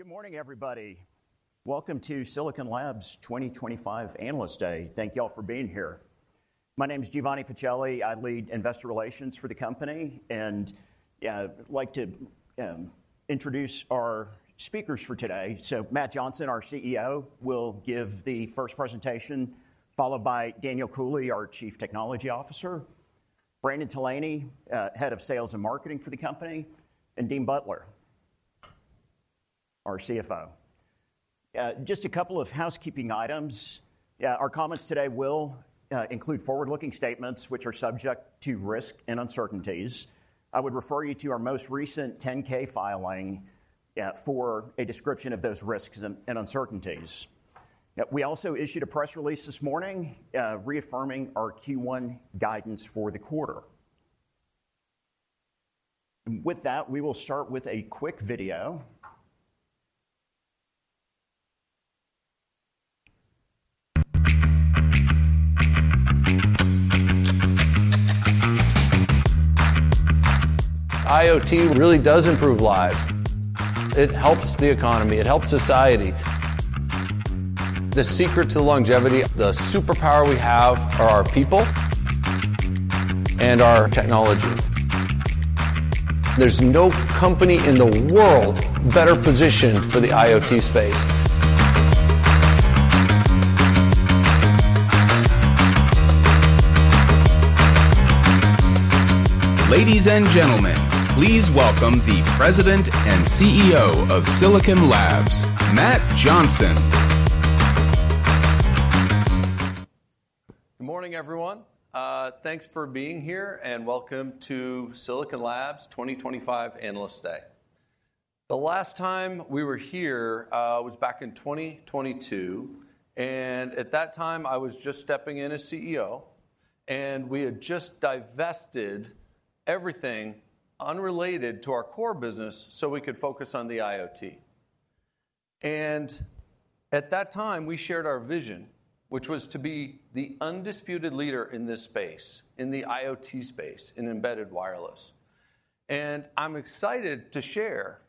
All right, good morning, everybody. Welcome to Silicon Labs 2025 Analyst Day. Thank you all for being here. My name is Giovanni Pacelli. I lead investor relations for the company, and I'd like to introduce our speakers for today. Matt Johnson, our CEO, will give the first presentation, followed by Daniel Cooley, our Chief Technology Officer; Brandon Tolany, Head of Sales and Marketing for the company; and Dean Butler, our CFO. Just a couple of housekeeping items. Our comments today will include forward-looking statements, which are subject to risk and uncertainties. I would refer you to our most recent 10-K filing for a description of those risks and uncertainties. We also issued a press release this morning reaffirming our Q1 guidance for the quarter. With that, we will start with a quick video. IoT really does improve lives. It helps the economy. It helps society. The secret to longevity, the superpower we have, are our people and our technology. There's no company in the world better positioned for the IoT space. Ladies and gentlemen, please welcome the President and CEO of Silicon Labs, Matt Johnson. Good morning, everyone. Thanks for being here, and welcome to Silicon Labs 2025 Analyst Day. The last time we were here was back in 2022, and at that time, I was just stepping in as CEO, and we had just divested everything unrelated to our core business so we could focus on the IoT. At that time, we shared our vision, which was to be the undisputed leader in this space, in the IoT space, in embedded wireless. I'm excited to share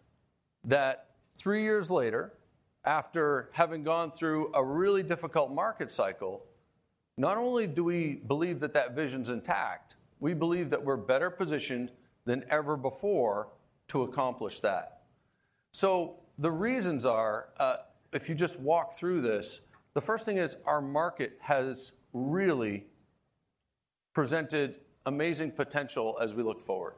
that three years later, after having gone through a really difficult market cycle, not only do we believe that that vision's intact, we believe that we're better positioned than ever before to accomplish that. The reasons are, if you just walk through this, the first thing is our market has really presented amazing potential as we look forward.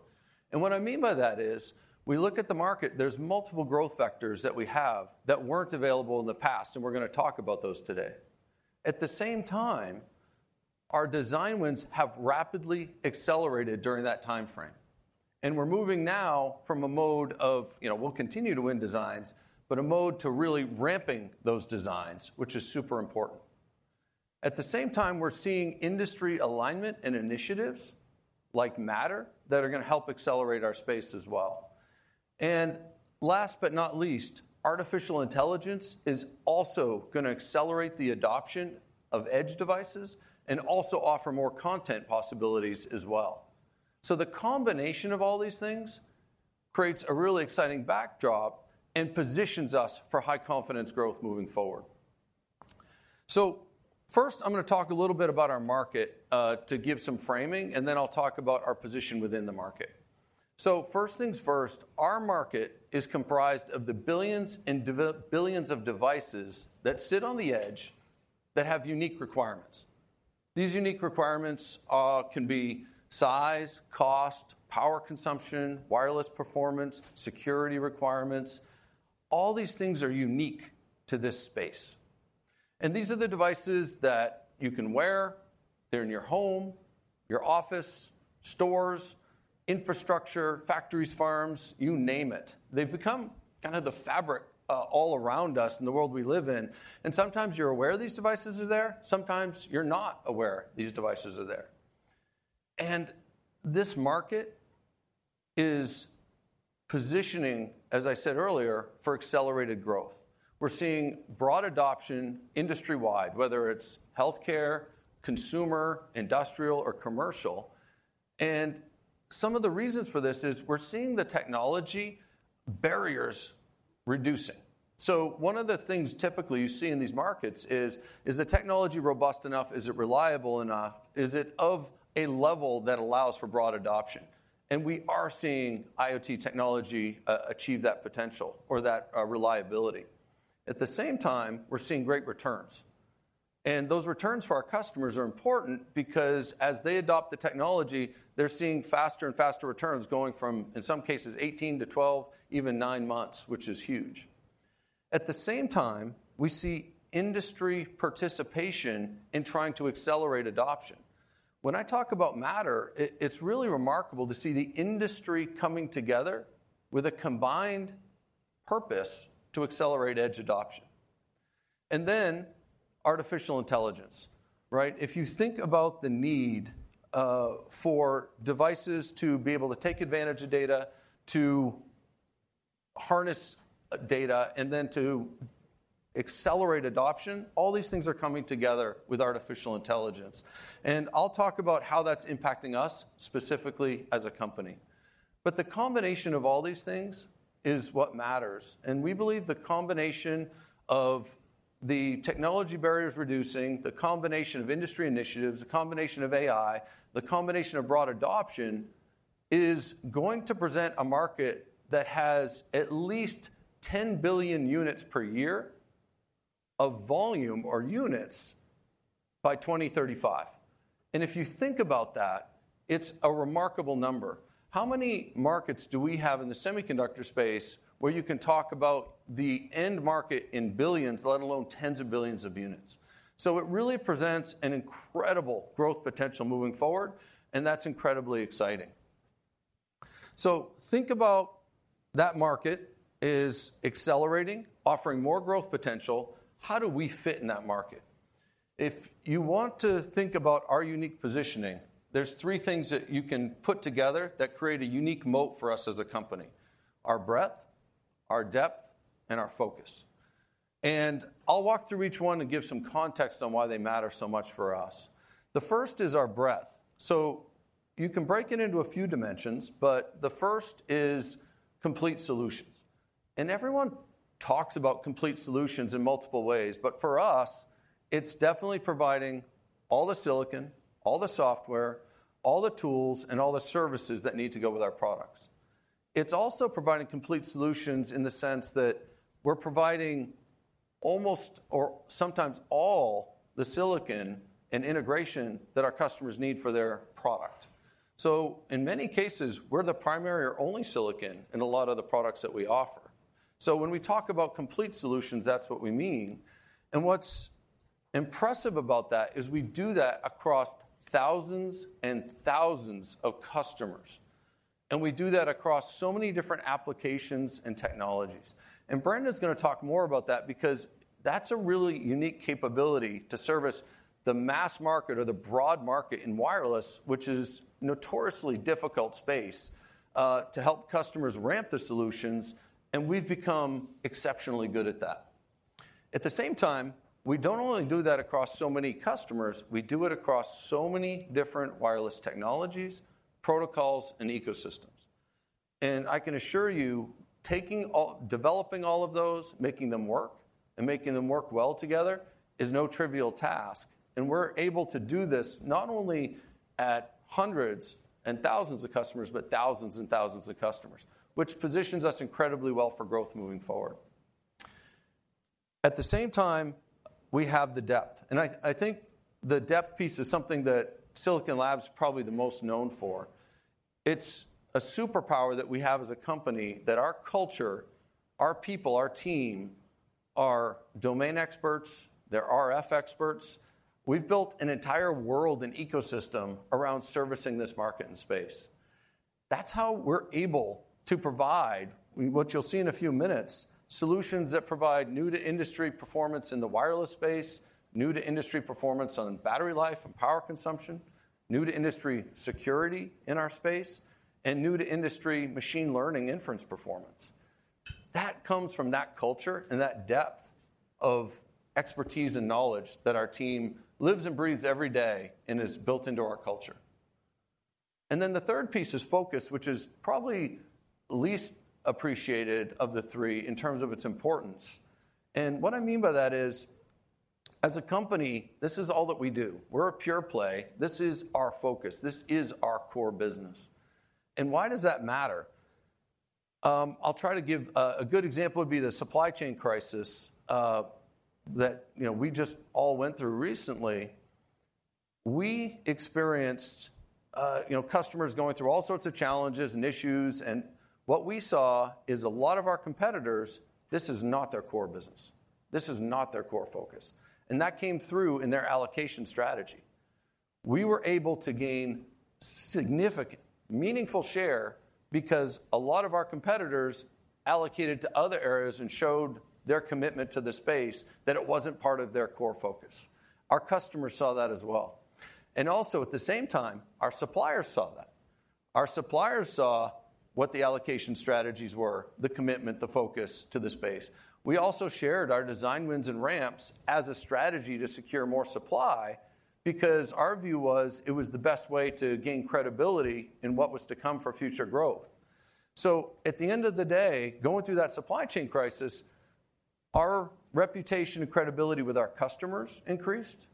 What I mean by that is we look at the market, there are multiple growth vectors that we have that were not available in the past, and we are going to talk about those today. At the same time, our design wins have rapidly accelerated during that time frame, and we are moving now from a mode of, you know, we will continue to win designs, but a mode to really ramping those designs, which is super important. At the same time, we are seeing industry alignment and initiatives like Matter that are going to help accelerate our space as well. Last but not least, artificial intelligence is also going to accelerate the adoption of edge devices and also offer more content possibilities as well. The combination of all these things creates a really exciting backdrop and positions us for high confidence growth moving forward. First, I'm going to talk a little bit about our market to give some framing, and then I'll talk about our position within the market. First things first, our market is comprised of the billions and billions of devices that sit on the edge that have unique requirements. These unique requirements can be size, cost, power consumption, wireless performance, security requirements. All these things are unique to this space. These are the devices that you can wear. They're in your home, your office, stores, infrastructure, factories, farms, you name it. They've become kind of the fabric all around us in the world we live in. Sometimes you're aware these devices are there. Sometimes you're not aware these devices are there. This market is positioning, as I said earlier, for accelerated growth. We're seeing broad adoption industry-wide, whether it's healthcare, consumer, industrial, or commercial. Some of the reasons for this is we're seeing the technology barriers reducing. One of the things typically you see in these markets is, is the technology robust enough? Is it reliable enough? Is it of a level that allows for broad adoption? We are seeing IoT technology achieve that potential or that reliability. At the same time, we're seeing great returns. Those returns for our customers are important because as they adopt the technology, they're seeing faster and faster returns going from, in some cases, 18 to 12, even nine months, which is huge. At the same time, we see industry participation in trying to accelerate adoption. When I talk about Matter, it's really remarkable to see the industry coming together with a combined purpose to accelerate edge adoption. And then artificial intelligence, right? If you think about the need for devices to be able to take advantage of data, to harness data, and then to accelerate adoption, all these things are coming together with artificial intelligence. I'll talk about how that's impacting us specifically as a company. The combination of all these things is what matters. We believe the combination of the technology barriers reducing, the combination of industry initiatives, the combination of AI, the combination of broad adoption is going to present a market that has at least 10 billion units per year of volume or units by 2035. If you think about that, it's a remarkable number. How many markets do we have in the semiconductor space where you can talk about the end market in billions, let alone tens of billions of units? It really presents an incredible growth potential moving forward, and that's incredibly exciting. Think about that market as accelerating, offering more growth potential. How do we fit in that market? If you want to think about our unique positioning, there are three things that you can put together that create a unique moat for us as a company: our breadth, our depth, and our focus. I'll walk through each one and give some context on why they matter so much for us. The first is our breadth. You can break it into a few dimensions, but the first is complete solutions. Everyone talks about complete solutions in multiple ways, but for us, it's definitely providing all the silicon, all the software, all the tools, and all the services that need to go with our products. It's also providing complete solutions in the sense that we're providing almost or sometimes all the silicon and integration that our customers need for their product. In many cases, we're the primary or only silicon in a lot of the products that we offer. When we talk about complete solutions, that's what we mean. What's impressive about that is we do that across thousands and thousands of customers. We do that across so many different applications and technologies. Brandon's going to talk more about that because that's a really unique capability to service the mass market or the broad market in wireless, which is a notoriously difficult space to help customers ramp the solutions. We've become exceptionally good at that. At the same time, we don't only do that across so many customers. We do it across so many different wireless technologies, protocols, and ecosystems. I can assure you, developing all of those, making them work, and making them work well together is no trivial task. We're able to do this not only at hundreds and thousands of customers, but thousands and thousands of customers, which positions us incredibly well for growth moving forward. At the same time, we have the depth. I think the depth piece is something that Silicon Labs is probably the most known for. It's a superpower that we have as a company that our culture, our people, our team are domain experts. They're RF experts. We've built an entire world and ecosystem around servicing this market and space. That's how we're able to provide what you'll see in a few minutes: solutions that provide new-to-industry performance in the wireless space, new-to-industry performance on battery life and power consumption, new-to-industry security in our space, and new-to-industry machine learning inference performance. That comes from that culture and that depth of expertise and knowledge that our team lives and breathes every day and is built into our culture. The third piece is focus, which is probably least appreciated of the three in terms of its importance. What I mean by that is, as a company, this is all that we do. We're a pure play. This is our focus. This is our core business. Why does that matter? I'll try to give a good example would be the supply chain crisis that, you know, we just all went through recently. We experienced, you know, customers going through all sorts of challenges and issues. What we saw is a lot of our competitors, this is not their core business. This is not their core focus. That came through in their allocation strategy. We were able to gain significant, meaningful share because a lot of our competitors allocated to other areas and showed their commitment to the space that it was not part of their core focus. Our customers saw that as well. At the same time, our suppliers saw that. Our suppliers saw what the allocation strategies were, the commitment, the focus to the space. We also shared our design wins and ramps as a strategy to secure more supply because our view was it was the best way to gain credibility in what was to come for future growth. At the end of the day, going through that supply chain crisis, our reputation and credibility with our customers increased,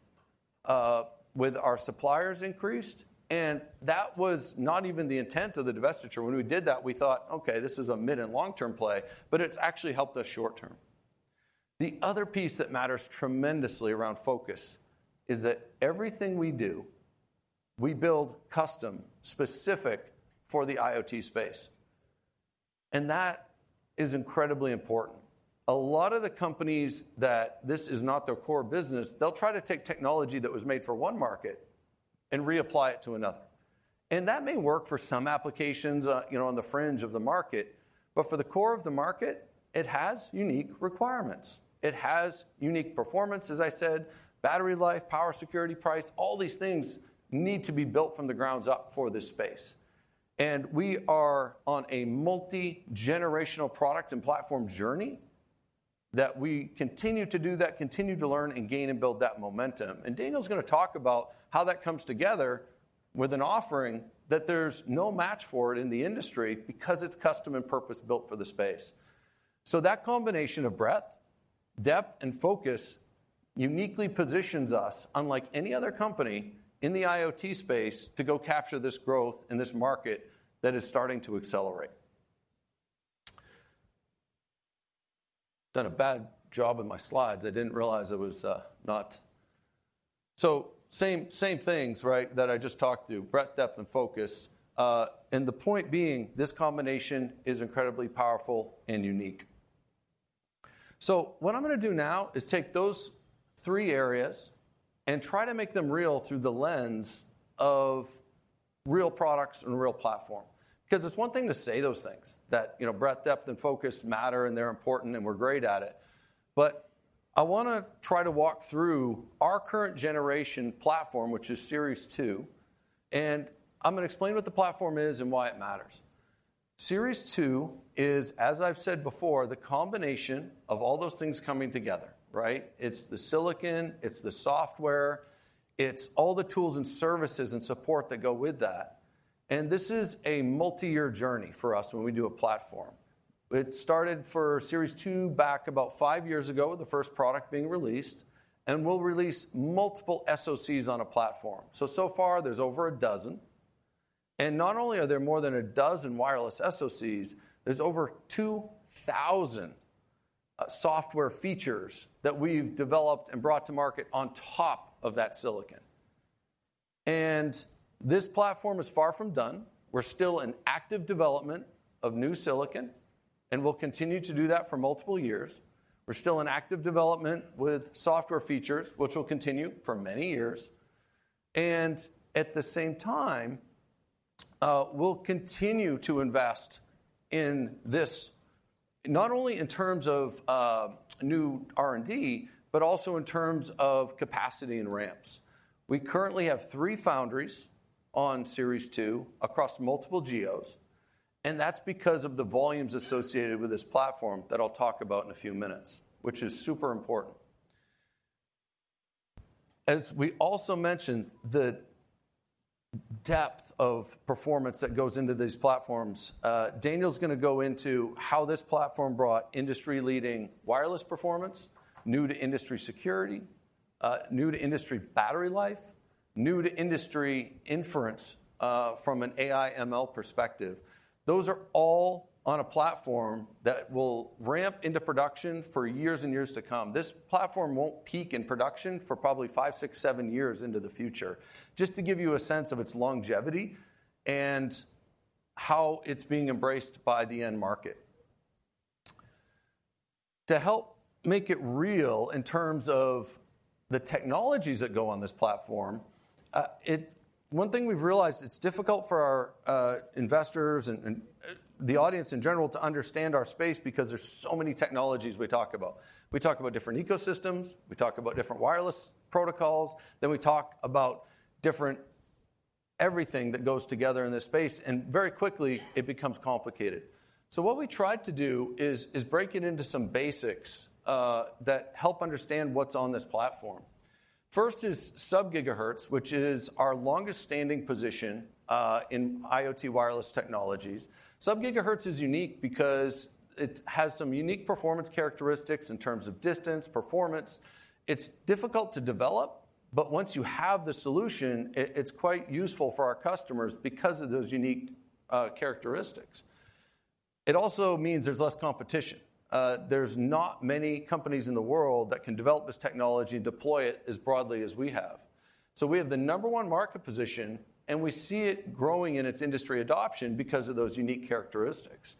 with our suppliers increased. That was not even the intent of the divestiture. When we did that, we thought, okay, this is a mid and long-term play, but it's actually helped us short-term. The other piece that matters tremendously around focus is that everything we do, we build custom specific for the IoT space. That is incredibly important. A lot of the companies that this is not their core business, they'll try to take technology that was made for one market and reapply it to another. That may work for some applications, you know, on the fringe of the market, but for the core of the market, it has unique requirements. It has unique performance, as I said, battery life, power security, price, all these things need to be built from the ground up for this space. We are on a multi-generational product and platform journey that we continue to do that, continue to learn and gain and build that momentum. Daniel's going to talk about how that comes together with an offering that there's no match for it in the industry because it's custom and purpose-built for the space. That combination of breadth, depth, and focus uniquely positions us, unlike any other company in the IoT space, to go capture this growth in this market that is starting to accelerate. Done a bad job in my slides. I didn't realize I was not. Same things, right, that I just talked to, breadth, depth, and focus. The point being, this combination is incredibly powerful and unique. What I'm going to do now is take those three areas and try to make them real through the lens of real products and real platform. Because it's one thing to say those things, that, you know, breadth, depth, and focus matter and they're important and we're great at it. I want to try to walk through our current generation platform, which is Series 2. I'm going to explain what the platform is and why it matters. Series 2 is, as I've said before, the combination of all those things coming together, right? It's the silicon, it's the software, it's all the tools and services and support that go with that. This is a multi-year journey for us when we do a platform. It started for Series 2 back about five years ago with the first product being released. We'll release multiple SoCs on a platform. So far, there's over a dozen. Not only are there more than a dozen wireless SoCs, there's over 2,000 software features that we've developed and brought to market on top of that silicon. This platform is far from done. We're still in active development of new silicon, and we'll continue to do that for multiple years. We're still in active development with software features, which will continue for many years. At the same time, we'll continue to invest in this, not only in terms of new RD, but also in terms of capacity and ramps. We currently have three foundries on Series 2 across multiple GOs. That's because of the volumes associated with this platform that I'll talk about in a few minutes, which is super important. As we also mentioned, the depth of performance that goes into these platforms, Daniel's going to go into how this platform brought industry-leading wireless performance, new-to-industry security, new-to-industry battery life, new-to-industry inference from an AI/ML perspective. Those are all on a platform that will ramp into production for years and years to come. This platform won't peak in production for probably five, six, seven years into the future, just to give you a sense of its longevity and how it's being embraced by the end market. To help make it real in terms of the technologies that go on this platform, one thing we've realized it's difficult for our investors and the audience in general to understand our space because there's so many technologies we talk about. We talk about different ecosystems, we talk about different wireless protocols, then we talk about different everything that goes together in this space. Very quickly, it becomes complicated. What we tried to do is break it into some basics that help understand what's on this platform. First is sub-GHz, which is our longest-standing position in IoT wireless technologies. Sub-GHz is unique because it has some unique performance characteristics in terms of distance, performance. It's difficult to develop, but once you have the solution, it's quite useful for our customers because of those unique characteristics. It also means there's less competition. There's not many companies in the world that can develop this technology and deploy it as broadly as we have. We have the number one market position, and we see it growing in its industry adoption because of those unique characteristics.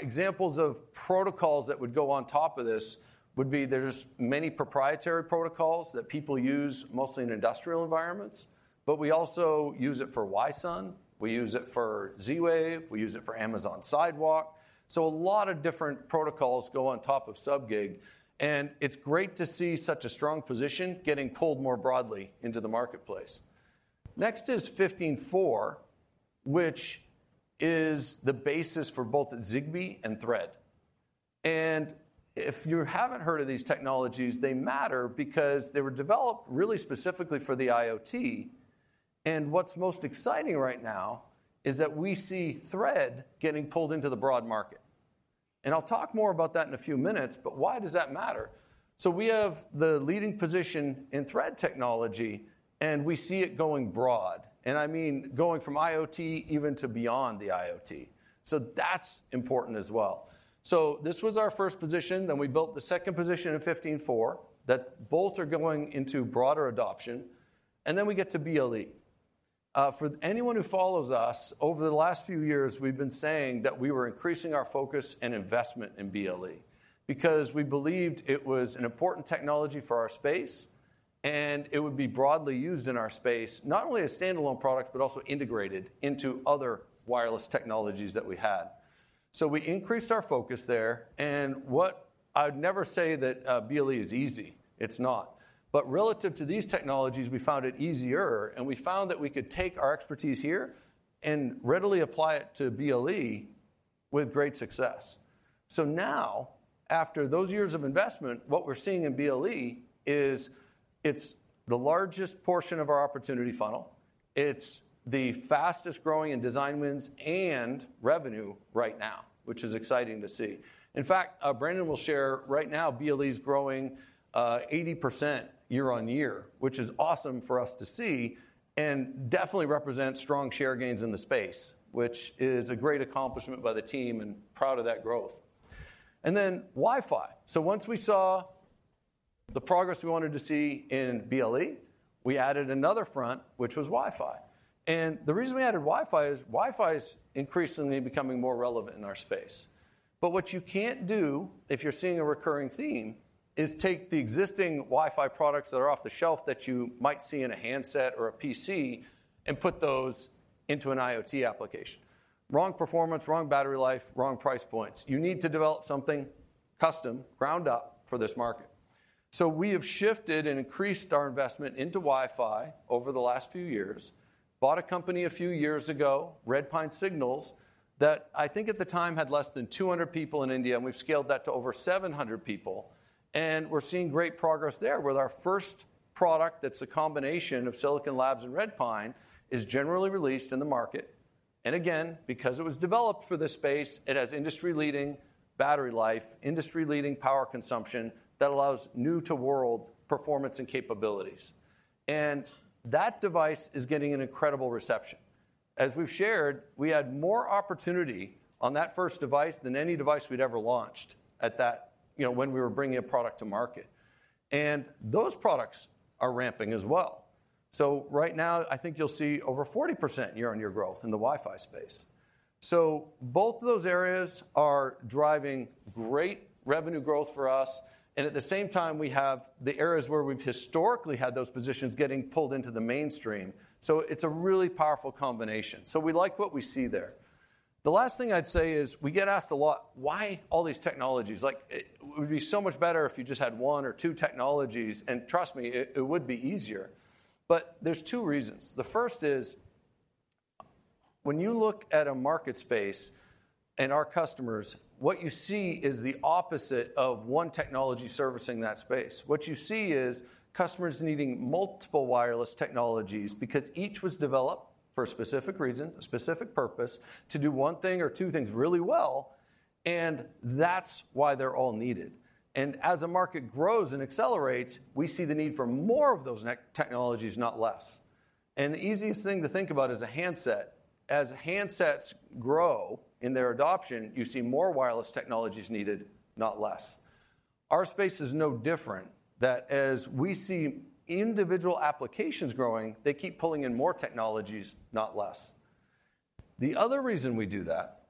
Examples of protocols that would go on top of this would be there's many proprietary protocols that people use mostly in industrial environments, but we also use it for Wi-SUN, we use it for Z-Wave, we use it for Amazon Sidewalk. A lot of different protocols go on top of sub-Gig. It's great to see such a strong position getting pulled more broadly into the marketplace. Next is 15.4, which is the basis for both Zigbee and Thread. If you haven't heard of these technologies, they matter because they were developed really specifically for the IoT. What's most exciting right now is that we see Thread getting pulled into the broad market. I'll talk more about that in a few minutes, but why does that matter? We have the leading position in Thread technology, and we see it going broad. I mean going from IoT even to beyond the IoT. That is important as well. This was our first position, then we built the second position in 15.4 that both are going into broader adoption. We get to BLE. For anyone who follows us, over the last few years, we've been saying that we were increasing our focus and investment in BLE because we believed it was an important technology for our space and it would be broadly used in our space, not only as standalone products, but also integrated into other wireless technologies that we had. We increased our focus there. I would never say that BLE is easy. It's not. Relative to these technologies, we found it easier. We found that we could take our expertise here and readily apply it to BLE with great success. Now, after those years of investment, what we're seeing in BLE is it's the largest portion of our opportunity funnel. It's the fastest growing in design wins and revenue right now, which is exciting to see. In fact, Brandon will share right now BLE's growing 80% year on year, which is awesome for us to see and definitely represents strong share gains in the space, which is a great accomplishment by the team and proud of that growth. Wi-Fi. Once we saw the progress we wanted to see in BLE, we added another front, which was Wi-Fi. The reason we added Wi-Fi is Wi-Fi is increasingly becoming more relevant in our space. What you can't do if you're seeing a recurring theme is take the existing Wi-Fi products that are off the shelf that you might see in a handset or a PC and put those into an IoT application. Wrong performance, wrong battery life, wrong price points. You need to develop something custom ground up for this market. We have shifted and increased our investment into Wi-Fi over the last few years. Bought a company a few years ago, Redpine Signals, that I think at the time had less than 200 people in India, and we've scaled that to over 700 people. We're seeing great progress there with our first product that's a combination of Silicon Labs and Redpine is generally released in the market. Again, because it was developed for this space, it has industry-leading battery life, industry-leading power consumption that allows new-to-world performance and capabilities. That device is getting an incredible reception. As we've shared, we had more opportunity on that first device than any device we'd ever launched at that, you know, when we were bringing a product to market. Those products are ramping as well. Right now, I think you'll see over 40% year-on-year growth in the Wi-Fi space. Both of those areas are driving great revenue growth for us. At the same time, we have the areas where we've historically had those positions getting pulled into the mainstream. It's a really powerful combination. We like what we see there. The last thing I'd say is we get asked a lot, why all these technologies? Like, it would be so much better if you just had one or two technologies. Trust me, it would be easier. There's two reasons. The first is when you look at a market space and our customers, what you see is the opposite of one technology servicing that space. What you see is customers needing multiple wireless technologies because each was developed for a specific reason, a specific purpose to do one thing or two things really well. That is why they're all needed. As a market grows and accelerates, we see the need for more of those technologies, not less. The easiest thing to think about is a handset. As handsets grow in their adoption, you see more wireless technologies needed, not less. Our space is no different. As we see individual applications growing, they keep pulling in more technologies, not less. The other reason we do that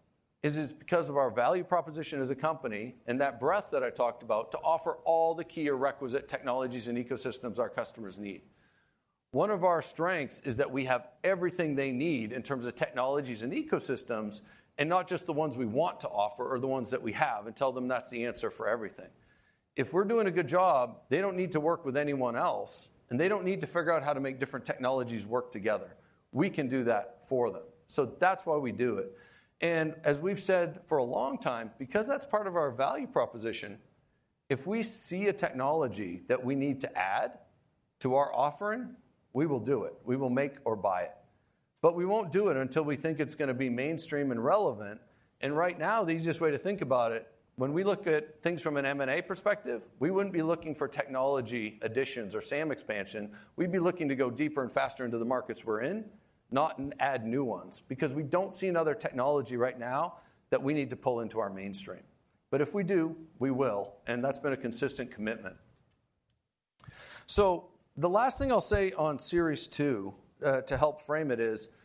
is because of our value proposition as a company and that breadth that I talked about to offer all the key or requisite technologies and ecosystems our customers need. One of our strengths is that we have everything they need in terms of technologies and ecosystems and not just the ones we want to offer or the ones that we have and tell them that's the answer for everything. If we're doing a good job, they don't need to work with anyone else and they don't need to figure out how to make different technologies work together. We can do that for them. That is why we do it. As we've said for a long time, because that's part of our value proposition, if we see a technology that we need to add to our offering, we will do it. We will make or buy it. But we won't do it until we think it's going to be mainstream and relevant. Right now, the easiest way to think about it, when we look at things from an M&A perspective, we wouldn't be looking for technology additions or SAM expansion. We'd be looking to go deeper and faster into the markets we're in, not add new ones because we don't see another technology right now that we need to pull into our mainstream. If we do, we will. That's been a consistent commitment. The last thing I'll say on Series 2 to help frame it is,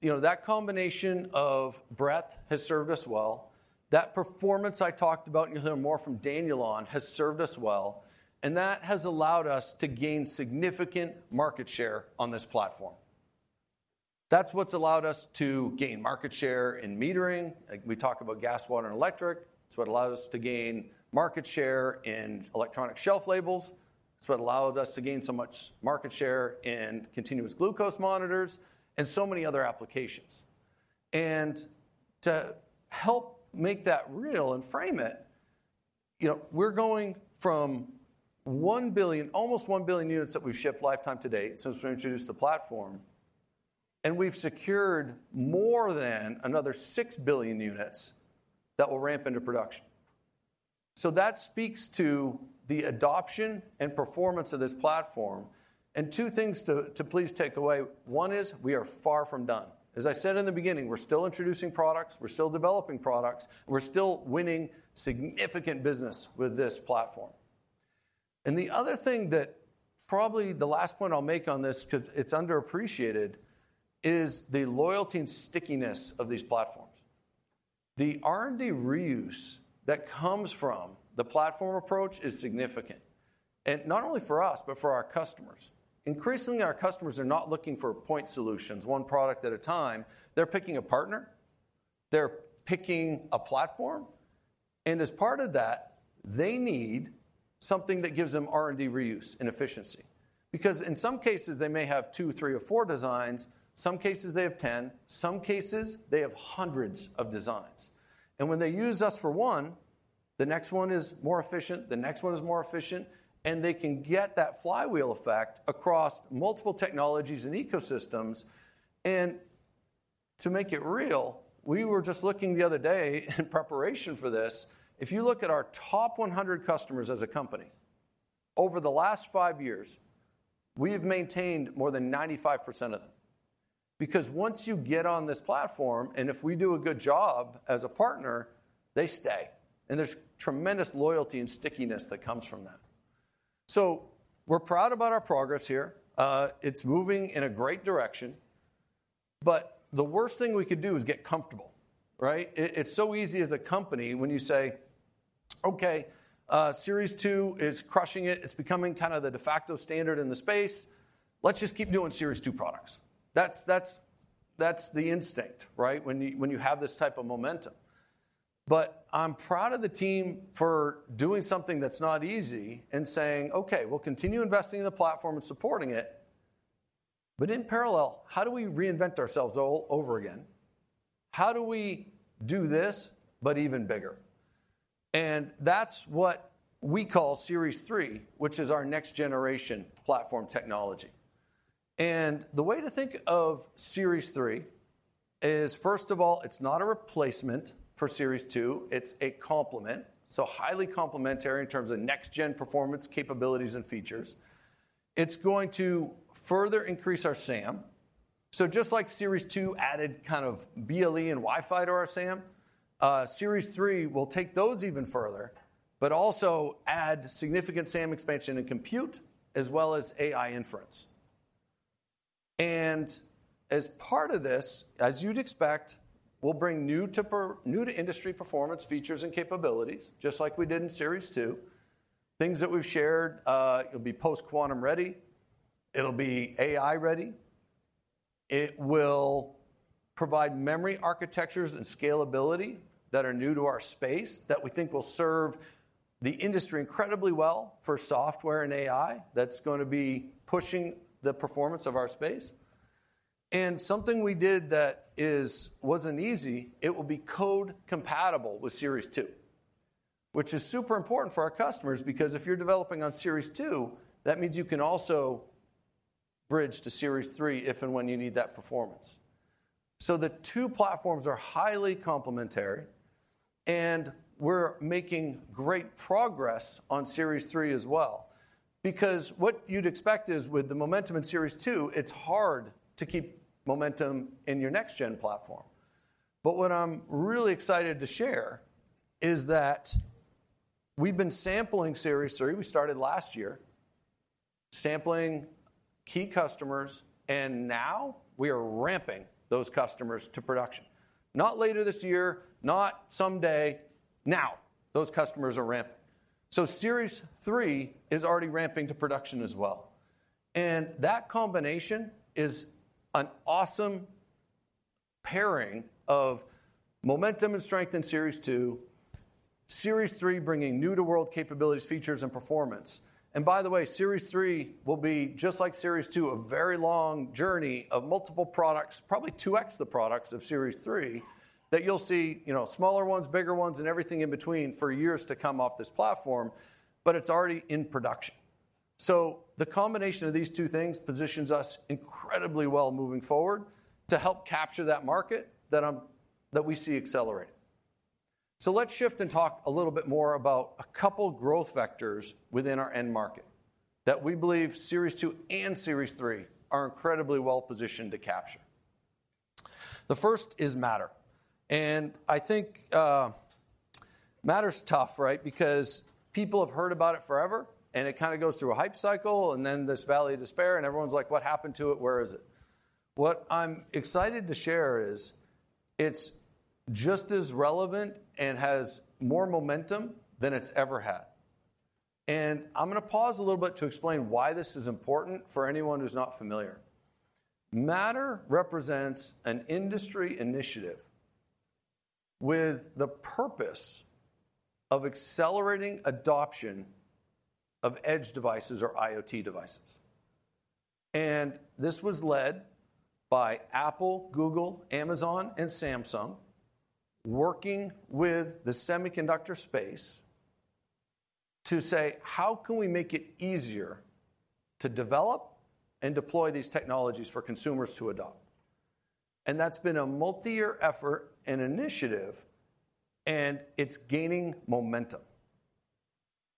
you know, that combination of breadth has served us well. That performance I talked about and you'll hear more from Daniel on has served us well. That has allowed us to gain significant market share on this platform. That's what's allowed us to gain market share in metering. We talk about gas, water, and electric. It's what allowed us to gain market share in electronic shelf labels. It's what allowed us to gain so much market share in continuous glucose monitors and so many other applications. To help make that real and frame it, you know, we're going from one billion, almost one billion units that we've shipped lifetime to date since we introduced the platform. We've secured more than another six billion units that will ramp into production. That speaks to the adoption and performance of this platform. Two things to please take away. One is we are far from done. As I said in the beginning, we're still introducing products. We're still developing products. We're still winning significant business with this platform. The other thing that probably the last point I'll make on this, because it's underappreciated, is the loyalty and stickiness of these platforms. The R&D reuse that comes from the platform approach is significant. Not only for us, but for our customers. Increasingly, our customers are not looking for point solutions, one product at a time. They're picking a partner. They're picking a platform. As part of that, they need something that gives them R&D reuse and efficiency. Because in some cases, they may have two, three, or four designs. Some cases, they have ten. Some cases, they have hundreds of designs. When they use us for one, the next one is more efficient. The next one is more efficient. They can get that flywheel effect across multiple technologies and ecosystems. To make it real, we were just looking the other day in preparation for this. If you look at our top 100 customers as a company over the last five years, we have maintained more than 95% of them. Because once you get on this platform, and if we do a good job as a partner, they stay. There's tremendous loyalty and stickiness that comes from that. We're proud about our progress here. It's moving in a great direction. The worst thing we could do is get comfortable, right? It's so easy as a company when you say, "Okay, Series 2 is crushing it. It's becoming kind of the de facto standard in the space. Let's just keep doing Series 2 products." That's the instinct, right? When you have this type of momentum. I'm proud of the team for doing something that's not easy and saying, "Okay, we'll continue investing in the platform and supporting it." In parallel, how do we reinvent ourselves all over again? How do we do this, but even bigger? That's what we call Series 3, which is our next generation platform technology. The way to think of Series 3 is, first of all, it's not a replacement for Series 2. It's a complement. Highly complementary in terms of next-gen performance capabilities and features. It's going to further increase our SAM. Just like Series 2 added kind of BLE and Wi-Fi to our SAM, Series 3 will take those even further, but also add significant SAM expansion and compute as well as AI inference. As part of this, as you'd expect, we'll bring new-to-industry performance features and capabilities, just like we did in Series 2. Things that we've shared, it'll be post-quantum ready. It'll be AI ready. It will provide memory architectures and scalability that are new to our space that we think will serve the industry incredibly well for software and AI that's going to be pushing the performance of our space. Something we did that wasn't easy, it will be code compatible with Series 2, which is super important for our customers because if you're developing on Series 2, that means you can also bridge to Series 3 if and when you need that performance. The two platforms are highly complementary. We're making great progress on Series 3 as well. Because what you'd expect is with the momentum in Series 2, it's hard to keep momentum in your next-gen platform. What I'm really excited to share is that we've been sampling Series 3. We started last year sampling key customers. Now we are ramping those customers to production. Not later this year, not someday. Now those customers are ramping. Series 3 is already ramping to production as well. That combination is an awesome pairing of momentum and strength in Series 2, Series 3 bringing new-to-world capabilities, features, and performance. By the way, Series 3 will be just like Series 2, a very long journey of multiple products, probably 2x the products of Series 3 that you'll see, you know, smaller ones, bigger ones, and everything in between for years to come off this platform. It's already in production. The combination of these two things positions us incredibly well moving forward to help capture that market that we see accelerating. Let's shift and talk a little bit more about a couple of growth vectors within our end market that we believe Series 2 and Series 3 are incredibly well positioned to capture. The first is Matter. I think Matter's tough, right? Because people have heard about it forever. It kind of goes through a hype cycle, and then this valley of despair. Everyone's like, "What happened to it? Where is it?" What I'm excited to share is it's just as relevant and has more momentum than it's ever had. I'm going to pause a little bit to explain why this is important for anyone who's not familiar. Matter represents an industry initiative with the purpose of accelerating adoption of edge devices or IoT devices. This was led by Apple, Google, Amazon, and Samsung working with the semiconductor space to say, "How can we make it easier to develop and deploy these technologies for consumers to adopt?" That has been a multi-year effort and initiative. It is gaining momentum.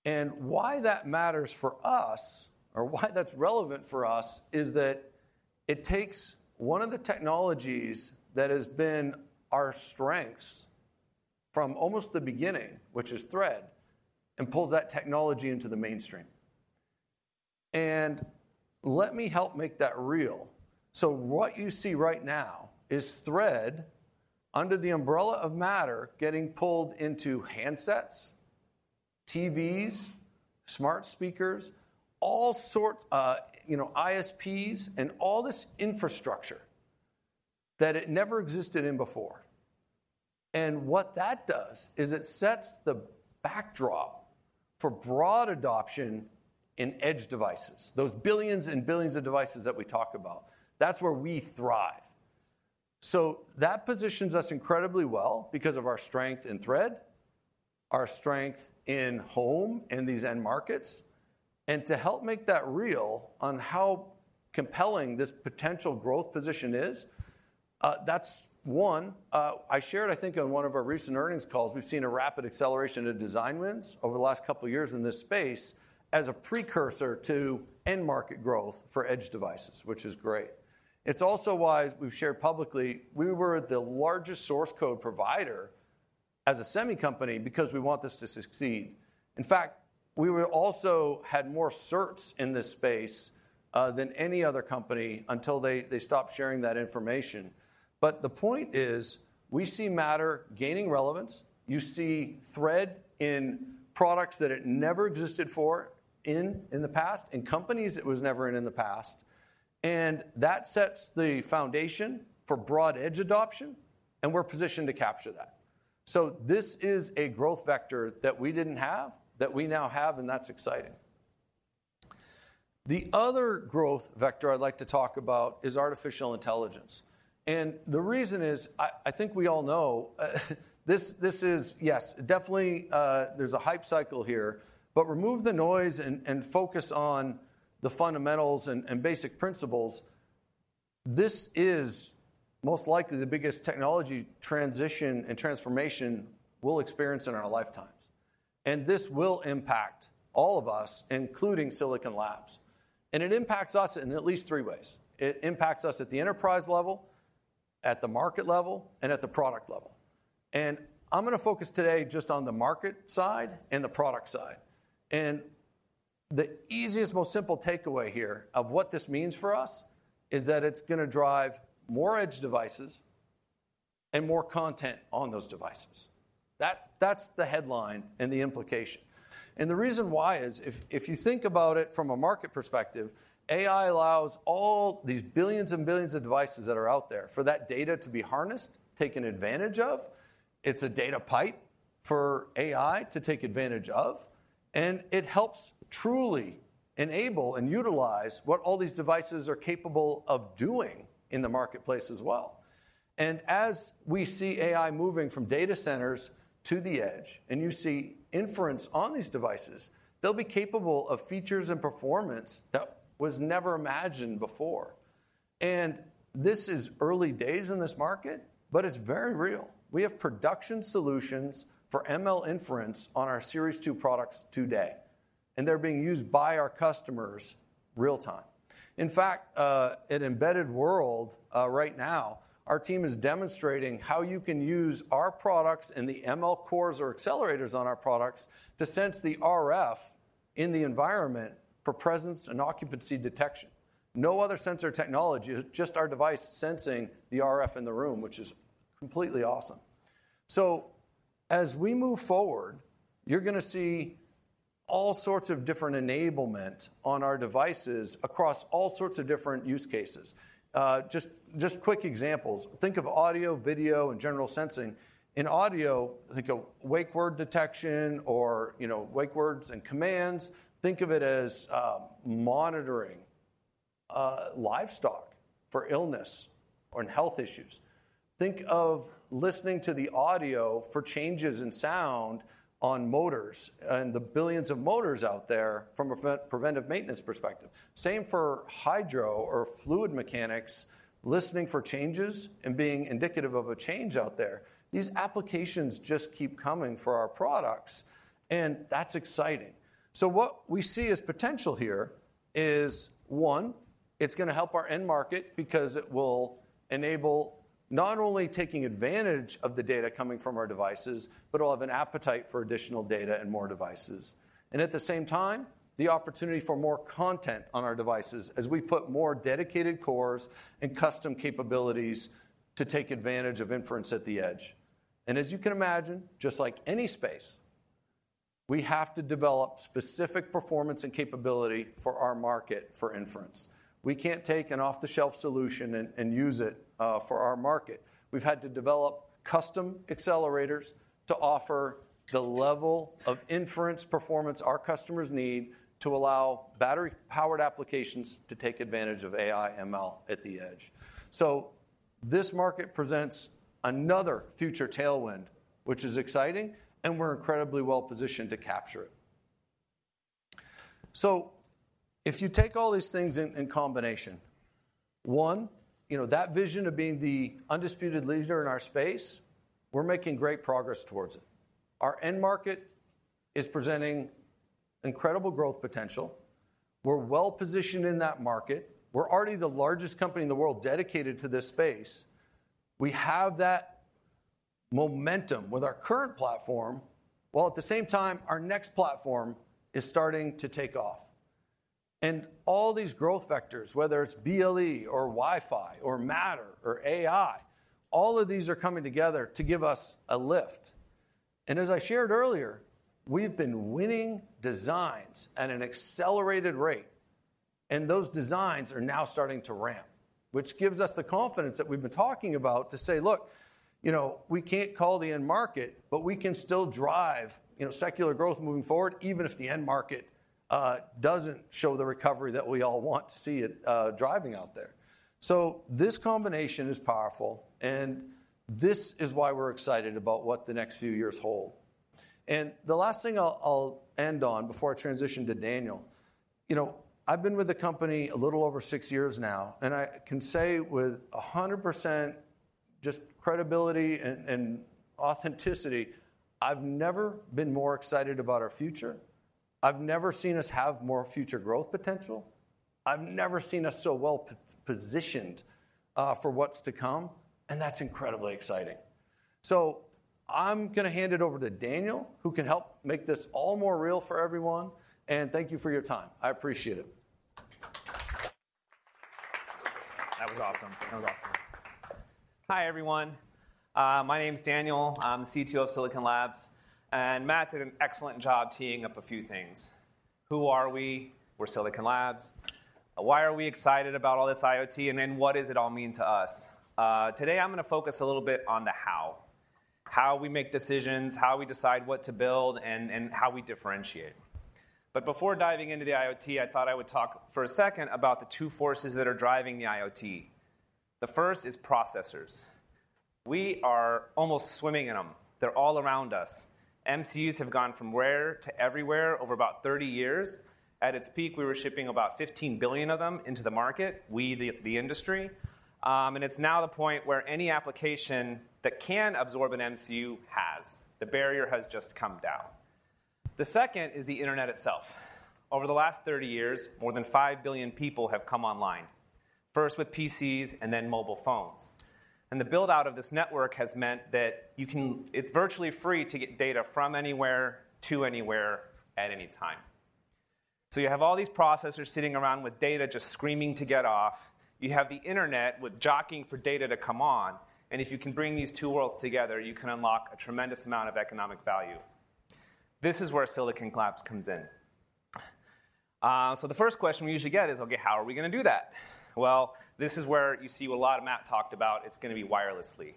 Why that matters for us, or why that is relevant for us, is that it takes one of the technologies that has been our strengths from almost the beginning, which is Thread, and pulls that technology into the mainstream. Let me help make that real. What you see right now is Thread under the umbrella of Matter getting pulled into handsets, TVs, smart speakers, all sorts of, you know, ISPs and all this infrastructure that it never existed in before. What that does is it sets the backdrop for broad adoption in edge devices, those billions and billions of devices that we talk about. That is where we thrive. That positions us incredibly well because of our strength in Thread, our strength in home and these end markets. To help make that real on how compelling this potential growth position is, that is one. I shared, I think, on one of our recent earnings calls, we have seen a rapid acceleration of design wins over the last couple of years in this space as a precursor to end market growth for edge devices, which is great. It is also why we have shared publicly we were the largest source code provider as a semi company because we want this to succeed. In fact, we also had more certs in this space than any other company until they stopped sharing that information. The point is we see Matter gaining relevance. You see Thread in products that it never existed for in the past, in companies it was never in in the past. That sets the foundation for broad edge adoption. We are positioned to capture that. This is a growth vector that we did not have that we now have. That is exciting. The other growth vector I would like to talk about is artificial intelligence. The reason is I think we all know this is, yes, definitely there is a hype cycle here. Remove the noise and focus on the fundamentals and basic principles. This is most likely the biggest technology transition and transformation we will experience in our lifetimes. This will impact all of us, including Silicon Labs. It impacts us in at least three ways. It impacts us at the enterprise level, at the market level, and at the product level. I'm going to focus today just on the market side and the product side. The easiest, most simple takeaway here of what this means for us is that it's going to drive more edge devices and more content on those devices. That's the headline and the implication. The reason why is if you think about it from a market perspective, AI allows all these billions and billions of devices that are out there for that data to be harnessed, taken advantage of. It's a data pipe for AI to take advantage of. It helps truly enable and utilize what all these devices are capable of doing in the marketplace as well. As we see AI moving from data centers to the edge and you see inference on these devices, they'll be capable of features and performance that was never imagined before. This is early days in this market, but it's very real. We have production solutions for ML inference on our Series 2 products today. They're being used by our customers real time. In fact, at embedded world right now, our team is demonstrating how you can use our products and the ML cores or accelerators on our products to sense the RF in the environment for presence and occupancy detection. No other sensor technology, just our device sensing the RF in the room, which is completely awesome. As we move forward, you're going to see all sorts of different enablement on our devices across all sorts of different use cases. Just quick examples. Think of audio, video, and general sensing. In audio, think of wake word detection or, you know, wake words and commands. Think of it as monitoring livestock for illness or health issues. Think of listening to the audio for changes in sound on motors and the billions of motors out there from a preventive maintenance perspective. The same for hydro or fluid mechanics, listening for changes and being indicative of a change out there. These applications just keep coming for our products. That is exciting. What we see as potential here is, one, it is going to help our end market because it will enable not only taking advantage of the data coming from our devices, but it will have an appetite for additional data and more devices. At the same time, the opportunity for more content on our devices as we put more dedicated cores and custom capabilities to take advantage of inference at the edge. As you can imagine, just like any space, we have to develop specific performance and capability for our market for inference. We can't take an off-the-shelf solution and use it for our market. We've had to develop custom accelerators to offer the level of inference performance our customers need to allow battery-powered applications to take advantage of AI/ML at the edge. This market presents another future tailwind, which is exciting. We're incredibly well positioned to capture it. If you take all these things in combination, one, you know, that vision of being the undisputed leader in our space, we're making great progress towards it. Our end market is presenting incredible growth potential. We're well positioned in that market. We're already the largest company in the world dedicated to this space. We have that momentum with our current platform. At the same time, our next platform is starting to take off. All these growth vectors, whether it's BLE or Wi-Fi or Matter or AI, all of these are coming together to give us a lift. As I shared earlier, we've been winning designs at an accelerated rate. Those designs are now starting to ramp, which gives us the confidence that we've been talking about to say, "Look, you know, we can't call the end market, but we can still drive, you know, secular growth moving forward, even if the end market doesn't show the recovery that we all want to see it driving out there." This combination is powerful. This is why we're excited about what the next few years hold. The last thing I'll end on before I transition to Daniel, you know, I've been with the company a little over six years now. I can say with 100% credibility and authenticity, I've never been more excited about our future. I've never seen us have more future growth potential. I've never seen us so well positioned for what's to come. That's incredibly exciting. I'm going to hand it over to Daniel, who can help make this all more real for everyone. Thank you for your time. I appreciate it. That was awesome. That was awesome. Hi everyone. My name's Daniel. I'm the CTO of Silicon Labs. Matt did an excellent job teeing up a few things. Who are we? We're Silicon Labs. Why are we excited about all this IoT? What does it all mean to us? Today, I'm going to focus a little bit on the how, how we make decisions, how we decide what to build, and how we differentiate. Before diving into the IoT, I thought I would talk for a second about the two forces that are driving the IoT. The first is processors. We are almost swimming in them. They're all around us. MCUs have gone from rare to everywhere over about 30 years. At its peak, we were shipping about 15 billion of them into the market, we, the industry. It's now the point where any application that can absorb an MCU has. The barrier has just come down. The second is the internet itself. Over the last 30 years, more than 5 billion people have come online, first with PCs and then mobile phones. The build-out of this network has meant that you can—it's virtually free to get data from anywhere to anywhere at any time. You have all these processors sitting around with data just screaming to get off. You have the internet jockeying for data to come on. If you can bring these two worlds together, you can unlock a tremendous amount of economic value. This is where Silicon Labs comes in. The first question we usually get is, "Okay, how are we going to do that?" This is where you see what a lot of Matt talked about. It's going to be wirelessly.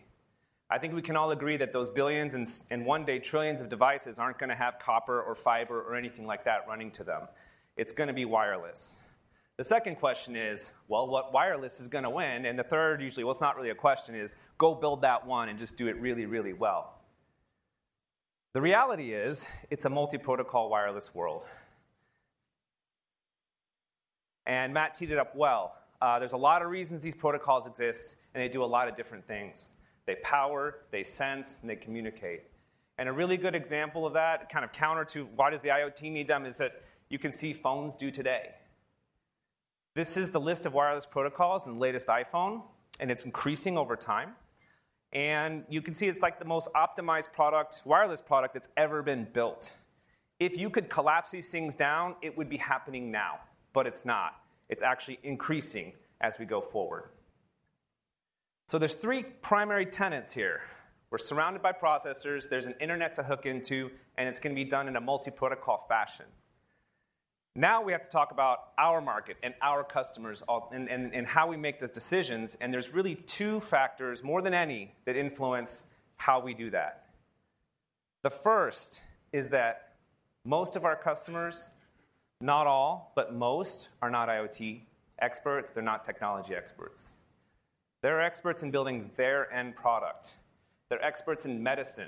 I think we can all agree that those billions and one-day trillions of devices aren't going to have copper or fiber or anything like that running to them. It's going to be wireless. The second question is, "Well, what wireless is going to win?" The third usually, "Well, it's not really a question," is, "Go build that one and just do it really, really well." The reality is it's a multi-protocol wireless world. Matt teed it up well. There's a lot of reasons these protocols exist. They do a lot of different things. They power, they sense, and they communicate. A really good example of that, kind of counter to why does the IoT need them, is that you can see phones do today. This is the list of wireless protocols in the latest iPhone. It's increasing over time. You can see it's like the most optimized wireless product that's ever been built. If you could collapse these things down, it would be happening now. It's not. It's actually increasing as we go forward. There are three primary tenets here. We're surrounded by processors. There's an internet to hook into. It's going to be done in a multi-protocol fashion. Now we have to talk about our market and our customers and how we make those decisions. There are really two factors, more than any, that influence how we do that. The first is that most of our customers, not all, but most are not IoT experts. They're not technology experts. They're experts in building their end product. They're experts in medicine.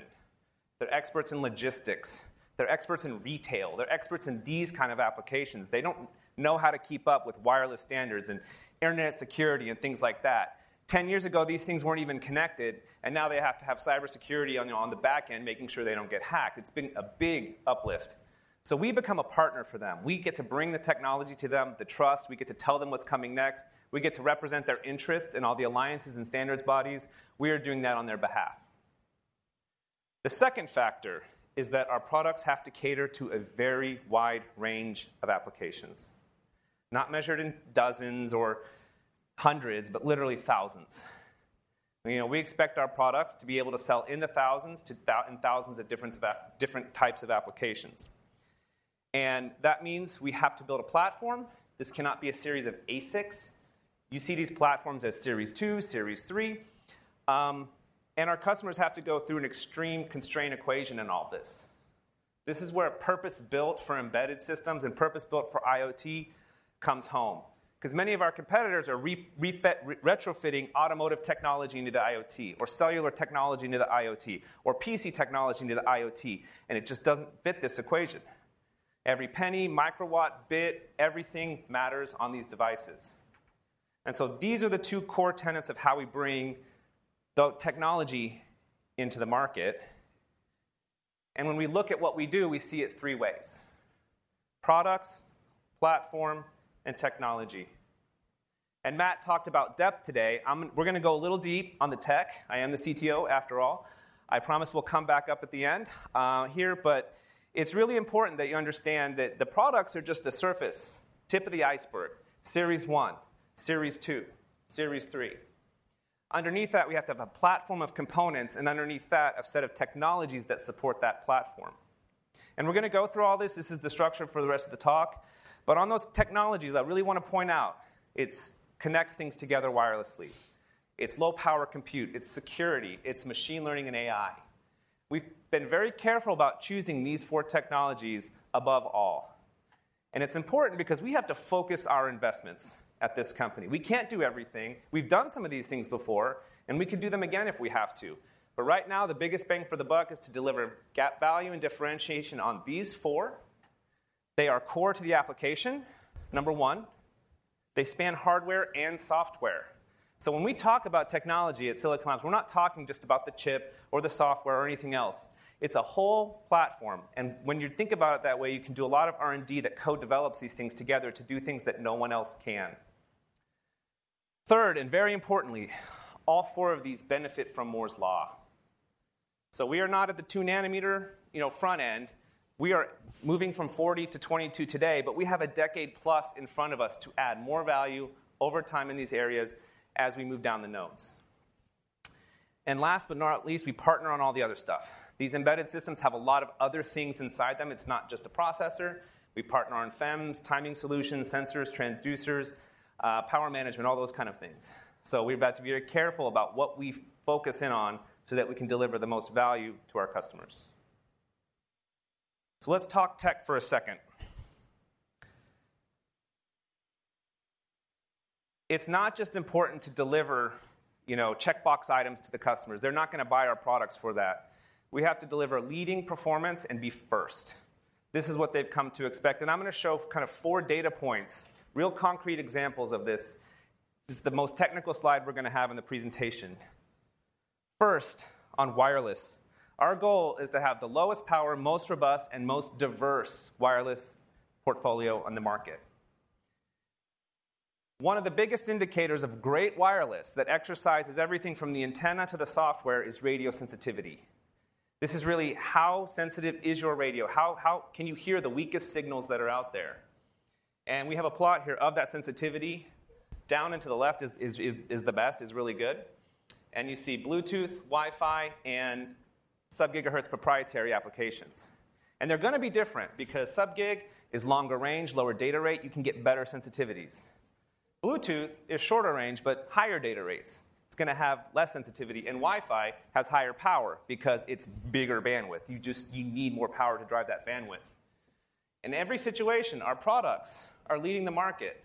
They're experts in logistics. They're experts in retail. They're experts in these kinds of applications. They don't know how to keep up with wireless standards and internet security and things like that. Ten years ago, these things weren't even connected. Now they have to have cybersecurity on the back end, making sure they don't get hacked. It's been a big uplift. We become a partner for them. We get to bring the technology to them, the trust. We get to tell them what's coming next. We get to represent their interests in all the alliances and standards bodies. We are doing that on their behalf. The second factor is that our products have to cater to a very wide range of applications, not measured in dozens or hundreds, but literally thousands. We expect our products to be able to sell in the thousands to thousands of different types of applications. That means we have to build a platform. This cannot be a series of ASICS. You see these platforms as Series 2, Series 3. Our customers have to go through an extreme constraint equation in all this. This is where purpose-built for embedded systems and purpose-built for IoT comes home. Because many of our competitors are retrofitting automotive technology into the IoT, or cellular technology into the IoT, or PC technology into the IoT. It just does not fit this equation. Every penny, microwatt, bit, everything matters on these devices. These are the two core tenets of how we bring the technology into the market. When we look at what we do, we see it three ways: products, platform, and technology. Matt talked about depth today. We are going to go a little deep on the tech. I am the CTO, after all. I promise we will come back up at the end here. It is really important that you understand that the products are just the surface, tip of the iceberg, Series 1, Series 2, Series 3. Underneath that, we have to have a platform of components. Underneath that, a set of technologies that support that platform. We are going to go through all this. This is the structure for the rest of the talk. On those technologies, I really want to point out, it is connecting things together wirelessly. It is low-power compute. It is security. It is machine learning and AI. We have been very careful about choosing these four technologies above all. It is important because we have to focus our investments at this company. We cannot do everything. We have done some of these things before. We can do them again if we have to. Right now, the biggest bang for the buck is to deliver gap value and differentiation on these four. They are core to the application, number one. They span hardware and software. When we talk about technology at Silicon, we're not talking just about the chip or the software or anything else. It's a whole platform. When you think about it that way, you can do a lot of R&D that co-develops these things together to do things that no one else can. Third, and very importantly, all four of these benefit from Moore's Law. We are not at the 2 nanometer front end. We are moving from 40 to 22 today. We have a decade plus in front of us to add more value over time in these areas as we move down the nodes. Last but not least, we partner on all the other stuff. These embedded systems have a lot of other things inside them. It's not just a processor. We partner on FEMs, timing solutions, sensors, transducers, power management, all those kinds of things. We have to be very careful about what we focus in on so that we can deliver the most value to our customers. Let's talk tech for a second. It's not just important to deliver checkbox items to the customers. They're not going to buy our products for that. We have to deliver leading performance and be first. This is what they've come to expect. I'm going to show kind of four data points, real concrete examples of this. This is the most technical slide we're going to have in the presentation. First, on wireless, our goal is to have the lowest power, most robust, and most diverse wireless portfolio on the market. One of the biggest indicators of great wireless that exercises everything from the antenna to the software is radio sensitivity. This is really how sensitive is your radio? How can you hear the weakest signals that are out there? We have a plot here of that sensitivity. Down into the left is the best, is really good. You see Bluetooth, Wi-Fi, and sub-GHz proprietary applications. They are going to be different because sub-Gig is longer range, lower data rate. You can get better sensitivities. Bluetooth is shorter range, but higher data rates. It is going to have less sensitivity. Wi-Fi has higher power because it is bigger bandwidth. You just need more power to drive that bandwidth. In every situation, our products are leading the market.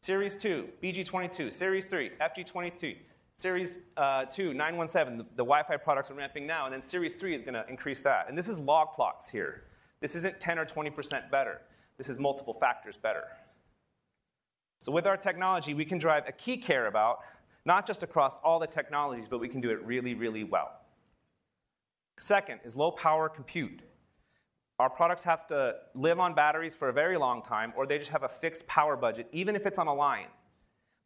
Series 2, BG22, Series 3, FG22, Series 2, 917, the Wi-Fi products are ramping now. Series 3 is going to increase that. This is log plots here. This is not 10% or 20% better. This is multiple factors better. With our technology, we can drive a key care about not just across all the technologies, but we can do it really, really well. Second is low power compute. Our products have to live on batteries for a very long time, or they just have a fixed power budget, even if it is on a line.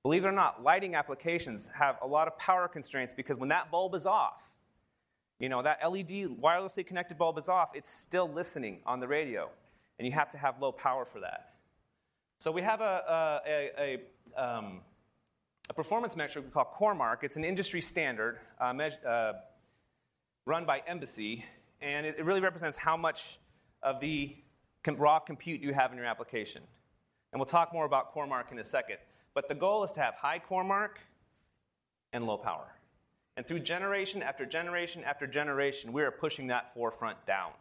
Believe it or not, lighting applications have a lot of power constraints because when that bulb is off, you know that LED wirelessly connected bulb is off, it is still listening on the radio. You have to have low power for that. We have a performance metric we call CoreMark. It's an industry standard run by EEMBC. It really represents how much of the raw compute you have in your application. We'll talk more about CoreMark in a second. The goal is to have high CoreMark and low power. Through generation after generation after generation, we are pushing that forefront down.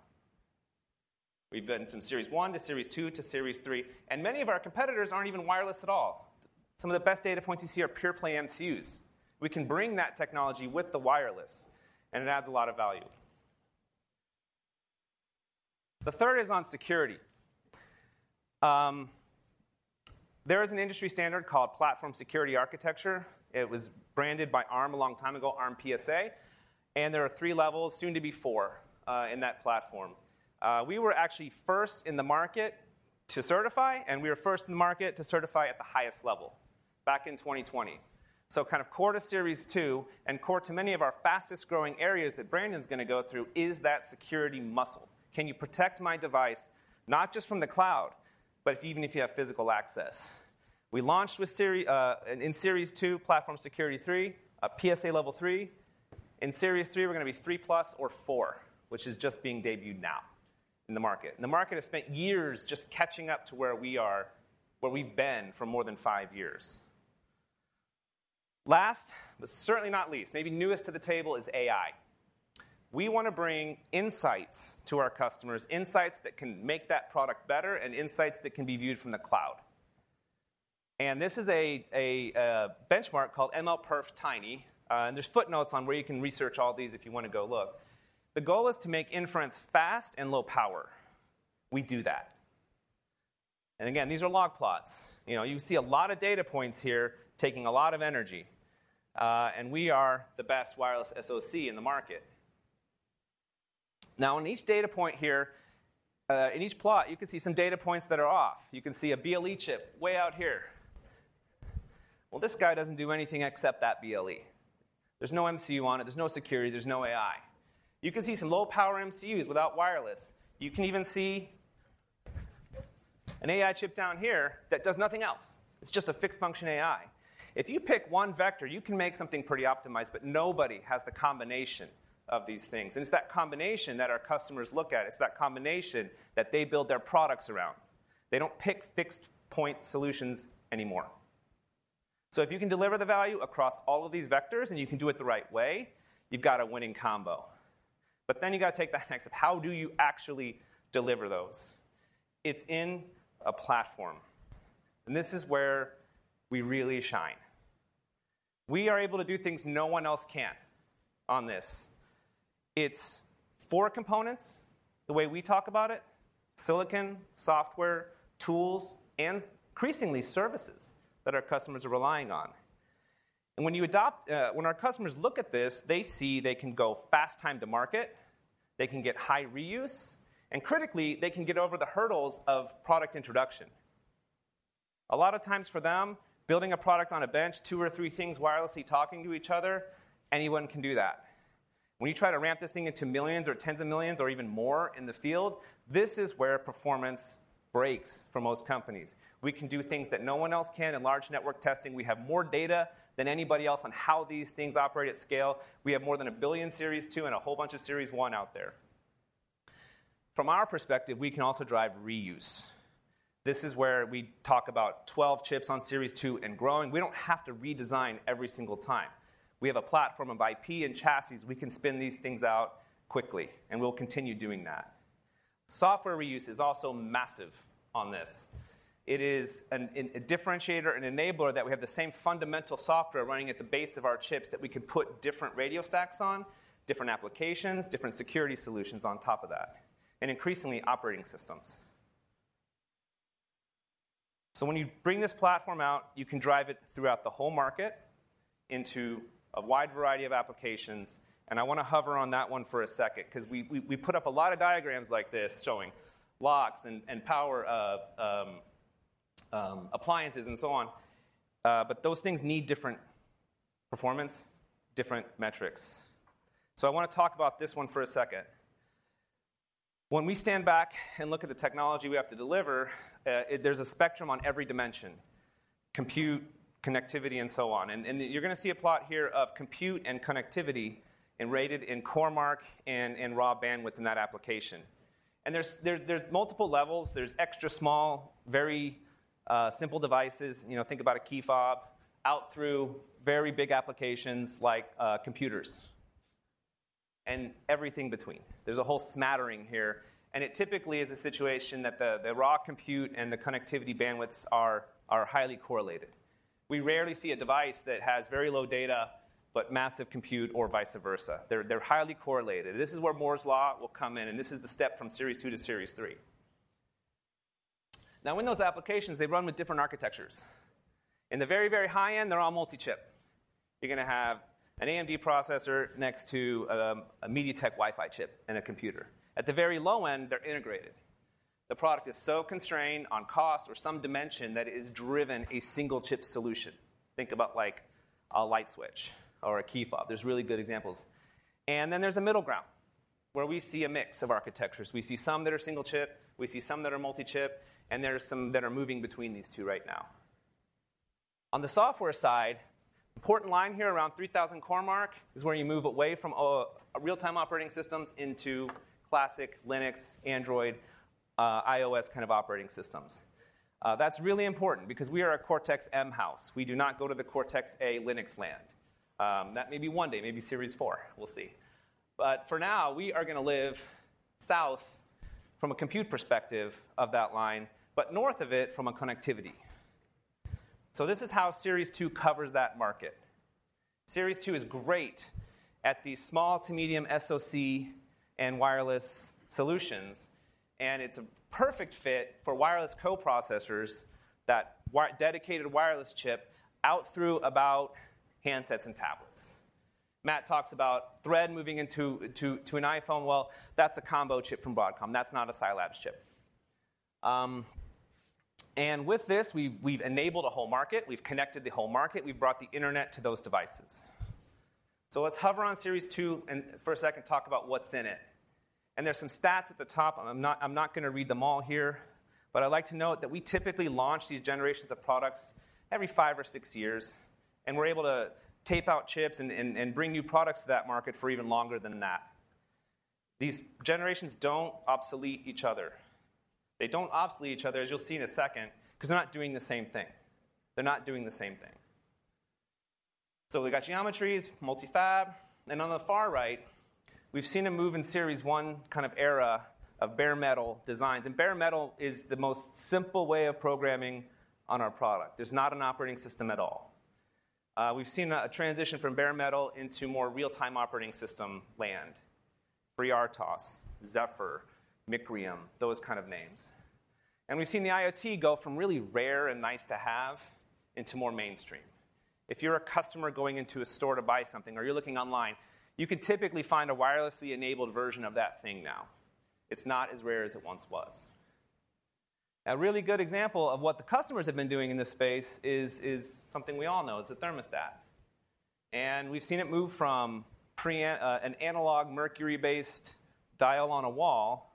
We've been from Series 1 to Series 2 to Series 3. Many of our competitors aren't even wireless at all. Some of the best data points you see are pure-play MCUs. We can bring that technology with the wireless. It adds a lot of value. The third is on security. There is an industry standard called Platform Security Architecture. It was branded by Arm a long time ago, Arm PSA. There are three levels, soon to be four, in that platform. We were actually first in the market to certify. We were first in the market to certify at the highest level back in 2020. Kind of core to Series 2 and core to many of our fastest growing areas that Brandon's going to go through is that security muscle. Can you protect my device not just from the cloud, but even if you have physical access? We launched in Series 2, Platform Security 3, PSA level 3. In Series 3, we're going to be 3 plus or 4, which is just being debuted now in the market. The market has spent years just catching up to where we've been for more than five years. Last, but certainly not least, maybe newest to the table is AI. We want to bring insights to our customers, insights that can make that product better and insights that can be viewed from the cloud. This is a benchmark called MLPerf Tiny. There are footnotes on where you can research all these if you want to go look. The goal is to make inference fast and low power. We do that. These are log plots. You see a lot of data points here taking a lot of energy. We are the best wireless SoC in the market. In each data point here, in each plot, you can see some data points that are off. You can see a BLE chip way out here. This guy does not do anything except that BLE. There is no MCU on it. There is no security. There is no AI. You can see some low power MCUs without wireless. You can even see an AI chip down here that does nothing else. It is just a fixed function AI. If you pick one vector, you can make something pretty optimized. Nobody has the combination of these things. It is that combination that our customers look at. It is that combination that they build their products around. They do not pick fixed point solutions anymore. If you can deliver the value across all of these vectors and you can do it the right way, you have got a winning combo. You have got to take that next of how do you actually deliver those? It is in a platform. This is where we really shine. We are able to do things no one else can on this. It is four components, the way we talk about it: silicon, software, tools, and increasingly services that our customers are relying on. When our customers look at this, they see they can go fast time to market. They can get high reuse. Critically, they can get over the hurdles of product introduction. A lot of times for them, building a product on a bench, two or three things wirelessly talking to each other, anyone can do that. When you try to ramp this thing into millions or tens of millions or even more in the field, this is where performance breaks for most companies. We can do things that no one else can in large network testing. We have more data than anybody else on how these things operate at scale. We have more than a billion Series 2 and a whole bunch of Series 1 out there. From our perspective, we can also drive reuse. This is where we talk about 12 chips on Series 2 and growing. We do not have to redesign every single time. We have a platform of IP and chassis. We can spin these things out quickly. We'll continue doing that. Software reuse is also massive on this. It is a differentiator and enabler that we have the same fundamental software running at the base of our chips that we can put different radio stacks on, different applications, different security solutions on top of that, and increasingly operating systems. When you bring this platform out, you can drive it throughout the whole market into a wide variety of applications. I want to hover on that one for a second because we put up a lot of diagrams like this showing locks and power appliances and so on. Those things need different performance, different metrics. I want to talk about this one for a second. When we stand back and look at the technology we have to deliver, there's a spectrum on every dimension: compute, connectivity, and so on. You're going to see a plot here of compute and connectivity rated in CoreMark and in raw bandwidth in that application. There's multiple levels. There's extra small, very simple devices. Think about a key fob out through very big applications like computers and everything between. There's a whole smattering here. It typically is a situation that the raw compute and the connectivity bandwidths are highly correlated. We rarely see a device that has very low data but massive compute or vice versa. They're highly correlated. This is where Moore's Law will come in. This is the step from Series 2 to Series 3. In those applications, they run with different architectures. In the very, very high end, they're all multi-chip. You're going to have an AMD processor next to a MediaTek Wi-Fi chip and a computer. At the very low end, they're integrated. The product is so constrained on cost or some dimension that it is driven a single chip solution. Think about like a light switch or a key fob. There's really good examples. Then there's a middle ground where we see a mix of architectures. We see some that are single chip. We see some that are multi-chip. There are some that are moving between these two right now. On the software side, important line here around 3000 CoreMark is where you move away from real-time operating systems into classic Linux, Android, iOS kind of operating systems. That's really important because we are a Cortex M house. We do not go to the Cortex A Linux land. That may be one day. Maybe Series 4. We'll see. For now, we are going to live south from a compute perspective of that line, but north of it from a connectivity. This is how Series 2 covers that market. Series 2 is great at these small to medium SoC and wireless solutions. It's a perfect fit for wireless co-processors, that dedicated wireless chip out through about handsets and tablets. Matt talks about Thread moving into an iPhone. That's a combo chip from Broadcom. That's not a CyLabs chip. With this, we've enabled a whole market. We've connected the whole market. We've brought the internet to those devices. Let's hover on Series 2 for a second and talk about what's in it. There's some stats at the top. I'm not going to read them all here. I'd like to note that we typically launch these generations of products every five or six years. We're able to tape out chips and bring new products to that market for even longer than that. These generations do not obsolete each other. They do not obsolete each other, as you'll see in a second, because they're not doing the same thing. They're not doing the same thing. We've got geometries, multi-fab. On the far right, we've seen a move in Series 1 kind of era of bare metal designs. Bare-metal is the most simple way of programming on our product. There's not an operating system at all. We've seen a transition from bare-metal into more real-time operating system land: FreeRTOS, Zephyr, Micrium, those kind of names. We've seen the IoT go from really rare and nice to have into more mainstream. If you're a customer going into a store to buy something or you're looking online, you can typically find a wirelessly enabled version of that thing now. It's not as rare as it once was. A really good example of what the customers have been doing in this space is something we all know. It's a thermostat. We have seen it move from an analog mercury-based dial on a wall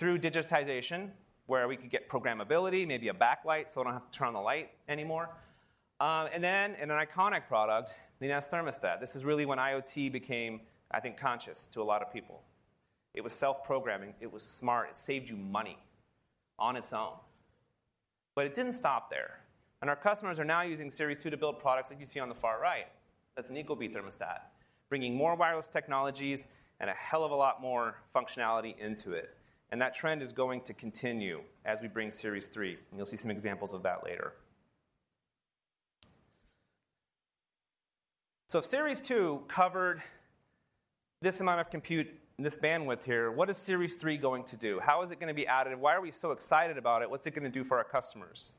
through digitization, where we could get programmability, maybe a backlight, so I don't have to turn on the light anymore. An iconic product, the Nest Thermostat, is really when IoT became, I think, conscious to a lot of people. It was self-programming. It was smart. It saved you money on its own. It did not stop there. Our customers are now using Series 2 to build products like you see on the far right. That's an ecobee Thermostat, bringing more wireless technologies and a hell of a lot more functionality into it. That trend is going to continue as we bring Series 3. You'll see some examples of that later. If Series 2 covered this amount of compute and this bandwidth here, what is Series 3 going to do? How is it going to be added? Why are we so excited about it? What's it going to do for our customers?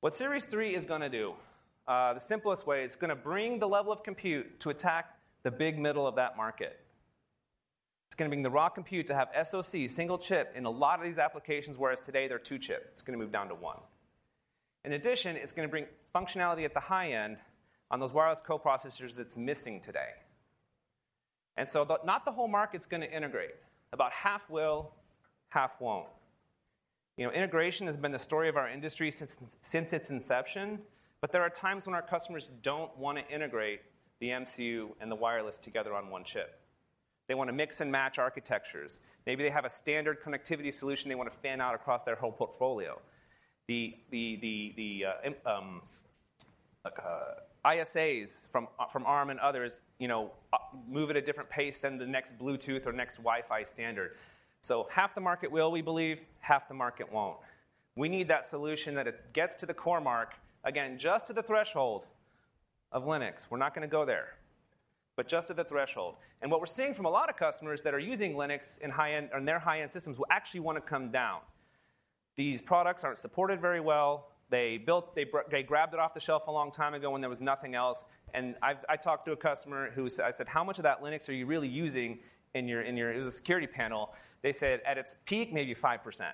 What Series 3 is going to do, the simplest way, it's going to bring the level of compute to attack the big middle of that market. It's going to bring the raw compute to have SoC, single chip, in a lot of these applications, whereas today they're two chip. It's going to move down to one. In addition, it's going to bring functionality at the high end on those wireless co-processors that's missing today. Not the whole market's going to integrate. About half will, half won't. Integration has been the story of our industry since its inception. There are times when our customers don't want to integrate the MCU and the wireless together on one chip. They want to mix and match architectures. Maybe they have a standard connectivity solution they want to fan out across their whole portfolio. The ISAs from Arm and others move at a different pace than the next Bluetooth or next Wi-Fi standard. Half the market will, we believe. Half the market won't. We need that solution that gets to the CoreMark, again, just to the threshold of Linux. We're not going to go there, but just to the threshold. What we're seeing from a lot of customers that are using Linux in their high-end systems will actually want to come down. These products aren't supported very well. They grabbed it off the shelf a long time ago when there was nothing else. I talked to a customer who said, I said, how much of that Linux are you really using in your security panel? They said, at its peak, maybe 5%.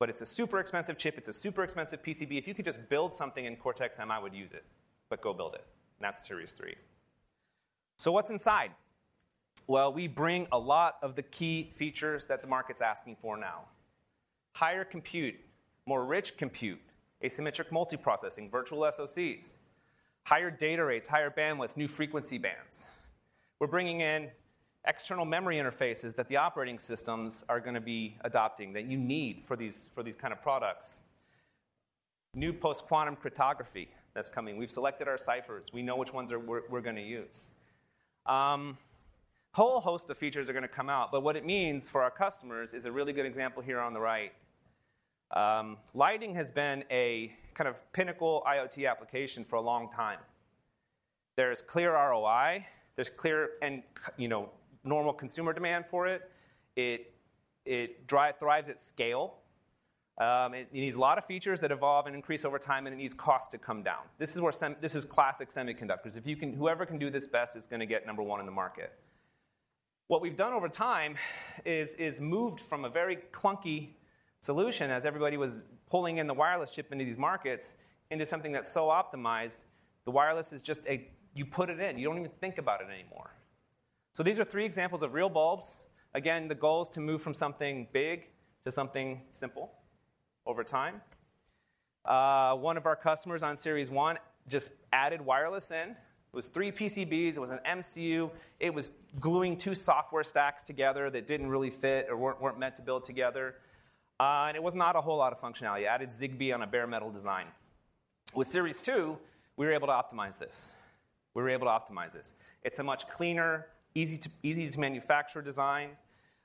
It's a super expensive chip. It's a super expensive PCB. If you could just build something in Cortex M, I would use it. Go build it. That's Series 3. What's inside? We bring a lot of the key features that the market's asking for now: higher compute, more rich compute, asymmetric multi-processing, virtual SoCs, higher data rates, higher bandwidth, new frequency bands. We're bringing in external memory interfaces that the operating systems are going to be adopting that you need for these kind of products, new post-quantum cryptography that's coming. We've selected our ciphers. We know which ones we're going to use. A whole host of features are going to come out. What it means for our customers is a really good example here on the right. Lighting has been a kind of pinnacle IoT application for a long time. There is clear ROI. There's clear and normal consumer demand for it. It thrives at scale. It needs a lot of features that evolve and increase over time. It needs cost to come down. This is classic semiconductors. Whoever can do this best is going to get number one in the market. What we've done over time is moved from a very clunky solution, as everybody was pulling in the wireless chip into these markets, into something that's so optimized, the wireless is just a you put it in. You don't even think about it anymore. These are three examples of real bulbs. Again, the goal is to move from something big to something simple over time. One of our customers on Series 1 just added wireless in. It was three PCBs. It was an MCU. It was gluing two software stacks together that didn't really fit or weren't meant to build together. It was not a whole lot of functionality. It added Zigbee on a bare metal design. With Series 2, we were able to optimize this. We were able to optimize this. It's a much cleaner, easy-to-manufacture design.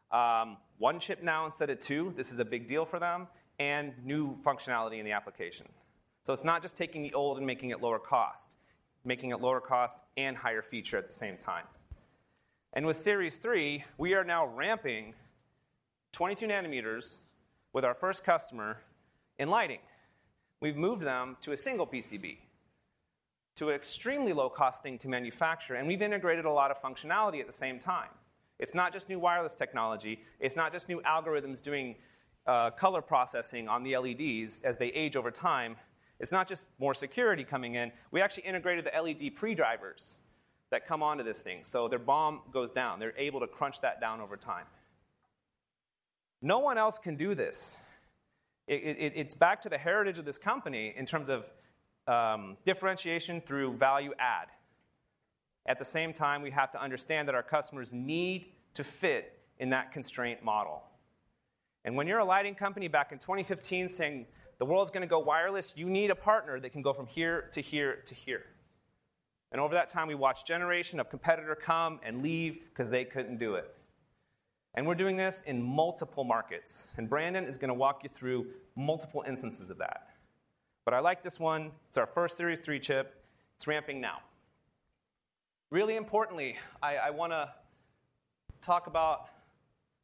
One chip now instead of two. This is a big deal for them. New functionality in the application. It is not just taking the old and making it lower cost, making it lower cost and higher feature at the same time. With Series 3, we are now ramping 22 nanometers with our first customer in lighting. We have moved them to a single PCB, to an extremely low-cost thing to manufacture. We have integrated a lot of functionality at the same time. It is not just new wireless technology. It is not just new algorithms doing color processing on the LEDs as they age over time. It is not just more security coming in. We actually integrated the LED pre-drivers that come onto this thing. Their bomb goes down. They are able to crunch that down over time. No one else can do this. It's back to the heritage of this company in terms of differentiation through value add. At the same time, we have to understand that our customers need to fit in that constraint model. When you're a lighting company back in 2015 saying, the world's going to go wireless, you need a partner that can go from here to here to here. Over that time, we watched generation of competitor come and leave because they couldn't do it. We're doing this in multiple markets. Brandon is going to walk you through multiple instances of that. I like this one. It's our first Series 3 chip. It's ramping now. Really importantly, I want to talk about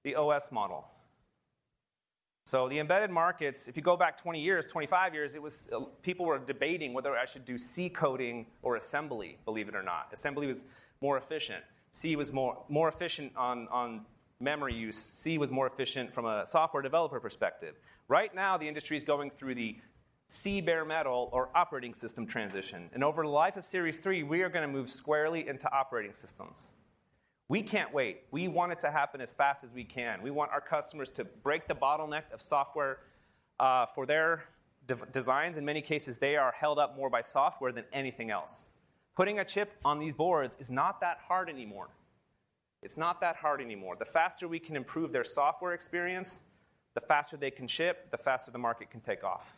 the OS model. The embedded markets, if you go back 20 years, 25 years, people were debating whether I should do C coding or assembly, believe it or not. Assembly was more efficient. C was more efficient on memory use. C was more efficient from a software developer perspective. Right now, the industry is going through the C bare metal or operating system transition. Over the life of Series 3, we are going to move squarely into operating systems. We can't wait. We want it to happen as fast as we can. We want our customers to break the bottleneck of software for their designs. In many cases, they are held up more by software than anything else. Putting a chip on these boards is not that hard anymore. It's not that hard anymore. The faster we can improve their software experience, the faster they can ship, the faster the market can take off.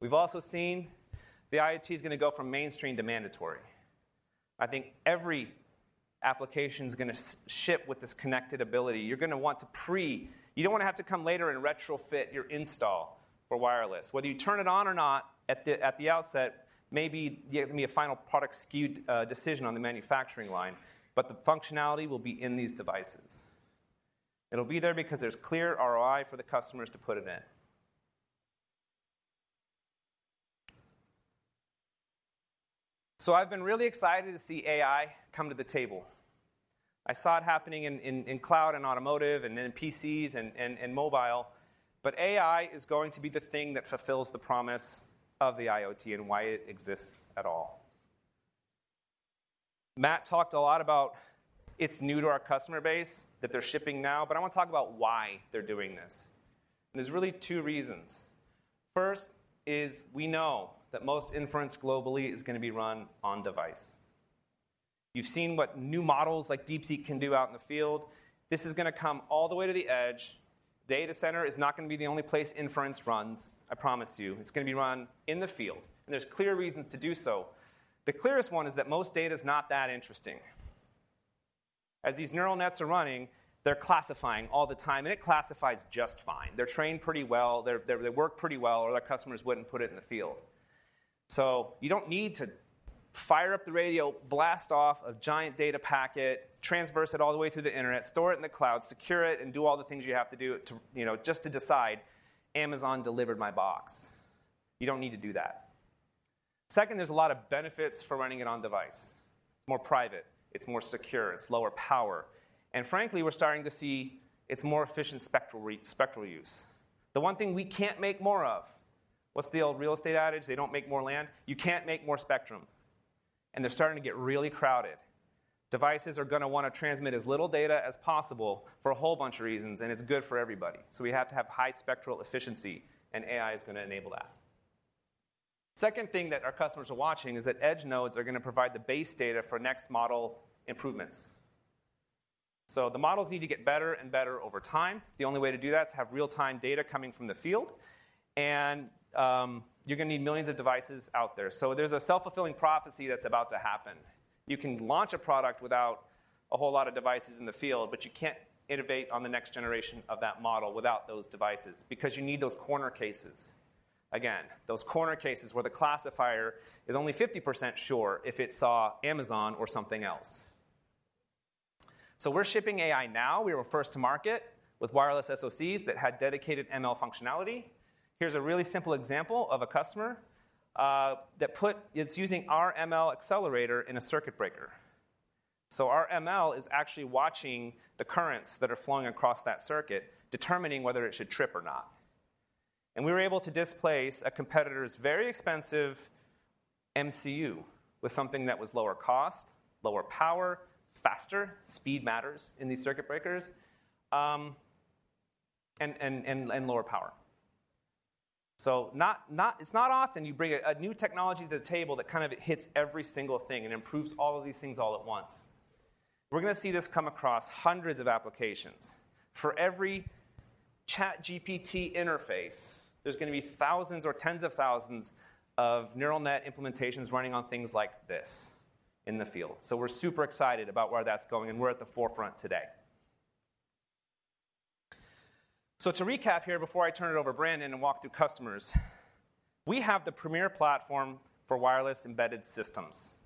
We've also seen the IoT is going to go from mainstream to mandatory. I think every application is going to ship with this connected ability. You're going to want to pre- you don't want to have to come later and retrofit your install for wireless. Whether you turn it on or not at the outset, maybe you're going to be a final product skewed decision on the manufacturing line. The functionality will be in these devices. It'll be there because there's clear ROI for the customers to put it in. I have been really excited to see AI come to the table. I saw it happening in cloud and automotive and in PCs and mobile. AI is going to be the thing that fulfills the promise of the IoT and why it exists at all. Matt talked a lot about it's new to our customer base, that they're shipping now. I want to talk about why they're doing this. There are really two reasons. First is we know that most inference globally is going to be run on device. You have seen what new models like DeepSeek can do out in the field. This is going to come all the way to the edge. Data center is not going to be the only place inference runs, I promise you. It is going to be run in the field. There are clear reasons to do so. The clearest one is that most data is not that interesting. As these neural nets are running, they are classifying all the time. It classifies just fine. They are trained pretty well. They work pretty well. Or other customers would not put it in the field. You do not need to fire up the radio, blast off a giant data packet, transverse it all the way through the internet, store it in the cloud, secure it, and do all the things you have to do just to decide, Amazon delivered my box. You do not need to do that. Second, there are a lot of benefits for running it on device. It is more private. It is more secure. It is lower power. And frankly, we are starting to see it is more efficient spectral use. The one thing we cannot make more of, what is the old real estate adage? They do not make more land. You cannot make more spectrum. And they are starting to get really crowded. Devices are going to want to transmit as little data as possible for a whole bunch of reasons. It is good for everybody. We have to have high spectral efficiency. AI is going to enable that. The second thing that our customers are watching is that edge nodes are going to provide the base data for next model improvements. The models need to get better and better over time. The only way to do that is have real-time data coming from the field. You're going to need millions of devices out there. There's a self-fulfilling prophecy that's about to happen. You can launch a product without a whole lot of devices in the field. You can't innovate on the next generation of that model without those devices because you need those corner cases. Again, those corner cases where the classifier is only 50% sure if it saw Amazon or something else. We're shipping AI now. We were first to market with wireless SoCs that had dedicated ML functionality. Here's a really simple example of a customer that put it's using our ML accelerator in a circuit breaker. Our ML is actually watching the currents that are flowing across that circuit, determining whether it should trip or not. We were able to displace a competitor's very expensive MCU with something that was lower cost, lower power, faster. Speed matters in these circuit breakers and lower power. It is not often you bring a new technology to the table that kind of hits every single thing and improves all of these things all at once. We are going to see this come across hundreds of applications. For every ChatGPT interface, there are going to be thousands or tens of thousands of neural net implementations running on things like this in the field. We are super excited about where that is going. We are at the forefront today. To recap here before I turn it over to Brandon and walk through customers, we have the premier platform for wireless embedded systems.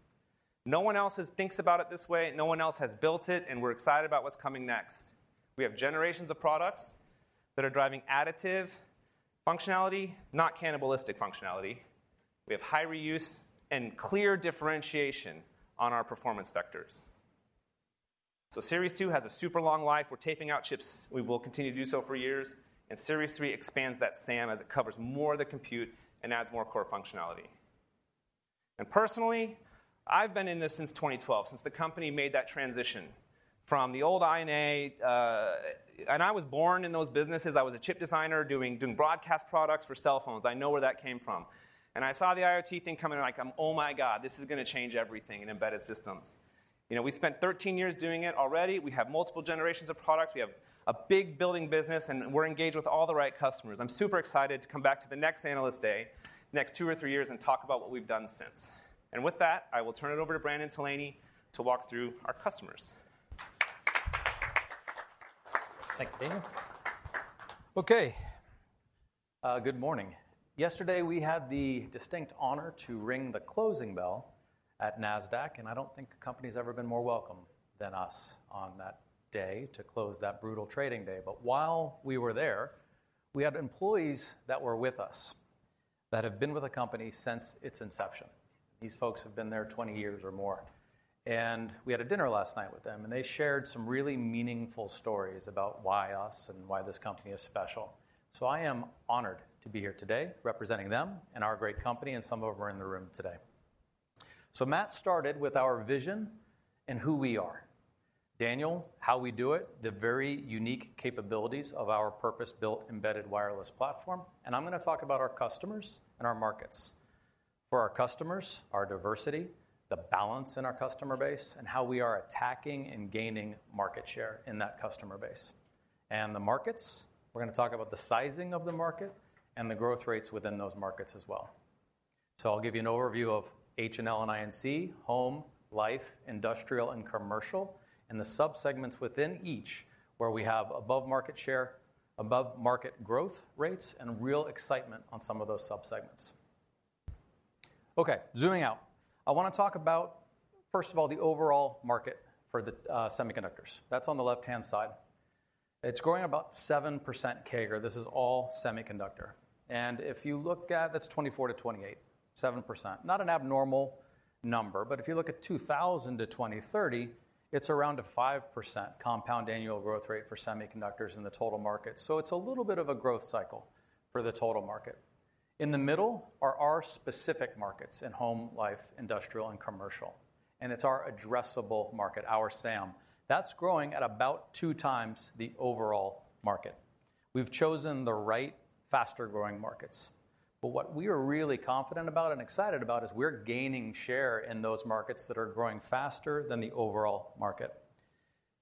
No one else thinks about it this way. No one else has built it. We are excited about what is coming next. We have generations of products that are driving additive functionality, not cannibalistic functionality. We have high reuse and clear differentiation on our performance vectors. Series 2 has a super long life. We are taping out chips. We will continue to do so for years. Series 3 expands that SAM as it covers more of the compute and adds more core functionality. Personally, I have been in this since 2012, since the company made that transition from the old INA. I was born in those businesses. I was a chip designer doing broadcast products for cell phones. I know where that came from. I saw the IoT thing coming. I'm like, oh my god, this is going to change everything in embedded systems. We spent 13 years doing it already. We have multiple generations of products. We have a big building business. We're engaged with all the right customers. I'm super excited to come back to the next analyst day next two or three years and talk about what we've done since. With that, I will turn it over to Brandon Tolany to walk through our customers. Thanks. OK. Good morning. Yesterday, we had the distinct honor to ring the closing bell at NASDAQ. I don't think a company has ever been more welcome than us on that day to close that brutal trading day. While we were there, we had employees that were with us that have been with the company since its inception. These folks have been there 20 years or more. We had a dinner last night with them. They shared some really meaningful stories about why us and why this company is special. I am honored to be here today representing them and our great company and some of them are in the room today. Matt started with our vision and who we are, Daniel, how we do it, the very unique capabilities of our purpose-built embedded wireless platform. I'm going to talk about our customers and our markets. For our customers, our diversity, the balance in our customer base, and how we are attacking and gaining market share in that customer base. For the markets, we're going to talk about the sizing of the market and the growth rates within those markets as well. I'll give you an overview of H&L and INC, home, life, industrial, and commercial, and the subsegments within each where we have above-market share, above-market growth rates, and real excitement on some of those subsegments. OK, zooming out. I want to talk about, first of all, the overall market for the semiconductors. That's on the left-hand side. It's growing about 7% CAGR. This is all semiconductor. If you look at that, it's 2024 to 2028, 7%. Not an abnormal number. If you look at 2000 to 2030, it's around a 5% compound annual growth rate for semiconductors in the total market. It is a little bit of a growth cycle for the total market. In the middle are our specific markets in home, life, industrial, and commercial. It is our addressable market, our SAM. That is growing at about two times the overall market. We have chosen the right, faster-growing markets. What we are really confident about and excited about is we are gaining share in those markets that are growing faster than the overall market.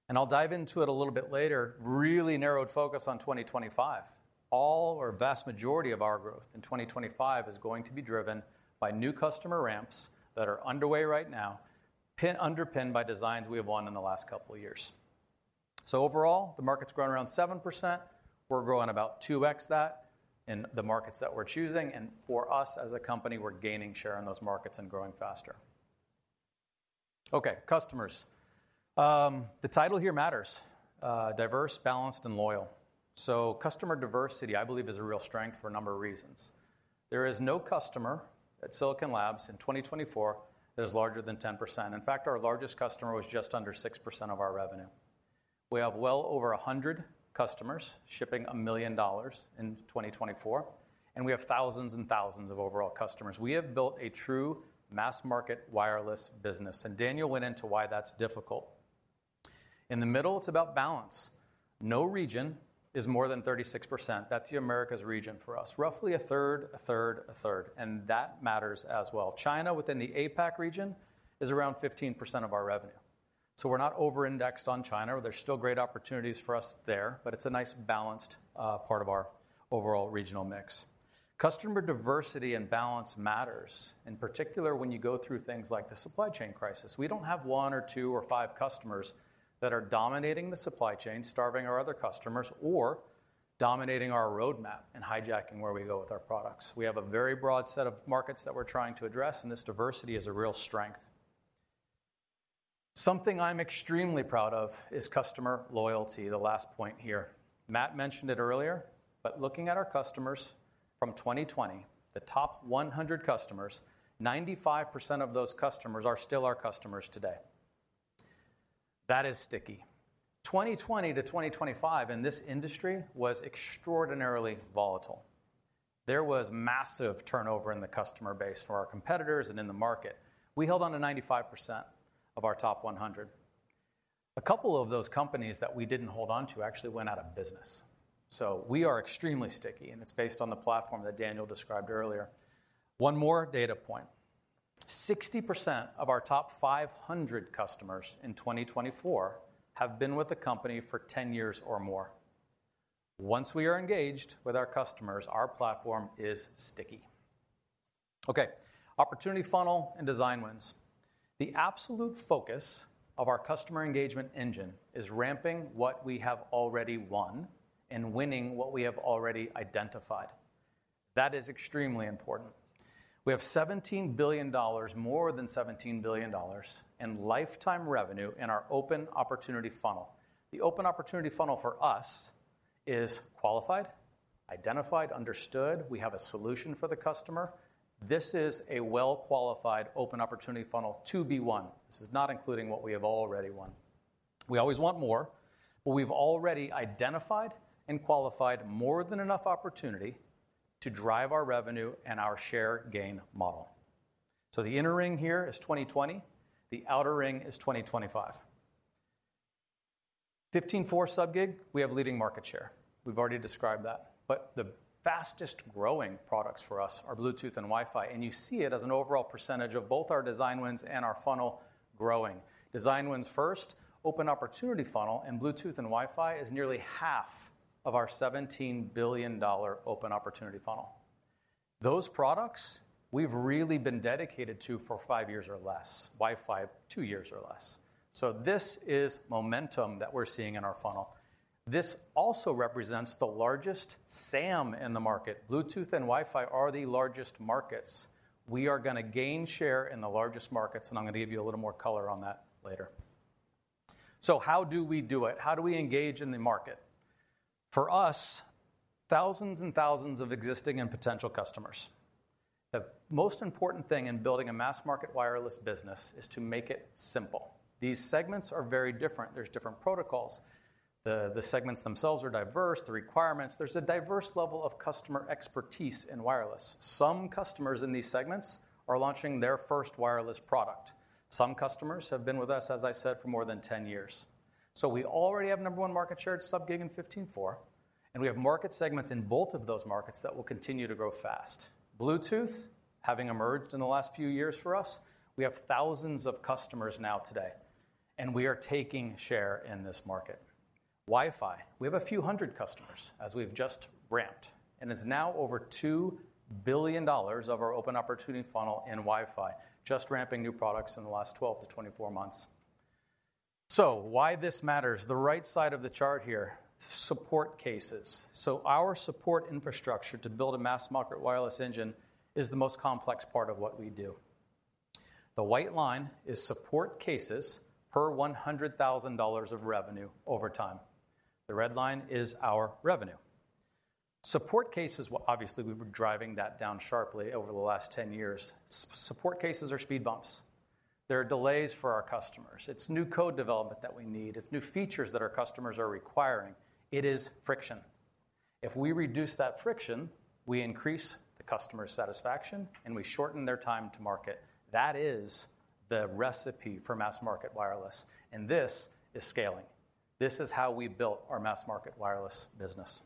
I will dive into it a little bit later, really narrowed focus on 2025. All or vast majority of our growth in 2025 is going to be driven by new customer ramps that are underway right now, underpinned by designs we have won in the last couple of years. Overall, the market's grown around 7%. We're growing about 2x that in the markets that we're choosing. For us as a company, we're gaining share in those markets and growing faster. OK, customers. The title here matters: diverse, balanced, and loyal. Customer diversity, I believe, is a real strength for a number of reasons. There is no customer at Silicon Labs in 2024 that is larger than 10%. In fact, our largest customer was just under 6% of our revenue. We have well over 100 customers shipping $1 million in 2024. We have thousands and thousands of overall customers. We have built a true mass-market wireless business. Daniel went into why that's difficult. In the middle, it's about balance. No region is more than 36%. That's Americas region for us, roughly a third, a third, a third. That matters as well. China, within the APAC region, is around 15% of our revenue. We are not over-indexed on China. There are still great opportunities for us there. It is a nice balanced part of our overall regional mix. Customer diversity and balance matters, in particular when you go through things like the supply chain crisis. We do not have one, or two, or five customers that are dominating the supply chain, starving our other customers, or dominating our roadmap and hijacking where we go with our products. We have a very broad set of markets that we are trying to address. This diversity is a real strength. Something I am extremely proud of is customer loyalty, the last point here. Matt mentioned it earlier. Looking at our customers from 2020, the top 100 customers, 95% of those customers are still our customers today. That is sticky. 2020 to 2025 in this industry was extraordinarily volatile. There was massive turnover in the customer base for our competitors and in the market. We held on to 95% of our top 100. A couple of those companies that we did not hold on to actually went out of business. We are extremely sticky. It is based on the platform that Daniel described earlier. One more data point: 60% of our top 500 customers in 2024 have been with the company for 10 years or more. Once we are engaged with our customers, our platform is sticky. OK, opportunity funnel and design wins. The absolute focus of our customer engagement engine is ramping what we have already won and winning what we have already identified. That is extremely important. We have $17 billion, more than $17 billion, in lifetime revenue in our open opportunity funnel. The open opportunity funnel for us is qualified, identified, understood. We have a solution for the customer. This is a well-qualified open opportunity funnel to be won. This is not including what we have already won. We always want more. We have already identified and qualified more than enough opportunity to drive our revenue and our share gain model. The inner ring here is 2020. The outer ring is 2025. 15.4 sub-Gig, we have leading market share. We have already described that. The fastest-growing products for us are Bluetooth and Wi-Fi. You see it as an overall percentage of both our design wins and our funnel growing. Design wins first, open opportunity funnel. Bluetooth and Wi-Fi is nearly half of our $17 billion open opportunity funnel. Those products we have really been dedicated to for five years or less, Wi-Fi two years or less. This is momentum that we're seeing in our funnel. This also represents the largest SAM in the market. Bluetooth and Wi-Fi are the largest markets. We are going to gain share in the largest markets. I'm going to give you a little more color on that later. How do we do it? How do we engage in the market? For us, thousands and thousands of existing and potential customers. The most important thing in building a mass-market wireless business is to make it simple. These segments are very different. There are different protocols. The segments themselves are diverse, the requirements. There is a diverse level of customer expertise in wireless. Some customers in these segments are launching their first wireless product. Some customers have been with us, as I said, for more than 10 years. We already have number one market share sub-Gig in 15.4. We have market segments in both of those markets that will continue to grow fast. Bluetooth, having emerged in the last few years for us, we have thousands of customers now today. We are taking share in this market. Wi-Fi, we have a few hundred customers as we've just ramped. It is now over $2 billion of our open opportunity funnel in Wi-Fi, just ramping new products in the last 12 to 24 months. Why this matters: the right side of the chart here, support cases. Our support infrastructure to build a mass-market wireless engine is the most complex part of what we do. The white line is support cases per $100,000 of revenue over time. The red line is our revenue. Support cases, obviously, we've been driving that down sharply over the last 10 years. Support cases are speed bumps. There are delays for our customers. It's new code development that we need. It's new features that our customers are requiring. It is friction. If we reduce that friction, we increase the customer satisfaction. We shorten their time to market. That is the recipe for mass-market wireless. This is scaling. This is how we built our mass-market wireless business.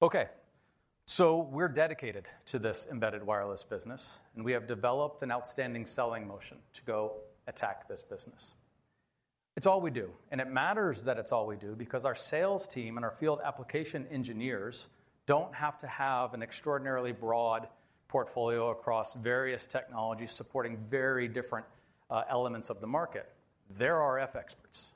We are dedicated to this embedded wireless business. We have developed an outstanding selling motion to go attack this business. It's all we do. It matters that it's all we do because our sales team and our field application engineers do not have to have an extraordinarily broad portfolio across various technologies supporting very different elements of the market. They are RF experts.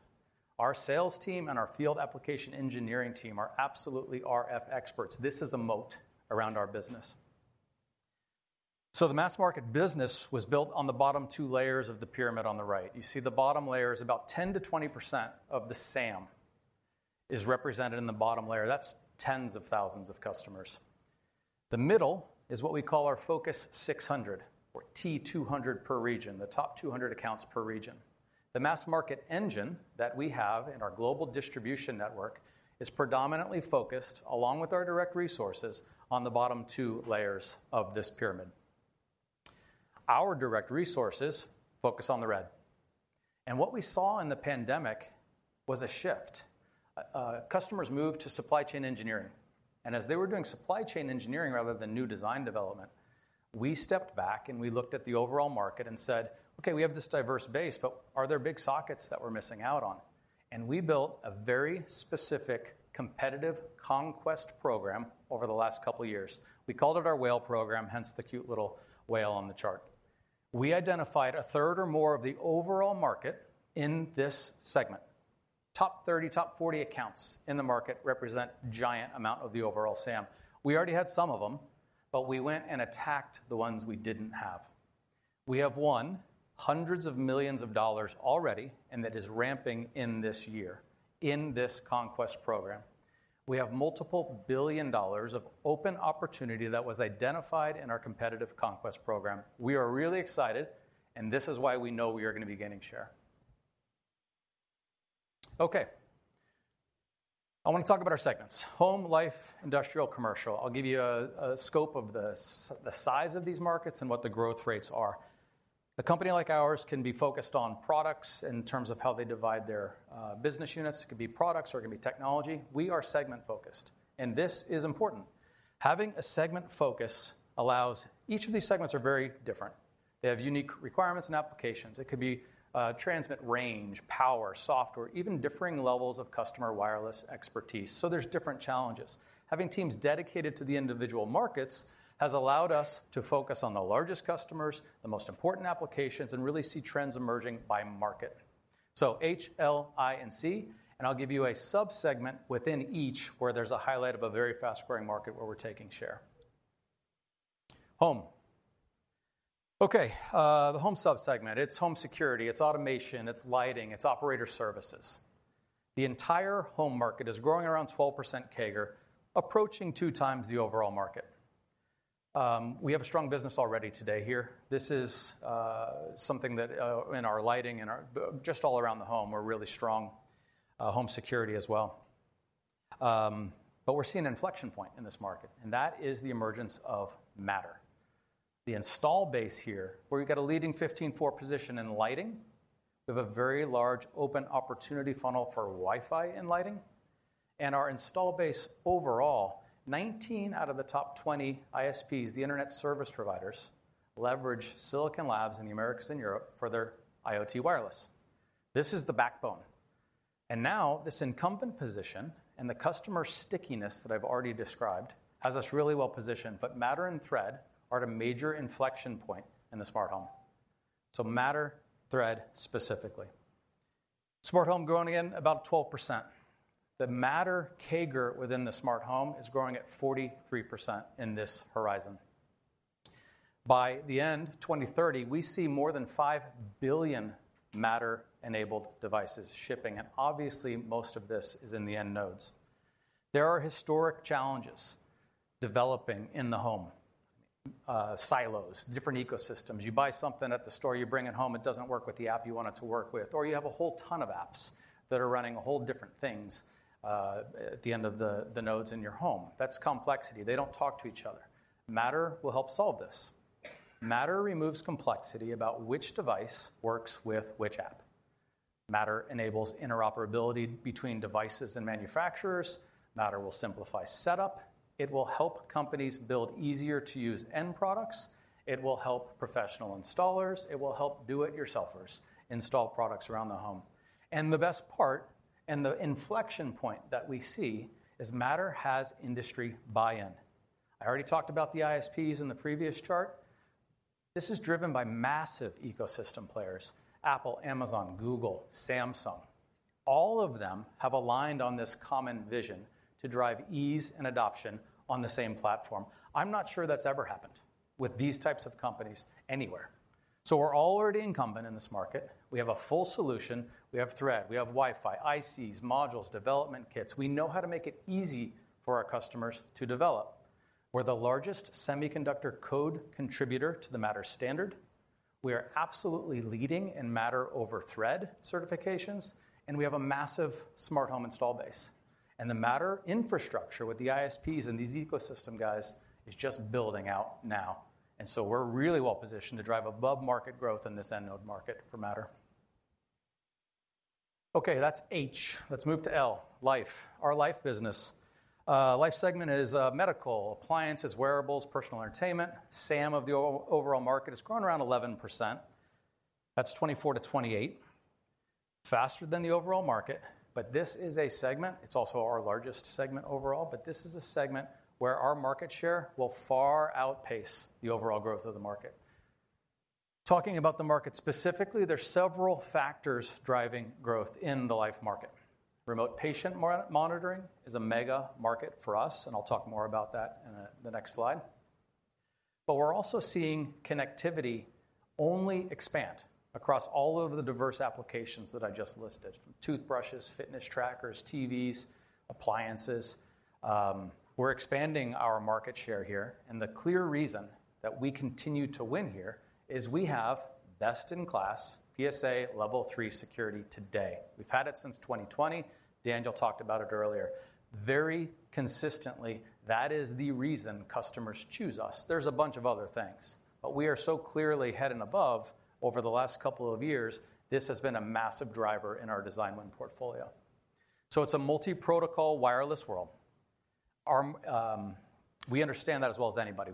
Our sales team and our field application engineering team are absolutely RF experts. This is a moat around our business. The mass-market business was built on the bottom two layers of the pyramid on the right. You see the bottom layer is about 10%-20% of the SAM is represented in the bottom layer. That's tens of thousands of customers. The middle is what we call our focus 600, or T200 per region, the top 200 accounts per region. The mass-market engine that we have in our global distribution network is predominantly focused, along with our direct resources, on the bottom two layers of this pyramid. Our direct resources focus on the red. What we saw in the pandemic was a shift. Customers moved to supply chain engineering. As they were doing supply chain engineering rather than new design development, we stepped back. We looked at the overall market and said, OK, we have this diverse base. Are there big sockets that we're missing out on? We built a very specific competitive conquest program over the last couple of years. We called it our whale program, hence the cute little whale on the chart. We identified a third or more of the overall market in this segment. Top 30, top 40 accounts in the market represent a giant amount of the overall SAM. We already had some of them. We went and attacked the ones we didn't have. We have won hundreds of millions of dollars already. That is ramping in this year in this conquest program. We have multiple billion dollars of open opportunity that was identified in our competitive conquest program. We are really excited. This is why we know we are going to be gaining share. OK, I want to talk about our segments: home, life, industrial, commercial. I'll give you a scope of the size of these markets and what the growth rates are. A company like ours can be focused on products in terms of how they divide their business units. It could be products or it could be technology. We are segment-focused. This is important. Having a segment focus allows each of these segments is very different. They have unique requirements and applications. It could be transmit range, power, software, even differing levels of customer wireless expertise. There are different challenges. Having teams dedicated to the individual markets has allowed us to focus on the largest customers, the most important applications, and really see trends emerging by market. H, L, I, and C. I'll give you a subsegment within each where there's a highlight of a very fast-growing market where we're taking share. Home. The home subsegment. It's home security. It's automation. It's lighting. It's operator services. The entire home market is growing around 12% CAGR, approaching two times the overall market. We have a strong business already today here. This is something that in our lighting and just all around the home, we're really strong home security as well. We're seeing an inflection point in this market. That is the emergence of Matter, the install base here where we've got a leading 15.4 position in lighting. We have a very large open opportunity funnel for Wi-Fi and lighting. Our install base overall, 19 out of the top 20 ISPs, the internet service providers, leverage Silicon Labs in the Americas and Europe for their IoT wireless. This is the backbone. Now this incumbent position and the customer stickiness that I've already described has us really well positioned. Matter and Thread are at a major inflection point in the smart home. Matter, Thread specifically. Smart home growing again about 12%. The Matter CAGR within the smart home is growing at 43% in this horizon. By the end, 2030, we see more than 5 billion Matter-enabled devices shipping. Obviously, most of this is in the end nodes. There are historic challenges developing in the home: silos, different ecosystems. You buy something at the store. You bring it home. It does not work with the app you want it to work with. Or you have a whole ton of apps that are running a whole different things at the end of the nodes in your home. That is complexity. They do not talk to each other. Matter will help solve this. Matter removes complexity about which device works with which app. Matter enables interoperability between devices and manufacturers. Matter will simplify setup. It will help companies build easier-to-use end products. It will help professional installers. It will help do-it-yourselfers install products around the home. The best part and the inflection point that we see is Matter has industry buy-in. I already talked about the ISPs in the previous chart. This is driven by massive ecosystem players: Apple, Amazon, Google, Samsung. All of them have aligned on this common vision to drive ease and adoption on the same platform. I'm not sure that's ever happened with these types of companies anywhere. We're already incumbent in this market. We have a full solution. We have Thread. We have Wi-Fi, ICs, modules, development kits. We know how to make it easy for our customers to develop. We're the largest semiconductor code contributor to the Matter standard. We are absolutely leading in Matter over Thread certifications. We have a massive smart home install base. The Matter infrastructure with the ISPs and these ecosystem guys is just building out now. We are really well positioned to drive above-market growth in this end node market for Matter. OK, that's H. Let's move to L, Life, our life business. Life segment is medical, appliances, wearables, personal entertainment. SAM of the overall market has grown around 11%. That's 24%-28% faster than the overall market. This is a segment. It's also our largest segment overall. This is a segment where our market share will far outpace the overall growth of the market. Talking about the market specifically, there are several factors driving growth in the life market. Remote patient monitoring is a mega market for us. I'll talk more about that in the next slide. We're also seeing connectivity only expand across all of the diverse applications that I just listed: from toothbrushes, fitness trackers, TVs, appliances. We're expanding our market share here. The clear reason that we continue to win here is we have best-in-class PSA level 3 security today. We've had it since 2020. Daniel talked about it earlier. Very consistently, that is the reason customers choose us. There's a bunch of other things. We are so clearly head and above. Over the last couple of years, this has been a massive driver in our design win portfolio. It's a multi-protocol wireless world. We understand that as well as anybody.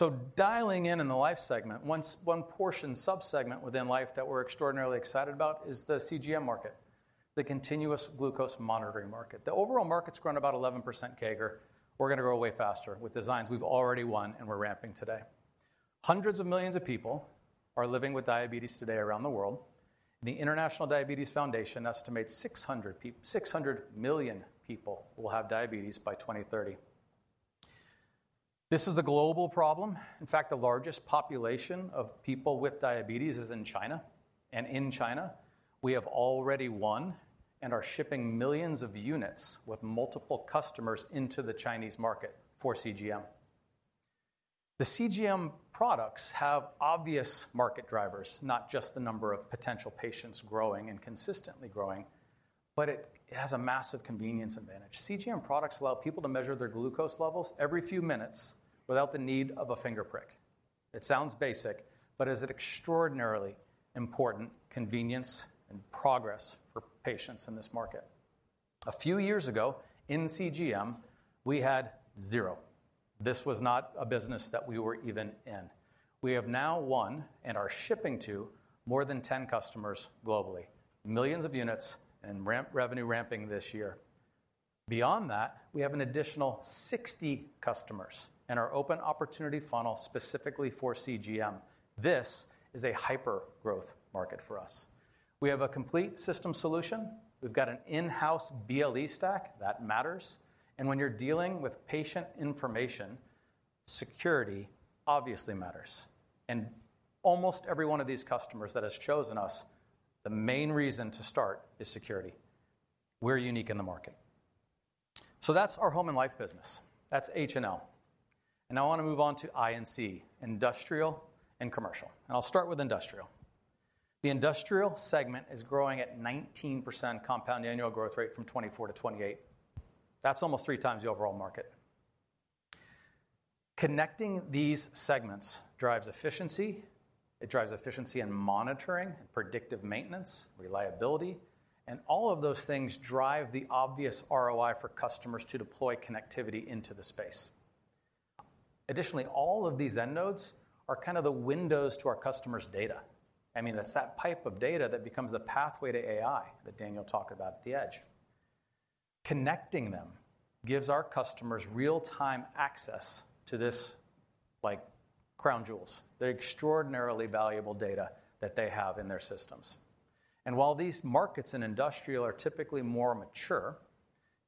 We've built. Dialing in in the life segment, one portion, subsegment within life that we're extraordinarily excited about is the CGM market, the continuous glucose monitoring market. The overall market's grown about 11% CAGR. We're going to grow way faster with designs we've already won. We're ramping today. Hundreds of millions of people are living with diabetes today around the world. The International Diabetes Foundation estimates 600 million people will have diabetes by 2030. This is a global problem. In fact, the largest population of people with diabetes is in China. In China, we have already won and are shipping millions of units with multiple customers into the Chinese market for CGM. The CGM products have obvious market drivers, not just the number of potential patients growing and consistently growing. It has a massive convenience advantage. CGM products allow people to measure their glucose levels every few minutes without the need of a finger prick. It sounds basic. It is an extraordinarily important convenience and progress for patients in this market. A few years ago in CGM, we had zero. This was not a business that we were even in. We have now won and are shipping to more than 10 customers globally, millions of units and revenue ramping this year. Beyond that, we have an additional 60 customers in our open opportunity funnel specifically for CGM. This is a hyper-growth market for us. We have a complete system solution. We've got an in-house BLE stack that matters. When you're dealing with patient information, security obviously matters. Almost every one of these customers that has chosen us, the main reason to start is security. We're unique in the market. That's our home and life business. That's H and L. I want to move on to I and C, industrial and commercial. I'll start with industrial. The industrial segment is growing at 19% compound annual growth rate from '24 to '28. That's almost three times the overall market. Connecting these segments drives efficiency. It drives efficiency in monitoring and predictive maintenance, reliability. All of those things drive the obvious ROI for customers to deploy connectivity into the space. Additionally, all of these end nodes are kind of the windows to our customers' data. I mean, that's that pipe of data that becomes a pathway to AI that Daniel talked about at the edge. Connecting them gives our customers real-time access to this, like, crown jewels, the extraordinarily valuable data that they have in their systems. While these markets in industrial are typically more mature,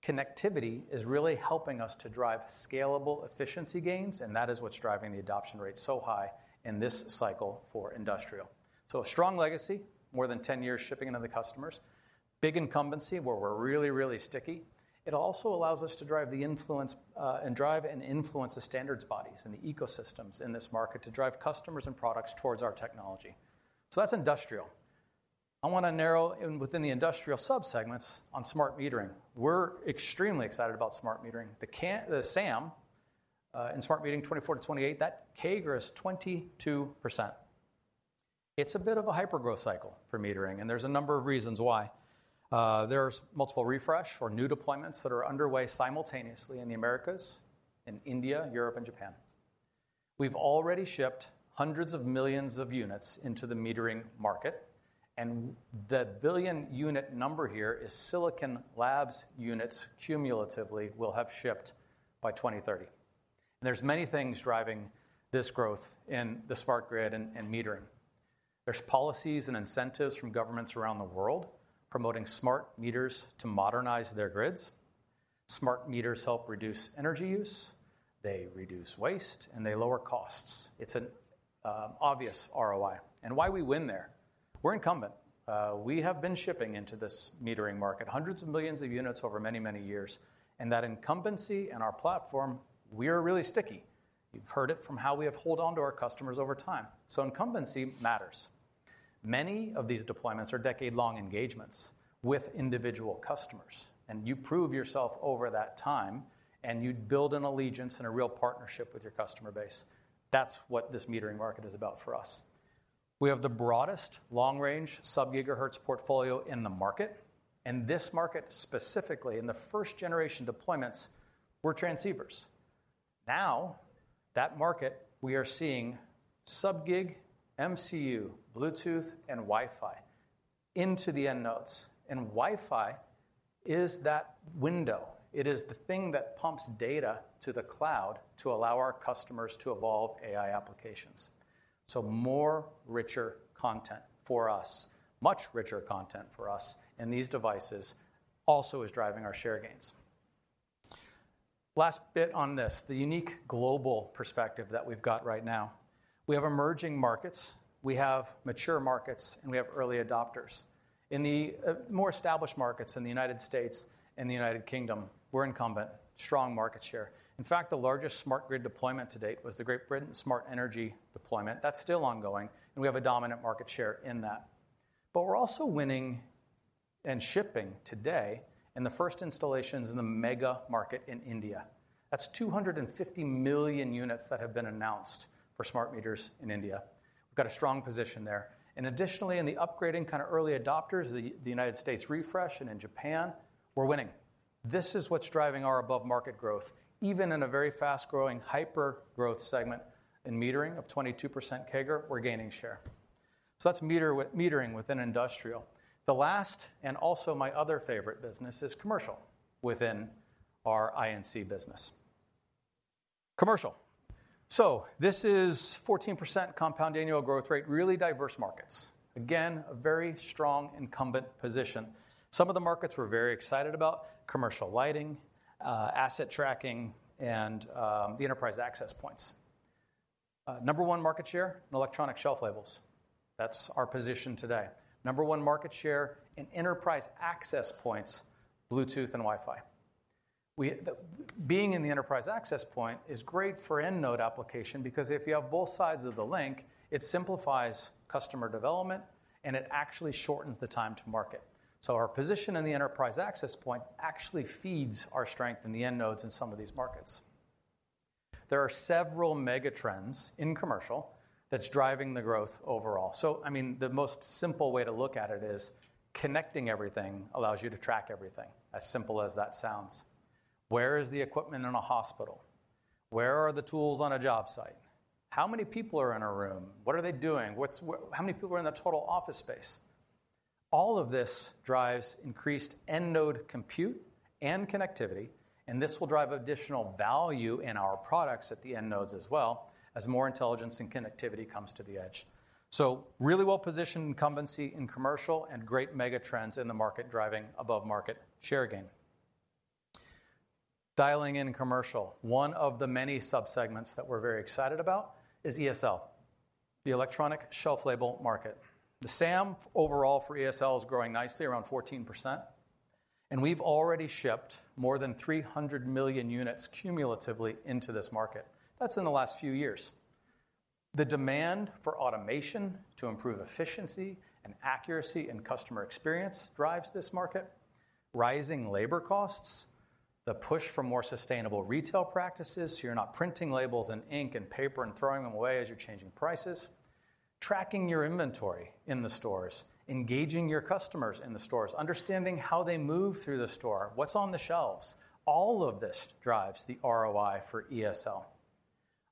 connectivity is really helping us to drive scalable efficiency gains. That is what's driving the adoption rate so high in this cycle for industrial. A strong legacy, more than 10 years shipping it to the customers, big incumbency where we're really, really sticky. It also allows us to drive the influence and drive and influence the standards bodies and the ecosystems in this market to drive customers and products towards our technology. That is industrial. I want to narrow in within the industrial subsegments on smart metering. We are extremely excited about smart metering. The SAM in smart metering 24%-28%, that CAGR is 22%. It is a bit of a hyper-growth cycle for metering. There are a number of reasons why. There are multiple refresh or new deployments that are underway simultaneously in the Americas, in India, Europe, and Japan. We have already shipped hundreds of millions of units into the metering market. The billion unit number here is Silicon Labs units cumulatively will have shipped by 2030. There are many things driving this growth in the smart grid and metering. Are policies and incentives from governments around the world promoting smart meters to modernize their grids. Smart meters help reduce energy use. They reduce waste. They lower costs. It is an obvious ROI. Why do we win there? We are incumbent. We have been shipping into this metering market, hundreds of millions of units over many, many years. That incumbency and our platform, we are really sticky. You have heard it from how we have held on to our customers over time. Incumbency matters. Many of these deployments are decade-long engagements with individual customers. You prove yourself over that time. You build an allegiance and a real partnership with your customer base. That is what this metering market is about for us. We have the broadest long-range sub-GHz portfolio in the market. In this market specifically, in the first-generation deployments, we are transceivers. Now that market, we are seeing sub-Gig, MCU, Bluetooth, and Wi-Fi into the end nodes. Wi-Fi is that window. It is the thing that pumps data to the cloud to allow our customers to evolve AI applications. More richer content for us, much richer content for us in these devices also is driving our share gains. Last bit on this, the unique global perspective that we've got right now. We have emerging markets. We have mature markets. We have early adopters. In the more established markets in the United States and the United Kingdom, we're incumbent, strong market share. In fact, the largest smart grid deployment to date was the Great Britain smart energy deployment. That's still ongoing. We have a dominant market share in that. We're also winning and shipping today in the first installations in the mega market in India. That's 250 million units that have been announced for smart meters in India. We've got a strong position there. Additionally, in the upgrading kind of early adopters, the United States refresh and in Japan, we're winning. This is what's driving our above-market growth. Even in a very fast-growing hyper-growth segment in metering of 22% CAGR, we're gaining share. That's metering within industrial. The last and also my other favorite business is commercial within our I and C business, commercial. This is 14% compound annual growth rate, really diverse markets. Again, a very strong incumbent position. Some of the markets we're very excited about: commercial lighting, asset tracking, and the enterprise access points. Number one market share in electronic shelf labels. That's our position today. Number one market share in enterprise access points, Bluetooth and Wi-Fi. Being in the enterprise access point is great for end node application because if you have both sides of the link, it simplifies customer development. It actually shortens the time to market. Our position in the enterprise access point actually feeds our strength in the end nodes in some of these markets. There are several mega trends in commercial that's driving the growth overall. I mean, the most simple way to look at it is connecting everything allows you to track everything, as simple as that sounds. Where is the equipment in a hospital? Where are the tools on a job site? How many people are in a room? What are they doing? How many people are in the total office space? All of this drives increased end node compute and connectivity. This will drive additional value in our products at the end nodes as well as more intelligence and connectivity comes to the edge. Really well-positioned incumbency in commercial and great mega trends in the market driving above-market share gain. Dialing in commercial, one of the many subsegments that we're very excited about is ESL, the Electronic Shelf Label market. The SAM overall for ESL is growing nicely, around 14%. We've already shipped more than 300 million units cumulatively into this market. That's in the last few years. The demand for automation to improve efficiency and accuracy and customer experience drives this market. Rising labor costs, the push for more sustainable retail practices. You're not printing labels in ink and paper and throwing them away as you're changing prices. Tracking your inventory in the stores, engaging your customers in the stores, understanding how they move through the store, what's on the shelves. All of this drives the ROI for ESL.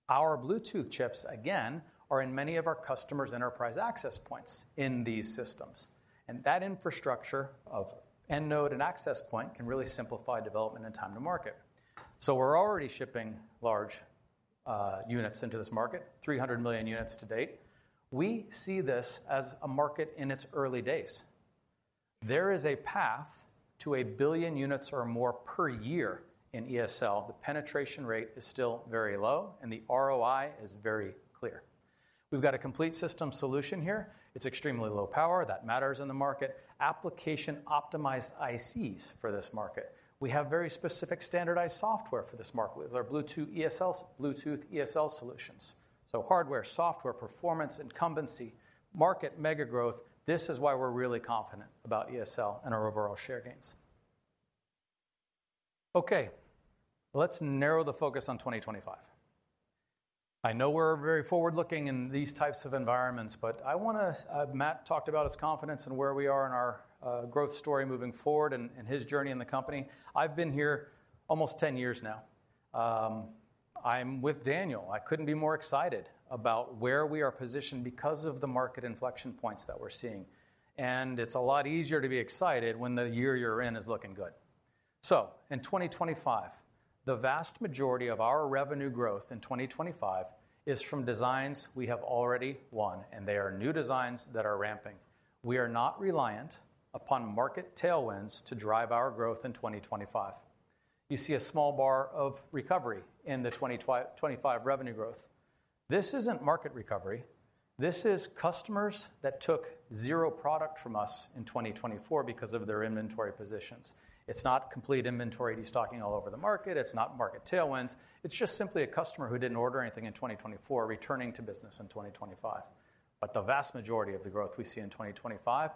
Our Bluetooth chips, again, are in many of our customers' enterprise access points in these systems. That infrastructure of end node and access point can really simplify development and time to market. We are already shipping large units into this market, 300 million units to date. We see this as a market in its early days. There is a path to a billion units or more per year in ESL. The penetration rate is still very low. The ROI is very clear. We have got a complete system solution here. It is extremely low power. That matters in the market. Application-optimized ICs for this market. We have very specific standardized software for this market with our Bluetooth ESL solutions. Hardware, software, performance, incumbency, market mega growth. This is why we're really confident about ESL and our overall share gains. OK. Let's narrow the focus on 2025. I know we're very forward-looking in these types of environments. I want to—Matt talked about his confidence and where we are in our growth story moving forward and his journey in the company. I've been here almost 10 years now. I'm with Daniel. I couldn't be more excited about where we are positioned because of the market inflection points that we're seeing. It's a lot easier to be excited when the year you're in is looking good. In 2025, the vast majority of our revenue growth in 2025 is from designs we have already won. They are new designs that are ramping. We are not reliant upon market tailwinds to drive our growth in 2025. You see a small bar of recovery in the 2025 revenue growth. This isn't market recovery. This is customers that took zero product from us in 2024 because of their inventory positions. It's not complete inventory destocking all over the market. It's not market tailwinds. It's just simply a customer who didn't order anything in 2024 returning to business in 2025. The vast majority of the growth we see in 2025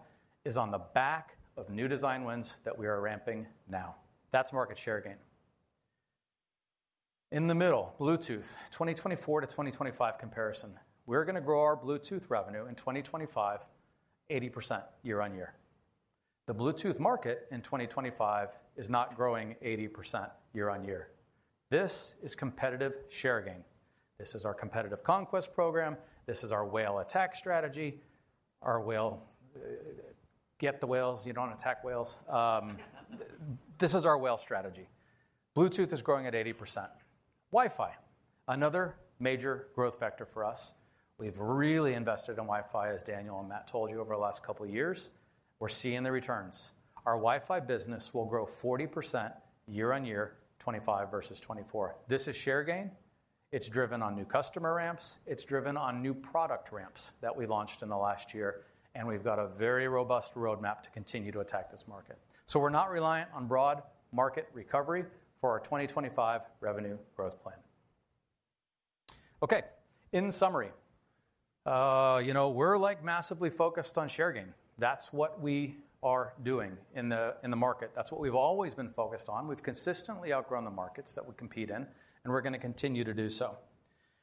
is on the back of new design wins that we are ramping now. That's market share gain. In the middle, Bluetooth, 2024 to 2025 comparison. We're going to grow our Bluetooth revenue in 2025 80% year on year. The Bluetooth market in 2025 is not growing 80% year on year. This is competitive share gain. This is our competitive conquest program. This is our whale attack strategy. Our whale, get the whales. You don't attack whales. This is our whale strategy. Bluetooth is growing at 80%. Wi-Fi, another major growth factor for us. We've really invested in Wi-Fi, as Daniel and Matt told you over the last couple of years. We're seeing the returns. Our Wi-Fi business will grow 40% year on year, 2025 versus 2024. This is share gain. It's driven on new customer ramps. It's driven on new product ramps that we launched in the last year. We've got a very robust roadmap to continue to attack this market. We're not reliant on broad market recovery for our 2025 revenue growth plan. OK. In summary, you know we're like massively focused on share gain. That's what we are doing in the market. That's what we've always been focused on. We've consistently outgrown the markets that we compete in. We're going to continue to do so.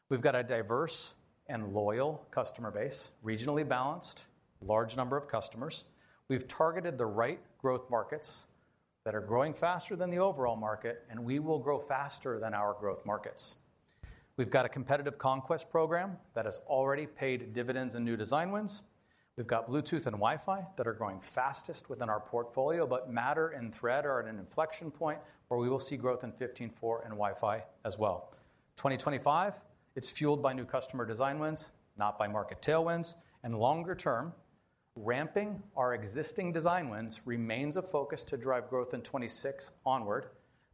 We've got a diverse and loyal customer base, regionally balanced, large number of customers. We've targeted the right growth markets that are growing faster than the overall market. We will grow faster than our growth markets. We've got a competitive conquest program that has already paid dividends in new design wins. We've got Bluetooth and Wi-Fi that are growing fastest within our portfolio. Matter and Thread are at an inflection point where we will see growth in 15.4 and Wi-Fi as well. 2025, it's fueled by new customer design wins, not by market tail wins. Longer term, ramping our existing design wins remains a focus to drive growth in 2026 onward,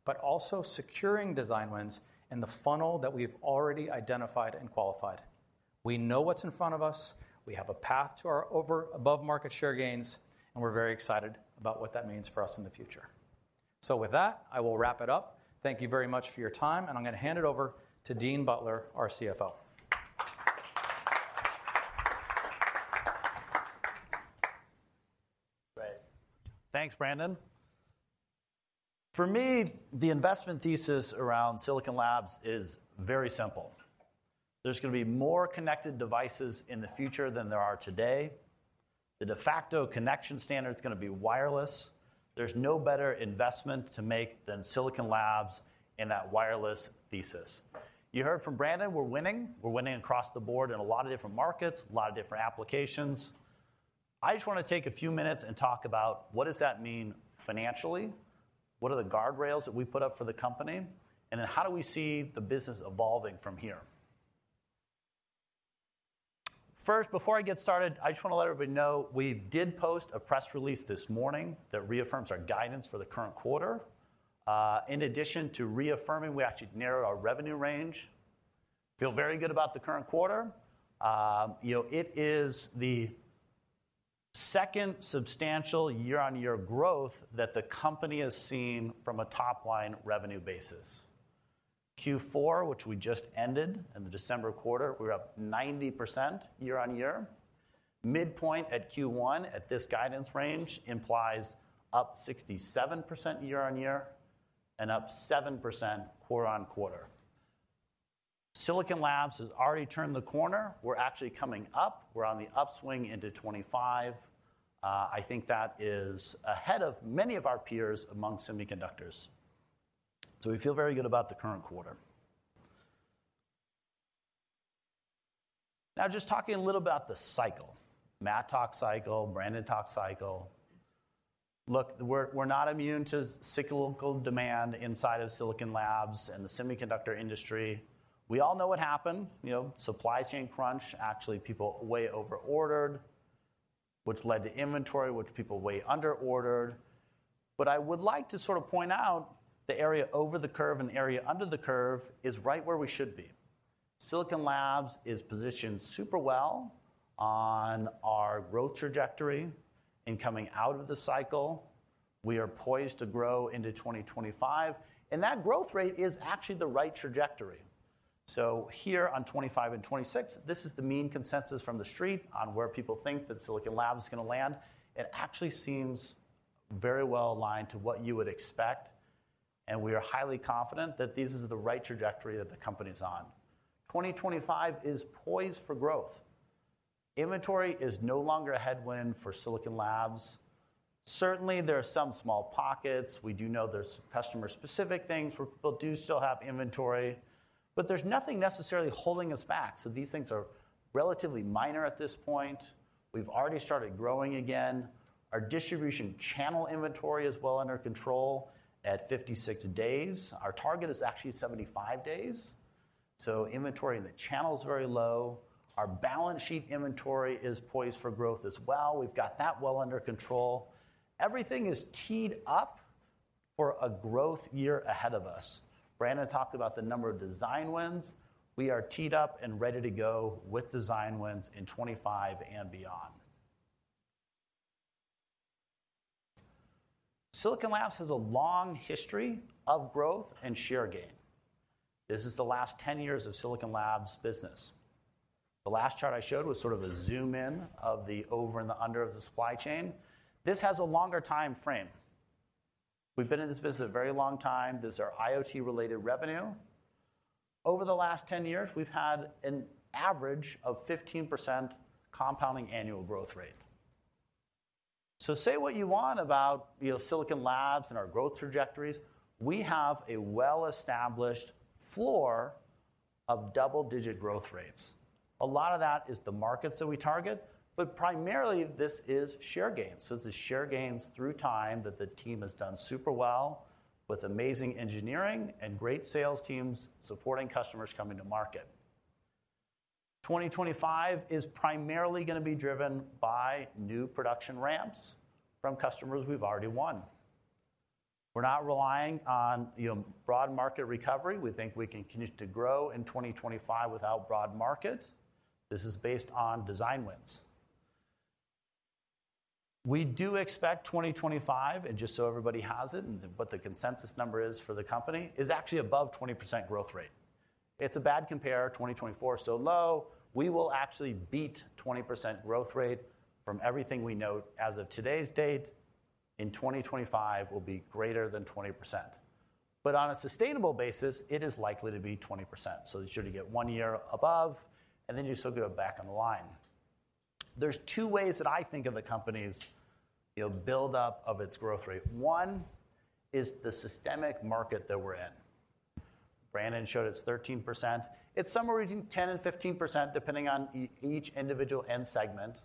but also securing design wins in the funnel that we've already identified and qualified. We know what's in front of us. We have a path to our above-market share gains. We're very excited about what that means for us in thqe future. With that, I will wrap it up. Thank you very much for your time. I'm going to hand it over to Dean Butler, our CFO. Thanks, Brandon. For me, the investment thesis around Silicon Labs is very simple. There's going to be more connected devices in the future than there are today. The de facto connection standard is going to be wireless. There's no better investment to make than Silicon Labs in that wireless thesis. You heard from Brandon. We're winning. We're winning across the board in a lot of different markets, a lot of different applications. I just want to take a few minutes and talk about what does that mean financially, what are the guardrails that we put up for the company, and then how do we see the business evolving from here. First, before I get started, I just want to let everybody know we did post a press release this morning that reaffirms our guidance for the current quarter. In addition to reaffirming, we actually narrowed our revenue range. Feel very good about the current quarter. It is the second substantial year-on-year growth that the company has seen from a top-line revenue basis. Q4, which we just ended in the December quarter, we were up 90% year-on-year. Midpoint at Q1 at this guidance range implies up 67% year-on-year and up 7% quarter-on-quarter. Silicon Labs has already turned the corner. We're actually coming up. We're on the upswing into 2025. I think that is ahead of many of our peers among semiconductors. We feel very good about the current quarter. Now, just talking a little about the cycle, Matt talked cycle, Brandon talked cycle. Look, we're not immune to cyclical demand inside of Silicon Labs and the semiconductor industry. We all know what happened. Supply chain crunch. Actually, people way overordered, which led to inventory, which people way underordered. I would like to sort of point out the area over the curve and the area under the curve is right where we should be. Silicon Labs is positioned super well on our growth trajectory in coming out of the cycle. We are poised to grow into 2025. That growth rate is actually the right trajectory. Here on 2025 and 2026, this is the mean consensus from the street on where people think that Silicon Labs is going to land. It actually seems very well aligned to what you would expect. We are highly confident that this is the right trajectory that the company is on. 2025 is poised for growth. Inventory is no longer a headwind for Silicon Labs. Certainly, there are some small pockets. We do know there's customer-specific things where people do still have inventory. There's nothing necessarily holding us back. These things are relatively minor at this point. We've already started growing again. Our distribution channel inventory is well under control at 56 days. Our target is actually 75 days. Inventory in the channel is very low. Our balance sheet inventory is poised for growth as well. We've got that well under control. Everything is teed up for a growth year ahead of us. Brandon talked about the number of design wins. We are teed up and ready to go with design wins in 2025 and beyond. Silicon Labs has a long history of growth and share gain. This is the last 10 years of Silicon Labs business. The last chart I showed was sort of a zoom-in of the over and the under of the supply chain. This has a longer time frame. We've been in this business a very long time. This is our IoT-related revenue. Over the last 10 years, we've had an average of 15% compounding annual growth rate. Say what you want about Silicon Labs and our growth trajectories. We have a well-established floor of double-digit growth rates. A lot of that is the markets that we target. Primarily, this is share gains. It's the share gains through time that the team has done super well with amazing engineering and great sales teams supporting customers coming to market. 2025 is primarily going to be driven by new production ramps from customers we've already won. We're not relying on broad market recovery. We think we can continue to grow in 2025 without broad market. This is based on design wins. We do expect 2025, and just so everybody has it, and what the consensus number is for the company is actually above 20% growth rate. It's a bad compare. 2024 is so low. We will actually beat 20% growth rate from everything we know as of today's date. In 2025, it will be greater than 20%. On a sustainable basis, it is likely to be 20%. You should get one year above. You still go back on the line. There are two ways that I think of the company's build-up of its growth rate. One is the systemic market that we're in. Brandon showed it's 13%. It's somewhere between 10% and 15%, depending on each individual end segment.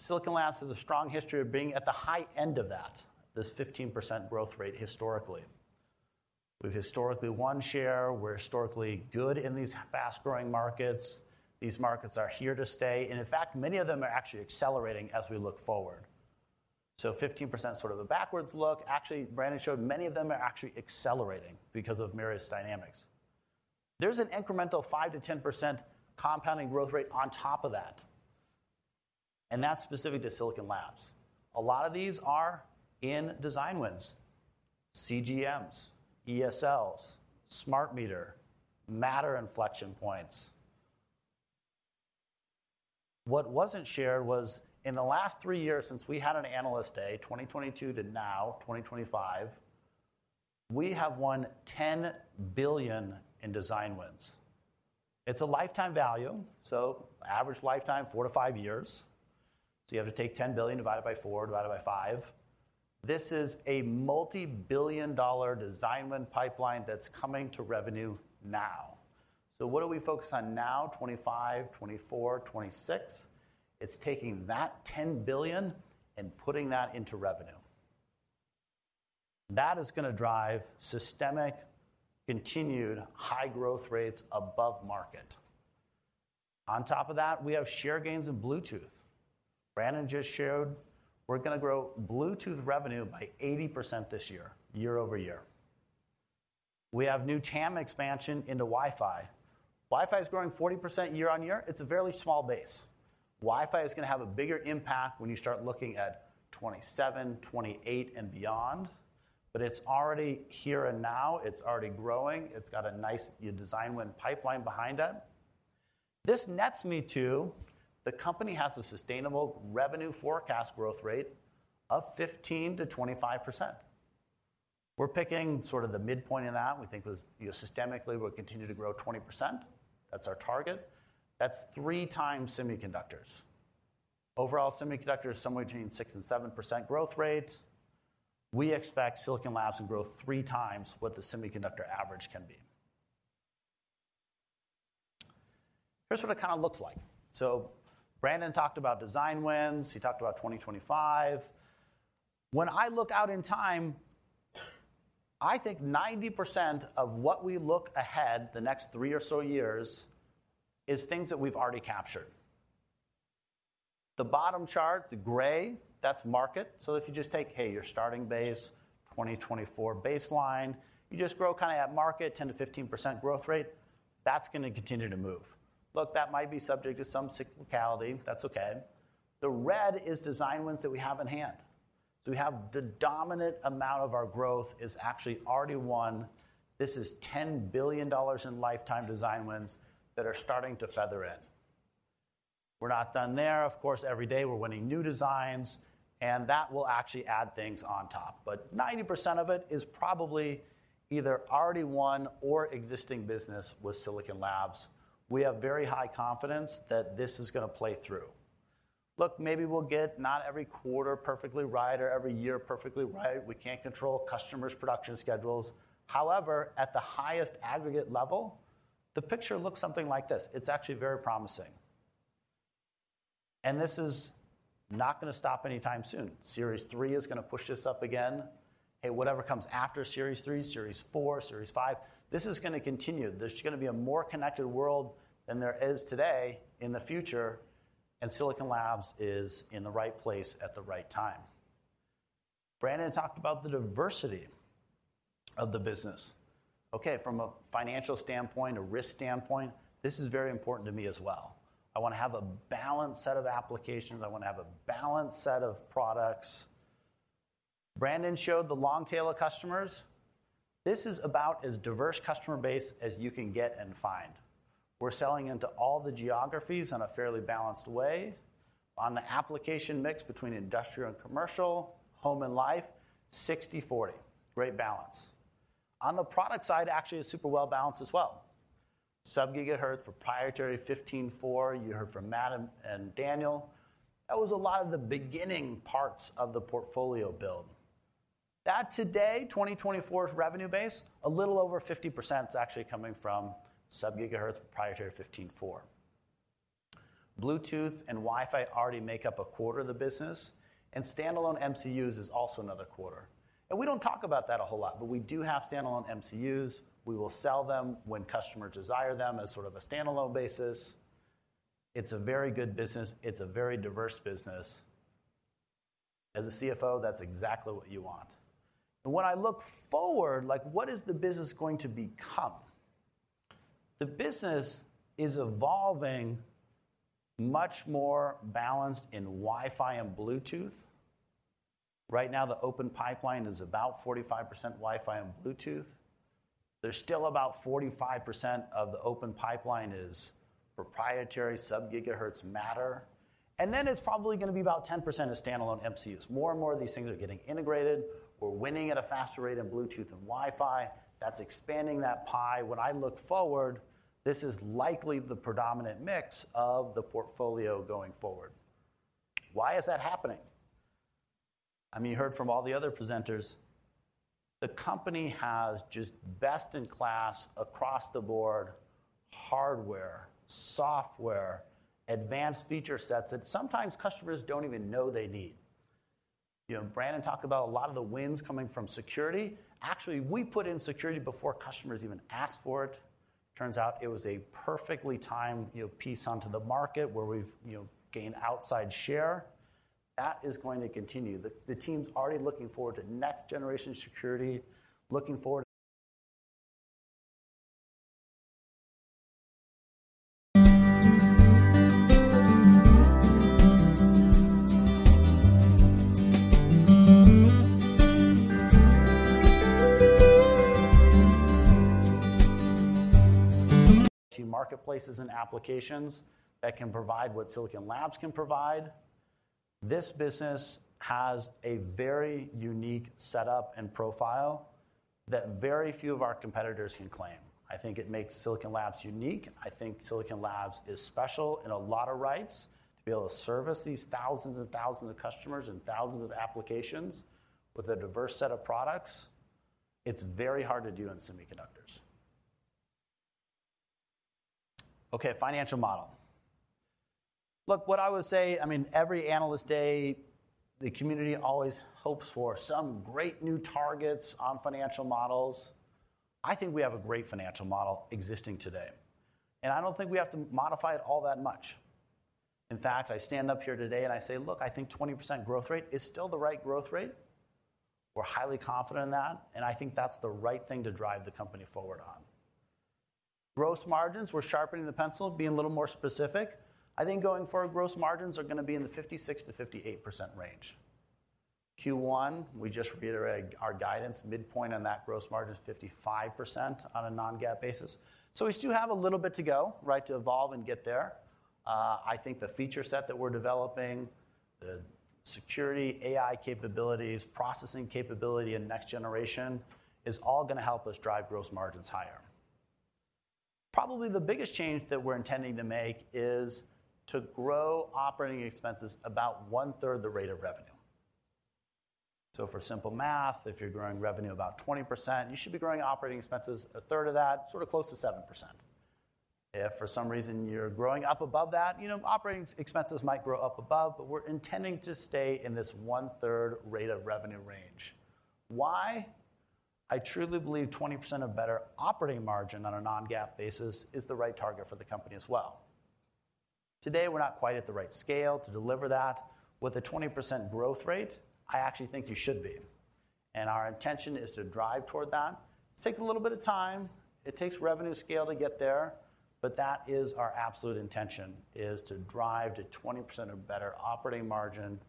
Silicon Labs has a strong history of being at the high end of that, this 15% growth rate historically. We've historically won share. We're historically good in these fast-growing markets. These markets are here to stay. In fact, many of them are actually accelerating as we look forward. 15% is sort of a backwards look. Actually, Brandon showed many of them are actually accelerating because of various dynamics. There's an incremental 5%-10% compounding growth rate on top of that. That's specific to Silicon Labs. A lot of these are in design wins: CGMs, ESLs, Smart Meter, Matter inflection points. What wasn't shared was in the last three years since we had an analyst day, 2022 to now, 2025, we have won $10 billion in design wins. It's a lifetime value. Average lifetime, four to five years. You have to take $10 billion, divide it by four, divide it by five. This is a multi-billion dollar design win pipeline that's coming to revenue now. What are we focused on now, '25, '24, '26? It's taking that $10 billion and putting that into revenue. That is going to drive systemic, continued high growth rates above market. On top of that, we have share gains in Bluetooth. Brandon just shared we're going to grow Bluetooth revenue by 80% this year, year over year. We have new TAM expansion into Wi-Fi. Wi-Fi is growing 40% year on year. It's a fairly small base. Wi-Fi is going to have a bigger impact when you start looking at '27, '28, and beyond. It's already here and now. It's already growing. It's got a nice design win pipeline behind it. This nets me to the company has a sustainable revenue forecast growth rate of 15%-25%. We're picking sort of the midpoint in that. We think systemically we'll continue to grow 20%. That's our target. That's three times semiconductors. Overall, semiconductor is somewhere between 6% and 7% growth rate. We expect Silicon Labs to grow three times what the semiconductor average can be. Here's what it kind of looks like. Brandon talked about design wins. He talked about 2025. When I look out in time, I think 90% of what we look ahead the next three or so years is things that we've already captured. The bottom chart, the gray, that's market. If you just take, hey, your starting base, 2024 baseline, you just grow kind of at market, 10%-15% growth rate. That's going to continue to move. Look, that might be subject to some cyclicality. That's OK. The red is design wins that we have in hand. We have the dominant amount of our growth is actually already won. This is $10 billion in lifetime design wins that are starting to feather in. We're not done there. Of course, every day we're winning new designs. That will actually add things on top. 90% of it is probably either already won or existing business with Silicon Labs. We have very high confidence that this is going to play through. Look, maybe we'll get not every quarter perfectly right or every year perfectly right. We can't control customers' production schedules. However, at the highest aggregate level, the picture looks something like this. It's actually very promising. This is not going to stop anytime soon. Series 3 is going to push this up again. Hey, whatever comes after Series 3, Series 4, Series 5, this is going to continue. There's going to be a more connected world than there is today in the future. Silicon Labs is in the right place at the right time. Brandon talked about the diversity of the business. OK, from a financial standpoint, a risk standpoint, this is very important to me as well. I want to have a balanced set of applications. I want to have a balanced set of products. Brandon showed the long tail of customers. This is about as diverse a customer base as you can get and find. We're selling into all the geographies in a fairly balanced way. On the application mix between industrial and commercial, home and life, 60/40. Great balance. On the product side, actually, it's super well balanced as well. Sub-GHz, proprietary 15/4. You heard from Matt and Daniel. That was a lot of the beginning parts of the portfolio build. That today, 2024's revenue base, a little over 50% is actually coming from sub-GHz, proprietary 15/4. Bluetooth and Wi-Fi already make up a quarter of the business. Standalone MCUs is also another quarter. We do not talk about that a whole lot. We do have standalone MCUs. We will sell them when customers desire them as sort of a standalone basis. It is a very good business. It is a very diverse business. As a CFO, that is exactly what you want. When I look forward, like what is the business going to become? The business is evolving much more balanced in Wi-Fi and Bluetooth. Right now, the open pipeline is about 45% Wi-Fi and Bluetooth. There is still about 45% of the open pipeline is proprietary sub-GHz Matter. It's probably going to be about 10% of standalone MCUs. More and more of these things are getting integrated. We're winning at a faster rate in Bluetooth and Wi-Fi. That's expanding that pie. When I look forward, this is likely the predominant mix of the portfolio going forward. Why is that happening? I mean, you heard from all the other presenters. The compay has just best-in-class across the board hardware, software, advanced feature sets that sometimes customers don't even know they need. Brandon talked about a lot of the wins coming from security. Actually, we put in security before customers even asked for it. Turns out it was a perfectly timed piece onto the market where we've gained outside share. That is going to continue. The team's already looking forward to next-generation security, looking forward to marketplaces and applications that can provide what Silicon Labs can provide. This business has a very unique setup and profile that very few of our competitors can claim. I think it makes Silicon Labs unique. I think Silicon Labs is special in a lot of rights to be able to service these thousands and thousands of customers and thousands of applications with a diverse set of products. It's very hard to do in semiconductors. OK, financial model. Look, what I would say, I mean, every analyst day, the community always hopes for some great new targets on financial models. I think we have a great financial model existing today. I don't think we have to modify it all that much. In fact, I stand up here today and I say, look, I think 20% growth rate is still the right growth rate. We're highly confident in that. I think that's the right thing to drive the company forward on. Gross margins, we're sharpening the pencil, being a little more specific. I think going forward, gross margins are going to be in the 56%-58% range. Q1, we just reiterated our guidance. Midpoint on that gross margin is 55% on a non-GAAP basis. So we still have a little bit to go, right, to evolve and get there. I think the feature set that we're developing, the security, AI capabilities, processing capability, and next generation is all going to help us drive gross margins higher. Probably the biggest change that we're intending to make is to grow operating expenses about 1/3 the rate of revenue. For simple math, if you're growing revenue about 20%, you should be growing operating expenses a third of that, sort of close to 7%. If for some reason you're growing up above that, you know, operating expenses might grow up above. We're intending to stay in this 1/3 rate of revenue range. Why? I truly believe 20% or better operating margin on a non-GAAP basis is the right target for the company as well. Today, we're not quite at the right scale to deliver that. With a 20% growth rate, I actually think you should be. Our intention is to drive toward that. It takes a little bit of time. It takes revenue scale to get there. That is our absolute intention, to drive to 20% or better operating margin.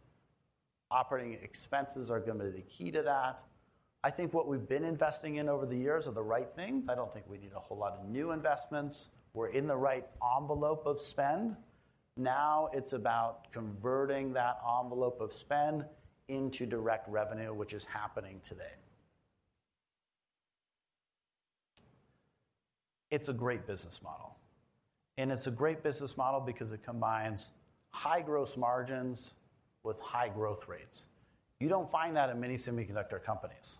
Operating expenses are going to be the key to that. I think what we've been investing in over the years are the right things. I don't think we need a whole lot of new investments. We're in the right envelope of spend. Now it's about converting that envelope of spend into direct revenue, which is happening today. It's a great business model. It's a great business model because it combines high gross margins with high growth rates. You don't find that in many semiconductor companies.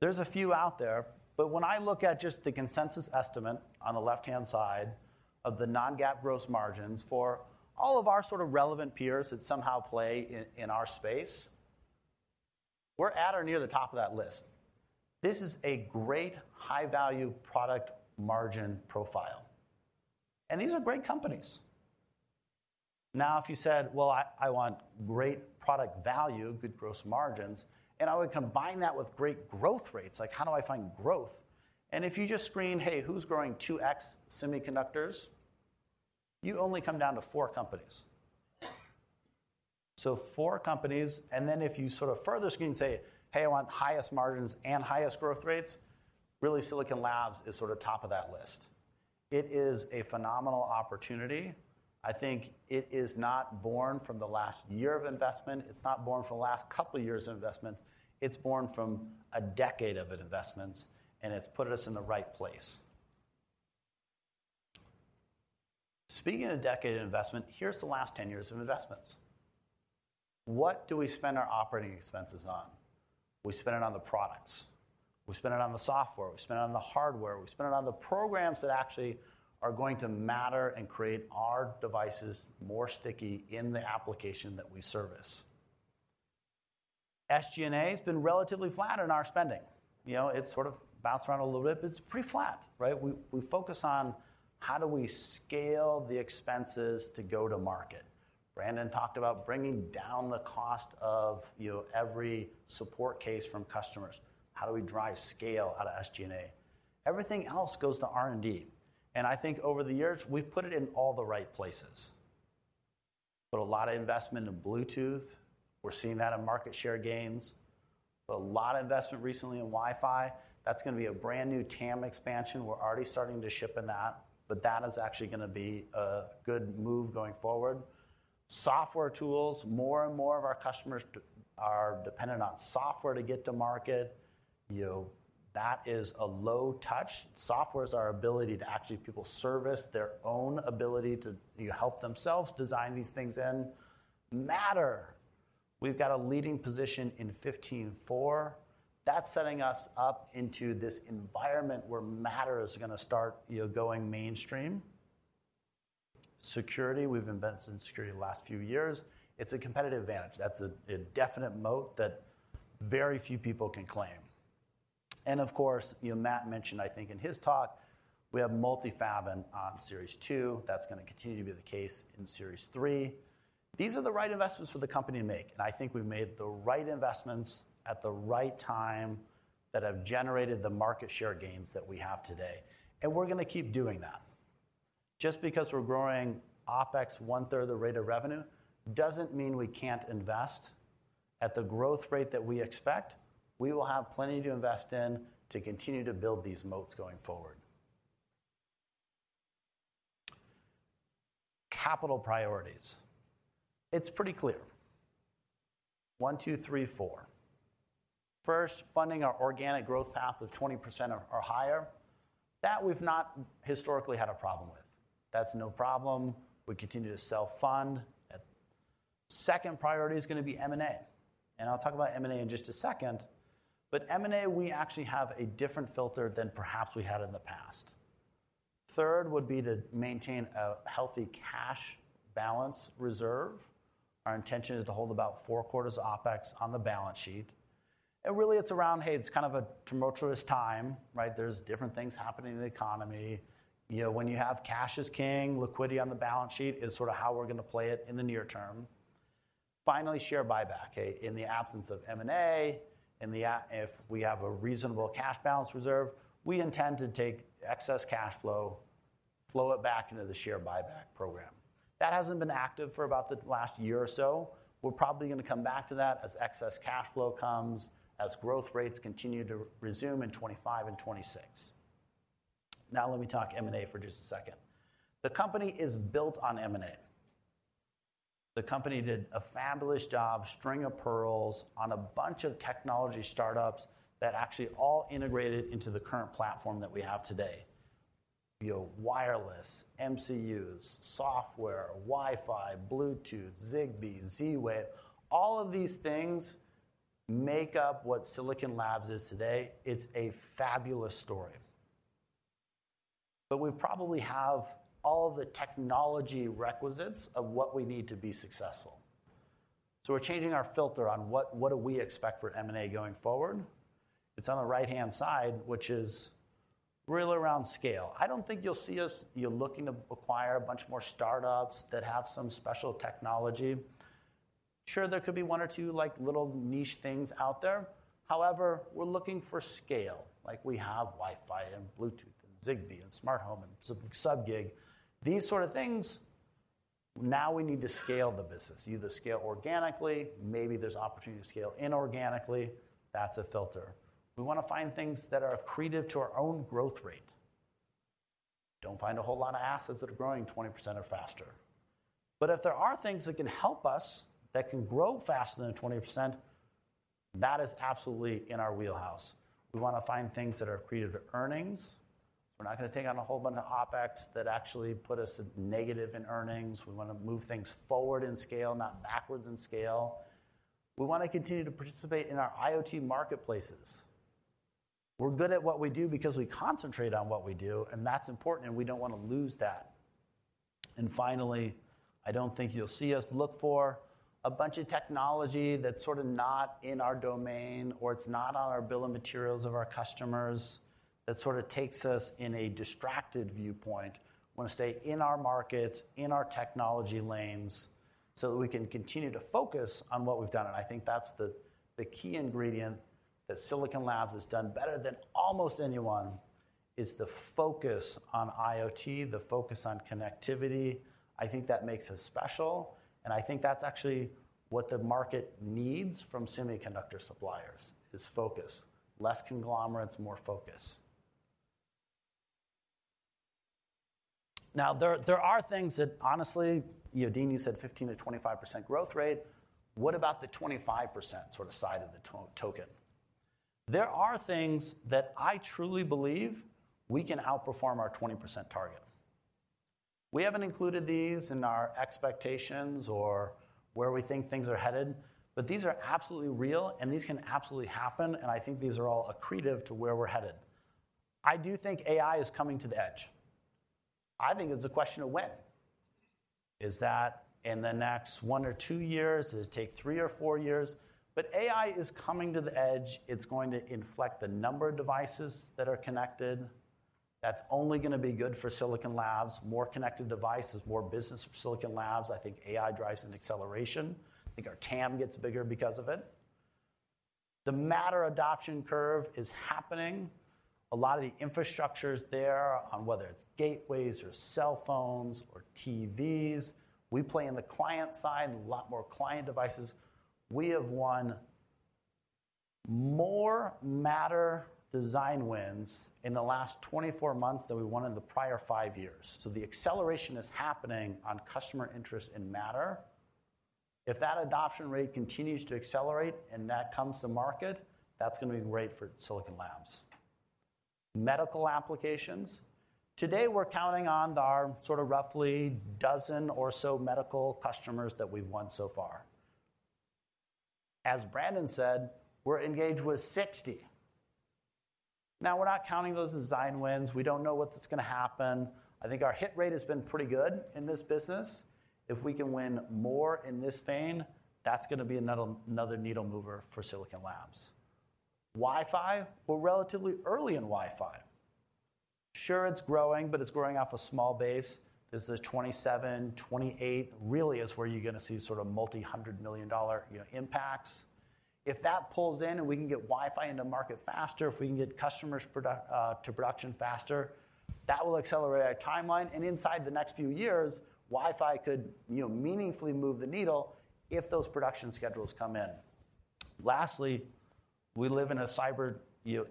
There's a few out there. When I look at just the consensus estimate on the left-hand side of the non-GAAP gross margins for all of our sort of relevant peers that somehow play in our space, we're at or near the top of that list. This is a great high-value product margin profile. These are great companies. If you said, I want great product value, good gross margins, and I would combine that with great growth rates, like how do I find growth? If you just screen, hey, who's growing 2x semiconductors, you only come down to four companies. Four companies. If you sort of further screen and say, hey, I want highest margins and highest growth rates, really Silicon Labs is sort of top of that list. It is a phenomenal opportunity. I think it is not born from the last year of investment. It's not born from the last couple of years of investments. It's born from a decade of investments. It's put us in the right place. Speaking of a decade of investment, here is the last 10 years of investments. What do we spend our operating expenses on? We spend it on the products. We spend it on the software. We spend it on the hardware. We spend it on the programs that actually are going to matter and create our devices more sticky in the application that we service. SG&A has been relatively flat in our spending. You know, it's sort of bounced around a little bit, but it's pretty flat, right? We focus on how do we scale the expenses to go to market. Brandon talked about bringing down the cost of every support case from customers. How do we drive scale out of SG&A? Everything else goes to R&D. I think over the years, we've put it in all the right places. A lot of investment in Bluetooth. We're seeing that in market share gains. A lot of investment recently in Wi-Fi. That's going to be a brand new TAM expansion. We're already starting to ship in that. That is actually going to be a good move going forward. Software tools. More and more of our customers are dependent on software to get to market. That is a low touch. Software is our ability to actually help people service their own ability to help themselves design these things in. Matter. We've got a leading position in 15/4. That is setting us up into this environment where Matter is going to start going mainstream. Security. We've invested in security the last few years. It's a competitive advantage. That's a definite moat that very few people can claim. Of course, Matt mentioned, I think, in his talk, we have multi-fab on Series 2. That is going to continue to be the case in Series 3. These are the right investments for the company to make. I think we've made the right investments at the right time that have generated the market share gains that we have today. We're going to keep doing that. Just because we're growing OpEx 1/3 the rate of revenue doesn't mean we can't invest at the growth rate that we expect. We will have plenty to invest in to continue to build these moats going forward. Capital priorities. It's pretty clear. One, two, three, four. First, funding our organic growth path of 20% or higher. That we've not historically had a problem with. That's no problem. We continue to self-fund. Second priority is going to be M&A. I'll talk about M&A in just a second. M&A, we actually have a different filter than perhaps we had in the past. Third would be to maintain a healthy cash balance reserve. Our intention is to hold about four quarters of OpEx on the balance sheet. Really, it's around, hey, it's kind of a tumultuous time, right? There's different things happening in the economy. When you have cash as king, liquidity on the balance sheet is sort of how we're going to play it in the near term. Finally, share buyback. In the absence of M&A, if we have a reasonable cash balance reserve, we intend to take excess cash flow, flow it back into the share buyback program. That hasn't been active for about the last year or so. We're probably going to come back to that as excess cash flow comes, as growth rates continue to resume in 2025 and 2026. Now let me talk M&A for just a second. The company is built on M&A. The company did a fabulous job, string of pearls on a bunch of technology startups that actually all integrated into the current platform that we have today. Wireless, MCUs, software, Wi-Fi, Bluetooth, Zigbee, Z-Wave. All of these things make up what Silicon Labs is today. It's a fabulous story. We probably have all of the technology requisites of what we need to be successful. We're changing our filter on what do we expect for M&A going forward. It's on the right-hand side, which is really around scale. I don't think you'll see us looking to acquire a bunch more startups that have some special technology. Sure, there could be one or two little niche things out there. However, we're looking for scale. Like we have Wi-Fi and Bluetooth and Zigbee and Smart Home and Sub-Gig. These sort of things, now we need to scale the business. Either scale organically, maybe there's opportunity to scale inorganically. That's a filter. We want to find things that are accretive to our own growth rate. Don't find a whole lot of assets that are growing 20% or faster. If there are things that can help us that can grow faster than 20%, that is absolutely in our wheelhouse. We want to find things that are accretive to earnings. We're not going to take on a whole bunch of OpEx that actually put us negative in earnings. We want to move things forward in scale, not backwards in scale. We want to continue to participate in our IoT marketplaces. We're good at what we do because we concentrate on what we do. That's important. We don't want to lose that. Finally, I don't think you'll see us look for a bunch of technology that's sort of not in our domain or it's not on our bill of materials of our customers that sort of takes us in a distracted viewpoint. We want to stay in our markets, in our technology lanes so that we can continue to focus on what we've done. I think that's the key ingredient that Silicon Labs has done better than almost anyone is the focus on IoT, the focus on connectivity. I think that makes us special. I think that's actually what the market needs from semiconductor suppliers is focus. Less conglomerates, more focus. Now, there are things that honestly, Dean, you said 15%-25% growth rate. What about the 25% sort of side of the token? There are things that I truly believe we can outperform our 20% target. We haven't included these in our expectations or where we think things are headed. These are absolutely real. These can absolutely happen. I think these are all accretive to where we're headed. I do think AI is coming to the edge. I think it's a question of when. Is that in the next one or two years? Does it take three or four years? AI is coming to the edge. It's going to inflect the number of devices that are connected. That's only going to be good for Silicon Labs. More connected devices, more business for Silicon Labs. I think AI drives an acceleration. I think our TAM gets bigger because of it. The Matter adoption curve is happening. A lot of the infrastructure is there on whether it's gateways or cell phones or TVs. We play on the client side, a lot more client devices. We have won more Matter design wins in the last 24 months than we won in the prior five years. The acceleration is happening on customer interest in Matter. If that adoption rate continues to accelerate and that comes to market, that's going to be great for Silicon Labs. Medical applications. Today, we're counting on our sort of roughly dozen or so medical customers that we've won so far. As Brandon said, we're engaged with 60. Now, we're not counting those design wins. We don't know what's going to happen. I think our hit rate has been pretty good in this business. If we can win more in this vein, that's going to be another needle mover for Silicon Labs. Wi-Fi. We're relatively early in Wi-Fi. Sure, it's growing, but it's growing off a small base. There's the '27, '28 really is where you're going to see sort of multi-hundred million dollar impacts. If that pulls in and we can get Wi-Fi into market faster, if we can get customers to production faster, that will accelerate our timeline. Inside the next few years, Wi-Fi could meaningfully move the needle if those production schedules come in. Lastly, we live in a cyber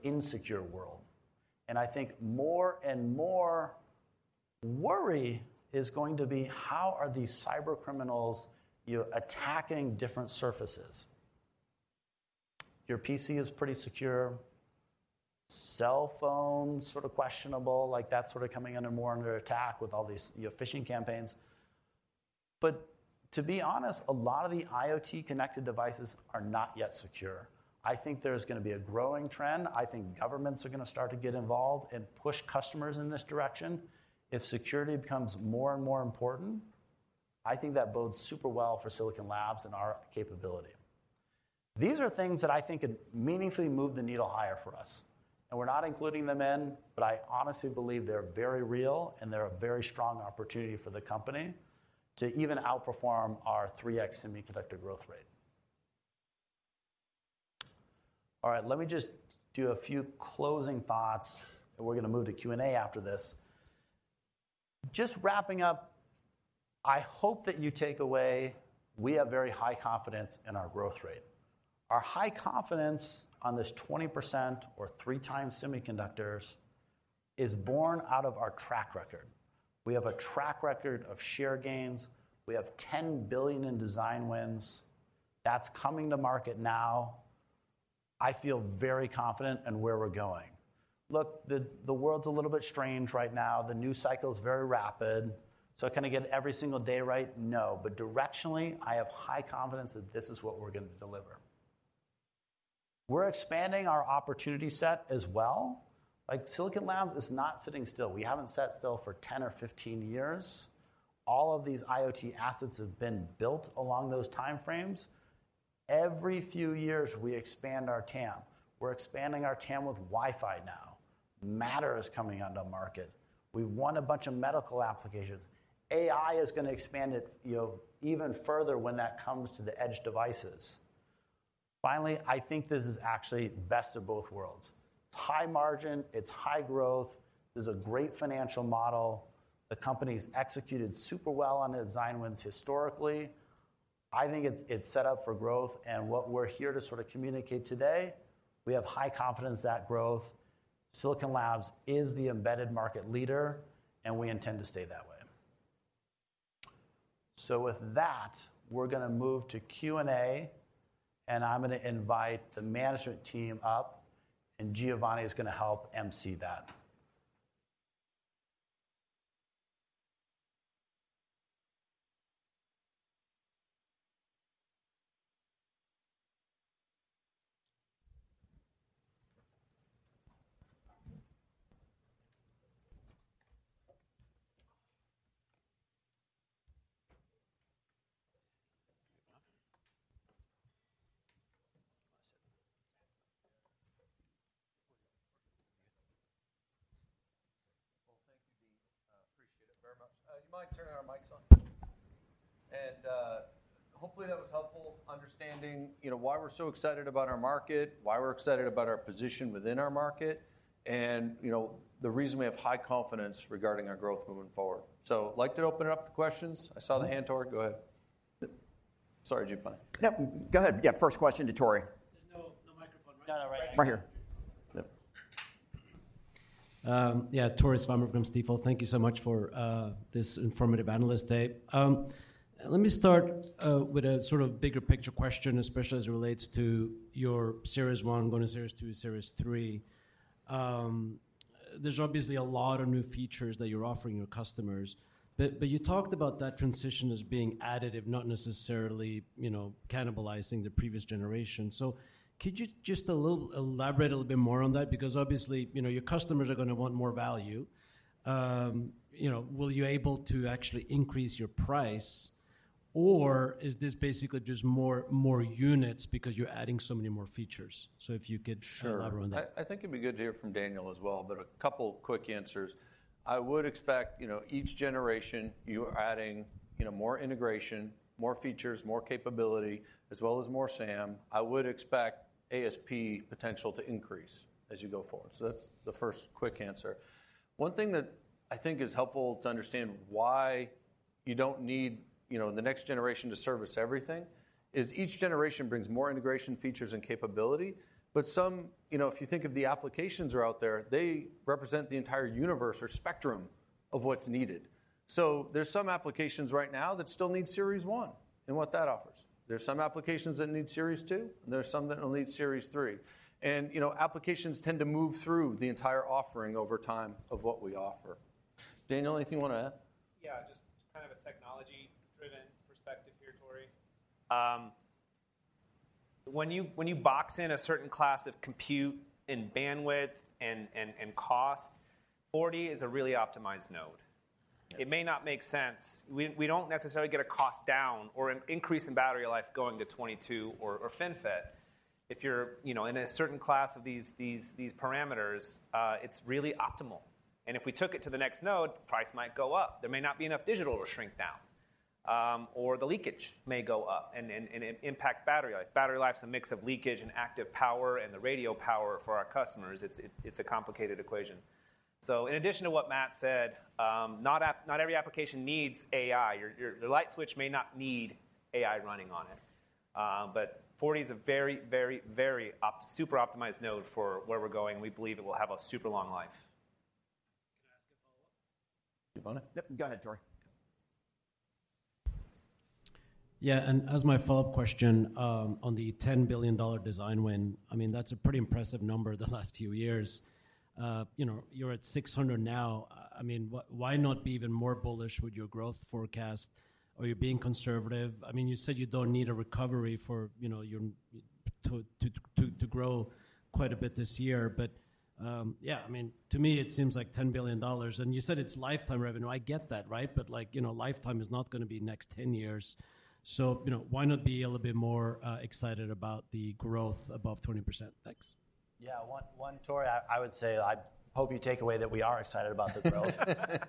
insecure world. I think more and more worry is going to be how are these cyber criminals attacking different surfaces. Your PC is pretty secure. Cell phone sort of questionable. Like that's sort of coming under more under attack with all these phishing campaigns. To be honest, a lot of the IoT connected devices are not yet secure. I think there's going to be a growing trend. I think governments are going to start to get involved and push customers in this direction. If security becomes more and more important, I think that bodes super well for Silicon Labs and our capability. These are things that I think could meaningfully move the needle higher for us. We're not including them in, but I honestly believe they're very real and they're a very strong opportunity for the company to even outperform our 3x semiconductor growth rate. Let me just do a few closing thoughts. We're going to move to Q&A after this. Just wrapping up, I hope that you take away we have very high confidence in our growth rate. Our high confidence on this 20% or three times semiconductors is born out of our track record. We have a track record of share gains. We have $10 billion in design wins. That's coming to market now. I feel very confident in where we're going. Look, the world's a little bit strange right now. The news cycle is very rapid. Can I get every single day right? No. Directionally, I have high confidence that this is what we're going to deliver. We're expanding our opportunity set as well. Silicon Labs is not sitting still. We haven't sat still for 10 or 15 years. All of these IoT assets have been built along those time frames. Every few years, we expand our TAM. We're expanding our TAM with Wi-Fi now. Matter is coming onto market. We've won a bunch of medical applications. AI is going to expand it even further when that comes to the edge devices. Finally, I think this is actually best of both worlds. It's high margin. It's high growth. It's a great financial model. The company's executed super well on its design wins historically. I think it's set up for growth. What we're here to sort of communicate today, we have high confidence in that growth. Silicon Labs is the embedded market leader. We intend to stay that way. With that, we're going to move to Q&A. I'm going to invite the management team up. Giovanni is going to help emcee that. Thank you, Dean. Appreciate it very much. You mind turning our mics on? Hopefully that was helpful understanding why we're so excited about our market, why we're excited about our position within our market, and the reason we have high confidence regarding our growth moving forward. I'd like to open it up to questions. I saw the hand toward. Go ahead. Sorry, Giovanni. Yeah, go ahead. First question to Tore. There's no microphone, right? No, no, right here. Yeah, Tore Svanberg, Stifel, thank you so much for this informative analyst day. Let me start with a sort of bigger picture question, especially as it relates to your Series 1, going to Series 2, Series 3. There's obviously a lot of new features that you're offering your customers. You talked about that transition as being additive, not necessarily cannibalizing the previous generation. Could you just elaborate a little bit more on that? Obviously, your customers are going to want more value. Will you be able to actually increase your price? Is this basically just more units because you're adding so many more features? If you could elaborate on that. Sure. I think it'd be good to hear from Daniel as well. A couple of quick answers. I would expect each generation, you're adding more integration, more features, more capability, as well as more SAM. I would expect ASP potential to increase as you go forward. That's the first quick answer. One thing that I think is helpful to understand why you don't need the next generation to service everything is each generation brings more integration, features, and capability. If you think of the applications that are out there, they represent the entire universe or spectrum of what's needed. There are some applications right now that still need Series 1 and what that offers. There are some applications that need Series 2. There are some that will need Series 3. Applications tend to move through the entire offering over time of what we offer. Daniel, anything you want to add? Yeah, just kind of a technology-driven perspective here, Tore. When you box in a certain class of compute and bandwidth and cost, 40 is a really optimized node. It may not make sense. We don't necessarily get a cost down or an increase in battery life going to 22 or FinFET. If you're in a certain class of these parameters, it's really optimal. If we took it to the next node, price might go up. There may not be enough digital to shrink down. Or the leakage may go up and impact battery life. Battery life is a mix of leakage and active power and the radio power for our customers. It's a complicated equation. In addition to what Matt said, not every application needs AI. Your light switch may not need AI running on it. Forty is a very, very, very super optimized node for where we're going. We believe it will have a super long life. Can I ask a follow-up? Yep, go ahead, Tore. Yeah, and as my follow-up question on the $10 billion design win, I mean, that's a pretty impressive number the last few years. You're at 600 now. I mean, why not be even more bullish with your growth forecast? Are you being conservative? I mean, you said you don't need a recovery to grow quite a bit this year. Yeah, I mean, to me, it seems like $10 billion. And you said it's lifetime revenue. I get that, right? But lifetime is not going to be next 10 years. Why not be a little bit more excited about the growth above 20%? Thanks. Yeah, one, Tore, I would say I hope you take away that we are excited about the growth.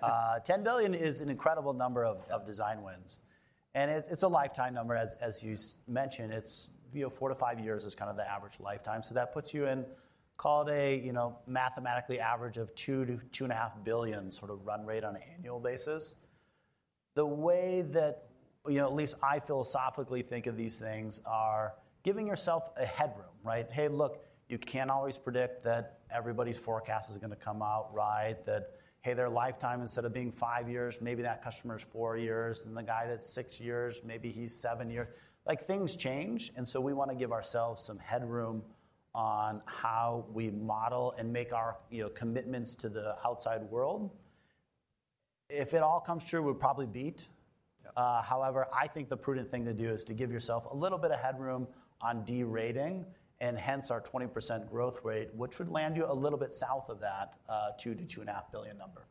$10 billion is an incredible number of design wins. And it's a lifetime number, as you mentioned. It's four to five years is kind of the average lifetime. So that puts you in, call it a mathematically average of 2-2.5 billion sort of run rate on an annual basis. The way that at least I philosophically think of these things are giving yourself a headroom, right? Hey, look, you can't always predict that everybody's forecast is going to come out right. That, hey, their lifetime instead of being five years, maybe that customer is four years. And the guy that's six years, maybe he's seven years. Things change. We want to give ourselves some headroom on how we model and make our commitments to the outside world. If it all comes true, we'll probably beat. However, I think the prudent thing to do is to give yourself a little bit of headroom on derating and hence our 20% growth rate, which would land you a little bit south of that $2 billion to $2.5 billion number.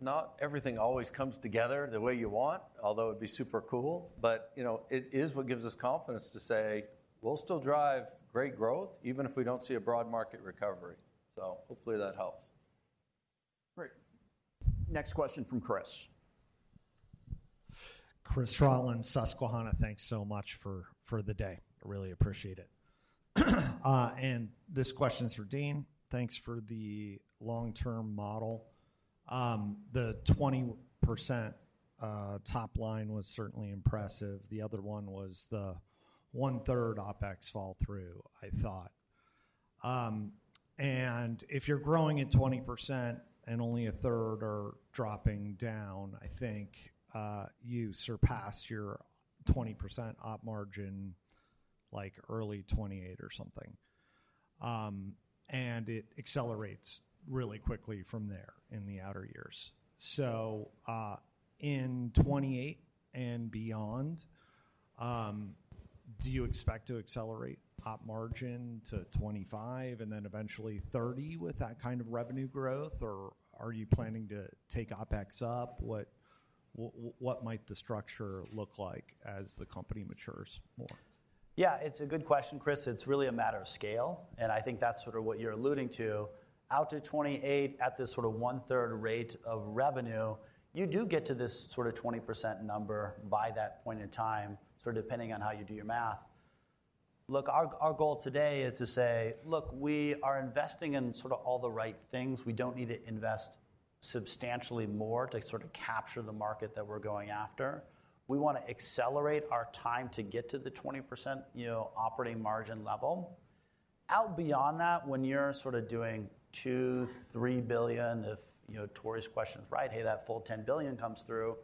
Not everything always comes together the way you want, although it'd be super cool. It is what gives us confidence to say we'll still drive great growth even if we don't see a broad market recovery. Hopefully that helps. Great. Next question from Chris. Chris Rolland, Susquehanna, thanks so much for the day. I really appreciate it. This question is for Dean. Thanks for the long-term model. The 20% top line was certainly impressive. The other one was the 1/3 OpEx fall through, I thought. If you're growing at 20% and only a third are dropping down, I think you surpass your 20% op margin like early 2028 or something. It accelerates really quickly from there in the outer years. In 2028 and beyond, do you expect to accelerate op margin to 25% and then eventually 30% with that kind of revenue growth? Or are you planning to take OpEx up? What might the structure look like as the company matures more? Yeah, it's a good question, Chris. It's really a matter of scale. I think that's sort of what you're alluding to. Out to '28 at this sort of 1/3 rate of revenue, you do get to this sort of 20% number by that point in time, sort of depending on how you do your math. Look, our goal today is to say, look, we are investing in sort of all the right things. We do not need to invest substantially more to sort of capture the market that we are going after. We want to accelerate our time to get to the 20% operating margin level. Out beyond that, when you are sort of doing 2, 3 billion, if Tor's question is right, hey, that full 10 billion comes through,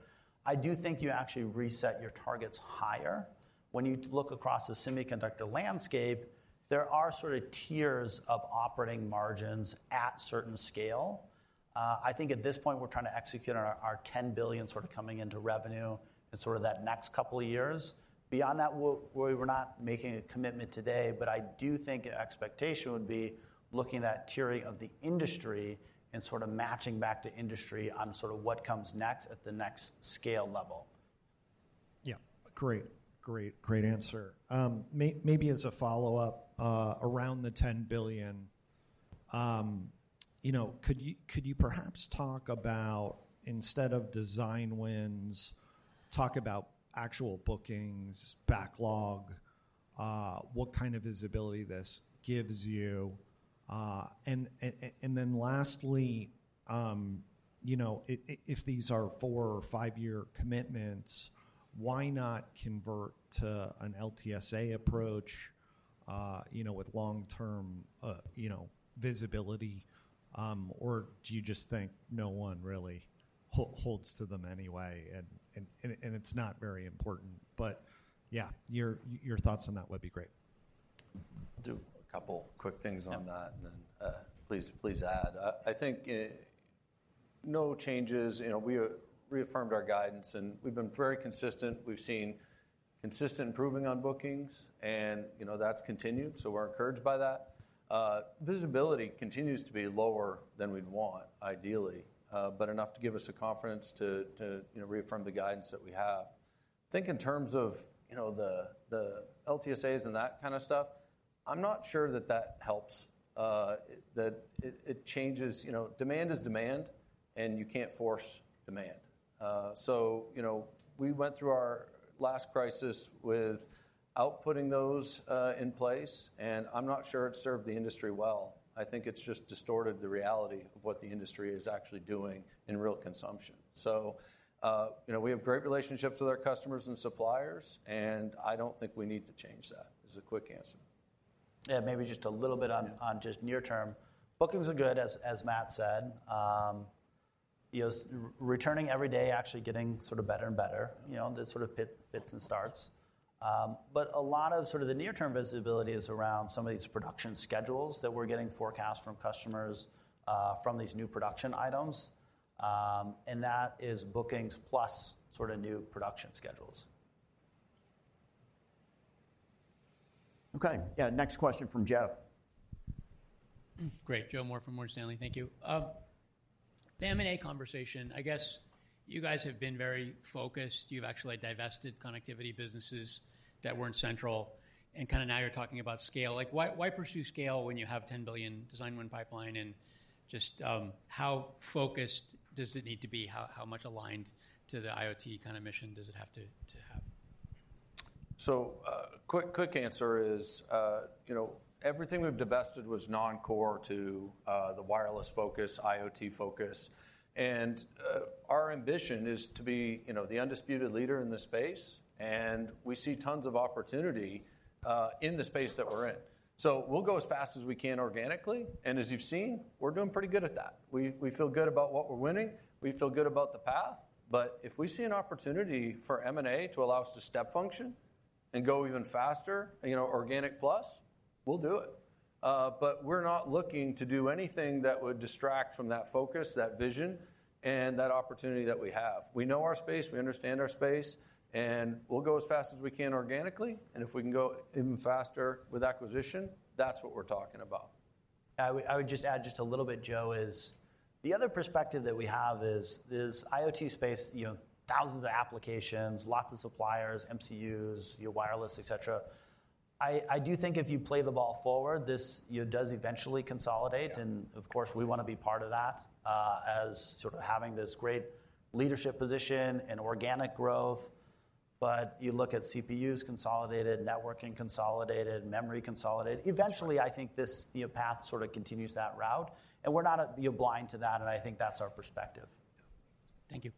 I do think you actually reset your targets higher. When you look across the semiconductor landscape, there are sort of tiers of operating margins at certain scale. I think at this point, we are trying to execute on our 10 billion sort of coming into revenue in sort of that next couple of years. Beyond that, we are not making a commitment today. I do think an expectation would be looking at that tiering of the industry and sort of matching back to industry on sort of what comes next at the next scale level. Yeah, great, great, great answer. Maybe as a follow-up around the 10 billion, could you perhaps talk about, instead of design wins, talk about actual bookings, backlog, what kind of visibility this gives you? Lastly, if these are four or five-year commitments, why not convert to an LTSA approach with long-term visibility? Do you just think no one really holds to them anyway? It's not very important. Your thoughts on that would be great. I'll do a couple of quick things on that. Please add. I think no changes. We reaffirmed our guidance. We've been very consistent. We've seen consistent improving on bookings. That's continued. We're encouraged by that. Visibility continues to be lower than we'd want, ideally, but enough to give us the confidence to reaffirm the guidance that we have. I think in terms of the LTSAs and that kind of stuff, I'm not sure that that helps, that it changes. Demand is demand. You can't force demand. We went through our last crisis with outputting those in place. I'm not sure it served the industry well. I think it just distorted the reality of what the industry is actually doing in real consumption. We have great relationships with our customers and suppliers. I don't think we need to change that is a quick answer. Yeah, maybe just a little bit on just near-term. Bookings are good, as Matt said. Returning every day, actually getting sort of better and better. This sort of fits and starts. A lot of sort of the near-term visibility is around some of these production schedules that we're getting forecast from customers from these new production items. That is bookings plus sort of new production schedules. Okay, yeah, next question from Joe. Great. Joe Moore from Morgan Stanley. Thank you. PM&A conversation, I guess you guys have been very focused. You've actually divested connectivity businesses that weren't central. Kind of now you're talking about scale. Why pursue scale when you have a $10 billion design win pipeline? Just how focused does it need to be? How much aligned to the IoT kind of mission does it have to have? Quick answer is everything we've divested was non-core to the wireless focus, IoT focus. Our ambition is to be the undisputed leader in the space. We see tons of opportunity in the space that we're in. We'll go as fast as we can organically. As you've seen, we're doing pretty good at that. We feel good about what we're winning. We feel good about the path. If we see an opportunity for M&A to allow us to step function and go even faster, organic plus, we'll do it. We're not looking to do anything that would distract from that focus, that vision, and that opportunity that we have. We know our space. We understand our space. We'll go as fast as we can organically. If we can go even faster with acquisition, that's what we're talking about. I would just add just a little bit, Joe, the other perspective that we have is this IoT space, thousands of applications, lots of suppliers, MCUs, wireless, et cetera. I do think if you play the ball forward, this does eventually consolidate. Of course, we want to be part of that as sort of having this great leadership position and organic growth. You look at CPUs consolidated, networking consolidated, memory consolidated. Eventually, I think this path sort of continues that route. We are not blind to that. I think that's our perspective. Thank you.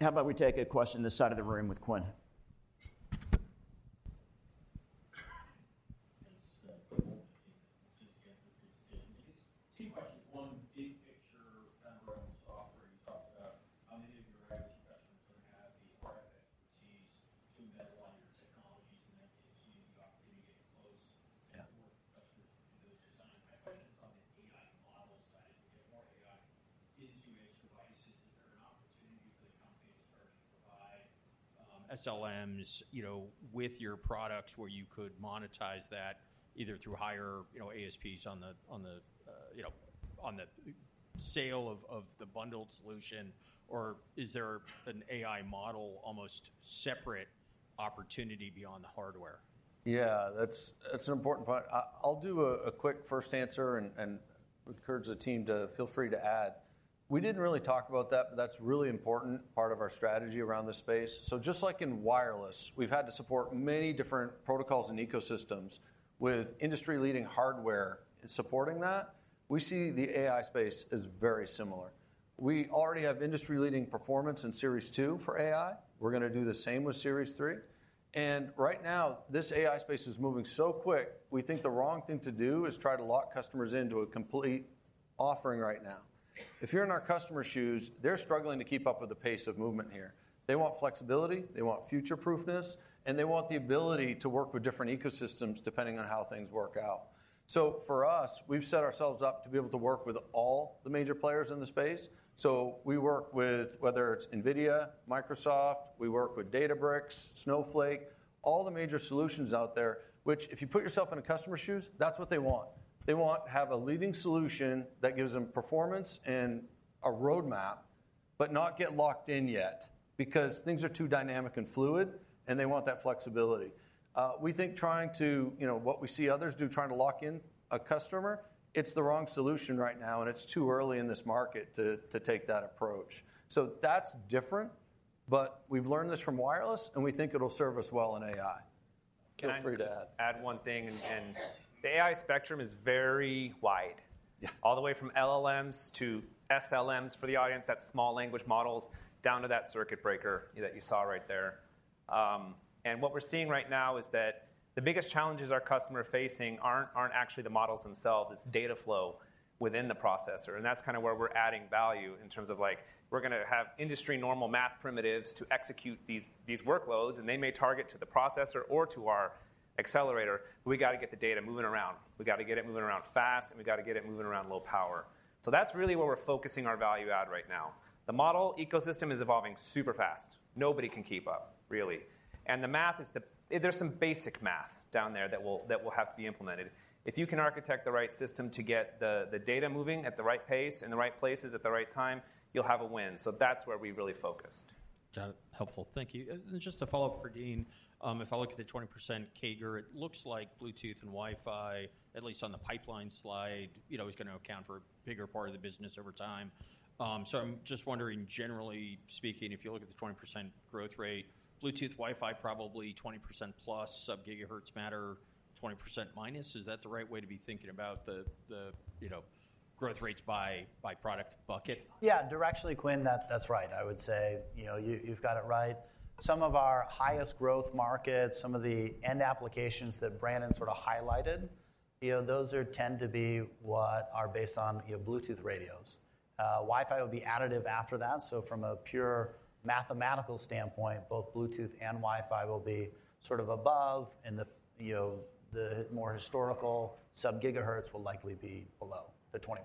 How about we take a question this side of the room with Quinn? Two questions. One, big picture kind of around software. You talked about how many of your IoT customers are going to have the RF expertise to meddle on your technologies? That gives you the opportunity to get close to more customers within those design. Questions on the AI model side. As we get more AI into its devices, is there an opportunity for the company to start to provide SLMs with your products where you could monetize that either through higher ASPs on the sale of the bundled solution? Or is there an AI model almost separate opportunity beyond the hardware? Yeah, that's an important point. I'll do a quick first answer. I would encourage the team to feel free to add. We didn't really talk about that, but that's a really important part of our strategy around this space. Just like in wireless, we've had to support many different protocols and ecosystems with industry-leading hardware supporting that. We see the AI space is very similar. We already have industry-leading performance in Series 2 for AI. We're going to do the same with Series 3. Right now, this AI space is moving so quick, we think the wrong thing to do is try to lock customers into a complete offering right now. If you're in our customer's shoes, they're struggling to keep up with the pace of movement here. They want flexibility. They want future-proofness. They want the ability to work with different ecosystems depending on how things work out. For us, we've set ourselves up to be able to work with all the major players in the space. We work with whether it's NVIDIA, Microsoft. We work with Databricks, Snowflake, all the major solutions out there, which if you put yourself in a customer's shoes, that's what they want. They want to have a leading solution that gives them performance and a roadmap, but not get locked in yet because things are too dynamic and fluid. They want that flexibility. We think trying to, what we see others do, trying to lock in a customer, it's the wrong solution right now. It's too early in this market to take that approach. That is different. We have learned this from wireless, and we think it will serve us well in AI. Can I just add one thing? The AI spectrum is very wide, all the way from LLMs to SLMs for the audience. That is small language models down to that circuit breaker that you saw right there. What we are seeing right now is that the biggest challenges our customers are facing are not actually the models themselves. It is data flow within the processor. That is where we are adding value in terms of having industry-normal math primitives to execute these workloads. They may target to the processor or to our accelerator. We have to get the data moving around. We have to get it moving around fast. We have to get it moving around low power. That is really where we are focusing our value add right now. The model ecosystem is evolving super fast. Nobody can keep up, really. The math is there is some basic math down there that will have to be implemented. If you can architect the right system to get the data moving at the right pace in the right places at the right time, you will have a win. That is where we really focused. Got it. Helpful. Thank you. Just to follow up for Dean, if I look at the 20% CAGR, it looks like Bluetooth and Wi-Fi, at least on the pipeline slide, is going to account for a bigger part of the business over time. I am just wondering, generally speaking, if you look at the 20% growth rate, Bluetooth, Wi-Fi probably 20% plus, sub-GHz, Matter, 20% minus. Is that the right way to be thinking about the growth rates by product bucket? Yeah, directly, Quinn, that is right. I would say you have got it right. Some of our highest growth markets, some of the end applications that Brandon sort of highlighted, those tend to be what are based on Bluetooth radios. Wi-Fi will be additive after that. From a pure mathematical standpoint, both Bluetooth and Wi-Fi will be sort of above. The more historical sub-GHz will likely be below the 20%.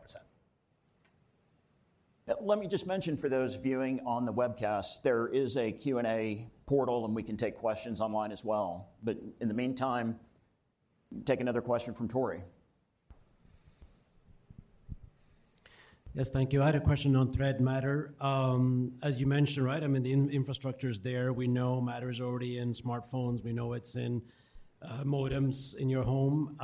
Let me just mention for those viewing on the webcast, there is a Q&A portal. We can take questions online as well. In the meantime, take another question from Tore. Yes, thank you. I had a question on Thread Matter. As you mentioned, right, I mean, the infrastructure is there. We know Matter is already in smartphones. We know it's in modems in your home.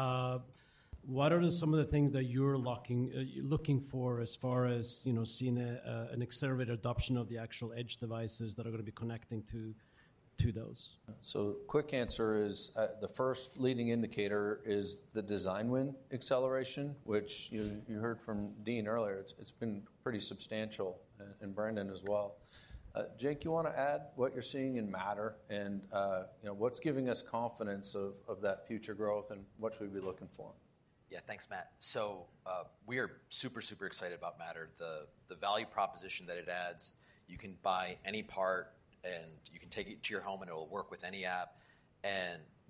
What are some of the things that you're looking for as far as seeing an accelerated adoption of the actual edge devices that are going to be connecting to those? Quick answer is the first leading indicator is the design win acceleration, which you heard from Dean earlier. It's been pretty substantial. And Brandon as well. Jake, you want to add what you're seeing in Matter and what's giving us confidence of that future growth and what should we be looking for? Yeah, thanks, Matt. We are super, super excited about Matter. The value proposition that it adds, you can buy any part. You can take it to your home, and it will work with any app.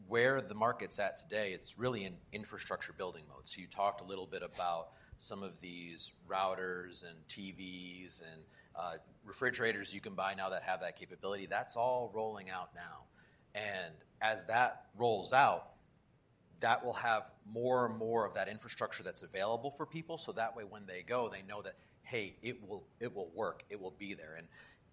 Where the market's at today, it's really in infrastructure building mode. You talked a little bit about some of these routers and TVs and refrigerators you can buy now that have that capability. That's all rolling out now. As that rolls out, that will have more and more of that infrastructure that's available for people. That way, when they go, they know that, hey, it will work. It will be there.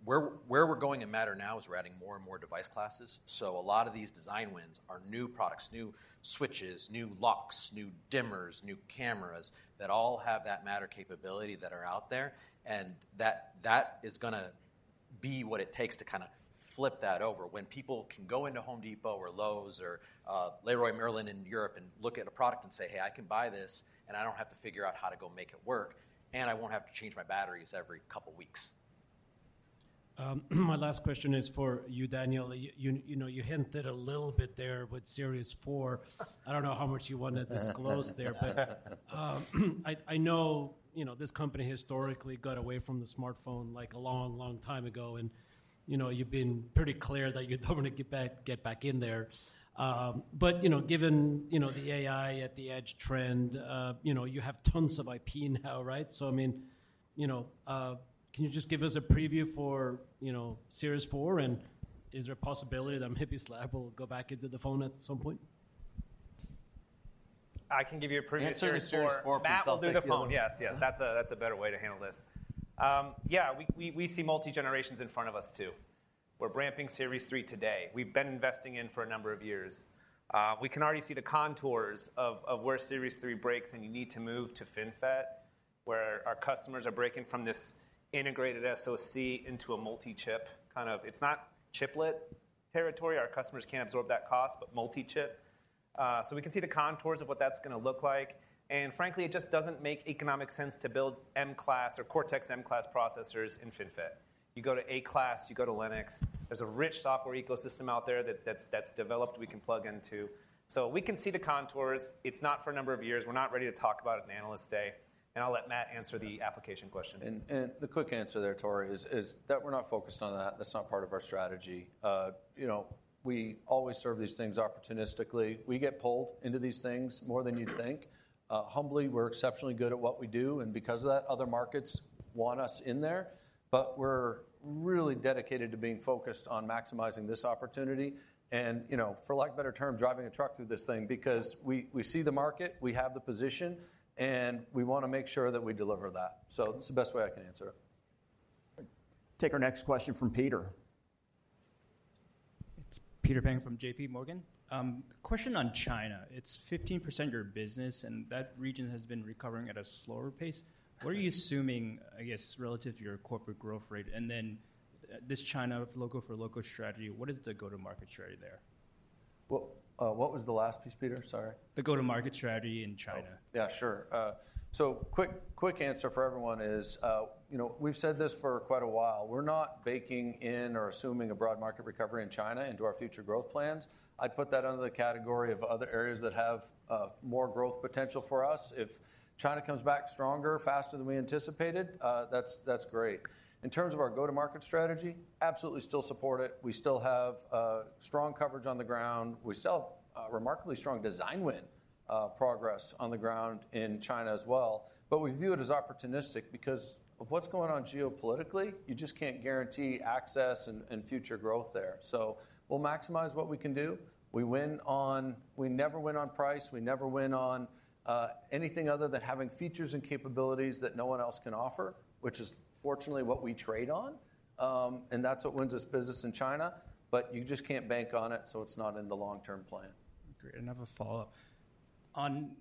Where we're going in Matter now is we're adding more and more device classes. A lot of these design wins are new products, new switches, new locks, new dimmers, new cameras that all have that Matter capability that are out there. That is going to be what it takes to kind of flip that over. When people can go into Home Depot or Lowe's or Leroy Merlin in Europe and look at a product and say, hey, I can buy this. I don't have to figure out how to go make it work. I won't have to change my batteries every couple of weeks. My last question is for you, Daniel. You hinted a little bit there with Series 4. I don't know how much you want to disclose there. I know this company historically got away from the smartphone like a long, long time ago. You have been pretty clear that you do not want to get back in there. Given the AI at the edge trend, you have tons of IP now, right? I mean, can you just give us a preview for Series 4? Is there a possibility that Silicon Labs will go back into the phone at some point? I can give you a preview for Series 4. Matt will do the phone. Yes, yes. That is a better way to handle this. Yeah, we see multi-generations in front of us too. We are ramping Series 3 today. We have been investing in for a number of years. We can already see the contours of where Series 3 breaks. You need to move to FinFET, where our customers are breaking from this integrated SoC into a multi-chip kind of, it is not chiplet territory. Our customers cannot absorb that cost, but multi-chip. We can see the contours of what that's going to look like. Frankly, it just doesn't make economic sense to build M-class or Cortex M-class processors in FinFET. You go to A-class. You go to Linux. There's a rich software ecosystem out there that's developed we can plug into. We can see the contours. It's not for a number of years. We're not ready to talk about it in analyst day. I'll let Matt answer the application question. The quick answer there, Tore, is that we're not focused on that. That's not part of our strategy. We always serve these things opportunistically. We get pulled into these things more than you'd think. Humbly, we're exceptionally good at what we do. Because of that, other markets want us in there. We are really dedicated to being focused on maximizing this opportunity and, for lack of a better term, driving a truck through this thing because we see the market. We have the position. We want to make sure that we deliver that. That is the best way I can answer it. Take our next question from Peter. It is Peter Pang from JPMorgan. Question on China. It is 15% of your business. That region has been recovering at a slower pace. What are you assuming, I guess, relative to your corporate growth rate? This China local for local strategy, what is the go-to-market strategy there? What was the last piece, Peter? Sorry. The go-to-market strategy in China. Yeah, sure. Quick answer for everyone is we have said this for quite a while. We're not baking in or assuming a broad market recovery in China into our future growth plans. I'd put that under the category of other areas that have more growth potential for us. If China comes back stronger, faster than we anticipated, that's great. In terms of our go-to-market strategy, absolutely still support it. We still have strong coverage on the ground. We still have remarkably strong design win progress on the ground in China as well. We view it as opportunistic because of what's going on geopolitically. You just can't guarantee access and future growth there. We'll maximize what we can do. We never win on price. We never win on anything other than having features and capabilities that no one else can offer, which is fortunately what we trade on. That's what wins us business in China. You just can't bank on it. It's not in the long-term plan. Great. Another follow-up.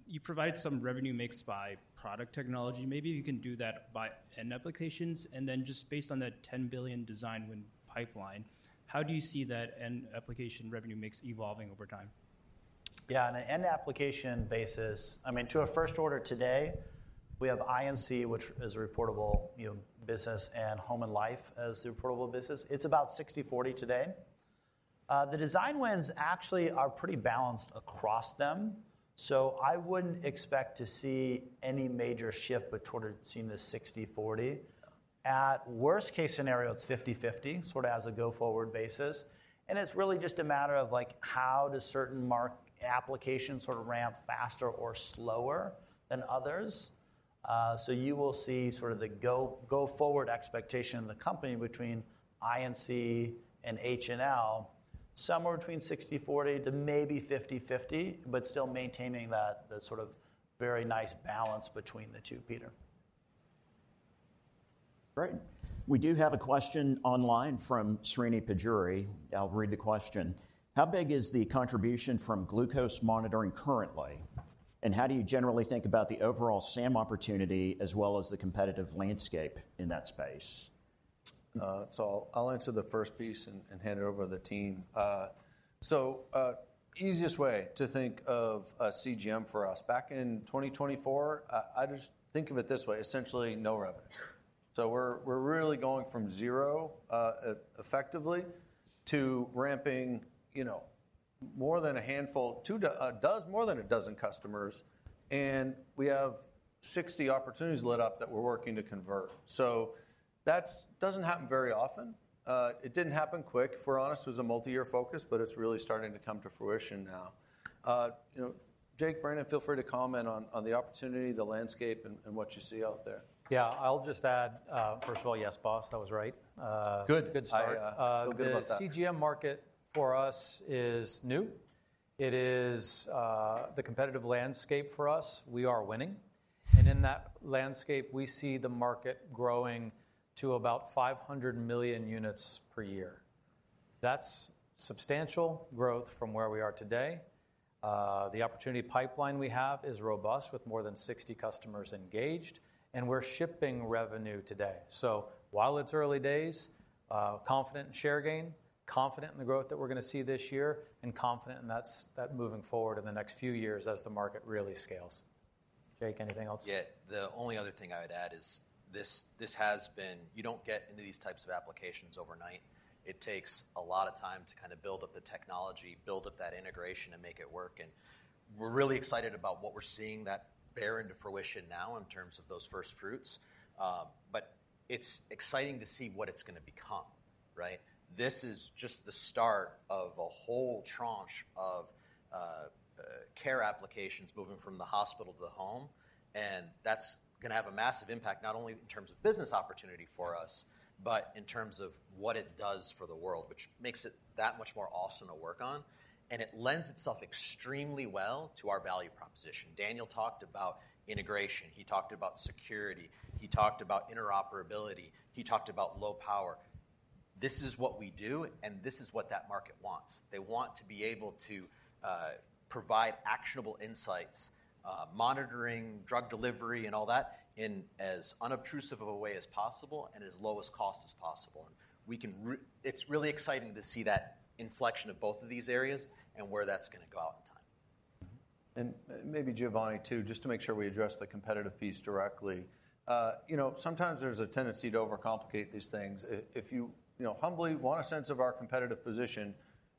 You provide some revenue mix by product technology. Maybe you can do that by end applications. Then just based on that $10 billion design win pipeline, how do you see that end application revenue mix evolving over time? Yeah, on an end application basis, I mean, to a first order today, we have INC, which is a reportable business, and Home and Life as the reportable business. It's about 60/40 today. The design wins actually are pretty balanced across them. I wouldn't expect to see any major shift but toward seeing the 60/40. At worst case scenario, it's 50/50, sort of as a go-forward basis. It's really just a matter of how does certain applications sort of ramp faster or slower than others. You will see sort of the go-forward expectation in the company between INC and H&L somewhere between 60/40 to maybe 50/50, but still maintaining that sort of very nice balance between the two, Peter. Great. We do have a question online from Serini Pajuri. I'll read the question. How big is the contribution from glucose monitoring currently? And how do you generally think about the overall SAM opportunity as well as the competitive landscape in that space? I'll answer the first piece and hand it over to the team. Easiest way to think of a CGM for us back in 2024, I just think of it this way, essentially no revenue. We're really going from zero effectively to ramping more than a handful, more than a dozen customers. We have 60 opportunities lit up that we're working to convert. That does not happen very often. It did not happen quick. For honest, it was a multi-year focus. But it is really starting to come to fruition now. Jake, Brandon, feel free to comment on the opportunity, the landscape, and what you see out there. Yeah, I will just add, first of all, yes, boss. That was right. Good. Good start. I feel good about that. The CGM market for us is new. It is the competitive landscape for us. We are winning. In that landscape, we see the market growing to about 500 million units per year. That is substantial growth from where we are today. The opportunity pipeline we have is robust with more than 60 customers engaged. We are shipping revenue today. While it's early days, confident in share gain, confident in the growth that we're going to see this year, and confident in that moving forward in the next few years as the market really scales. Jake, anything else? Yeah, the only other thing I would add is this has been you don't get into these types of applications overnight. It takes a lot of time to kind of build up the technology, build up that integration, and make it work. We're really excited about what we're seeing that bear into fruition now in terms of those first fruits. It's exciting to see what it's going to become, right? This is just the start of a whole tranche of care applications moving from the hospital to the home. That is going to have a massive impact not only in terms of business opportunity for us, but in terms of what it does for the world, which makes it that much more awesome to work on. It lends itself extremely well to our value proposition. Daniel talked about integration. He talked about security. He talked about interoperability. He talked about low power. This is what we do. This is what that market wants. They want to be able to provide actionable insights, monitoring drug delivery and all that in as unobtrusive of a way as possible and as low as cost as possible. It is really exciting to see that inflection of both of these areas and where that is going to go out in time. Maybe Giovanni, too, just to make sure we address the competitive piece directly. Sometimes there is a tendency to overcomplicate these things. If you humbly want a sense of our competitive position,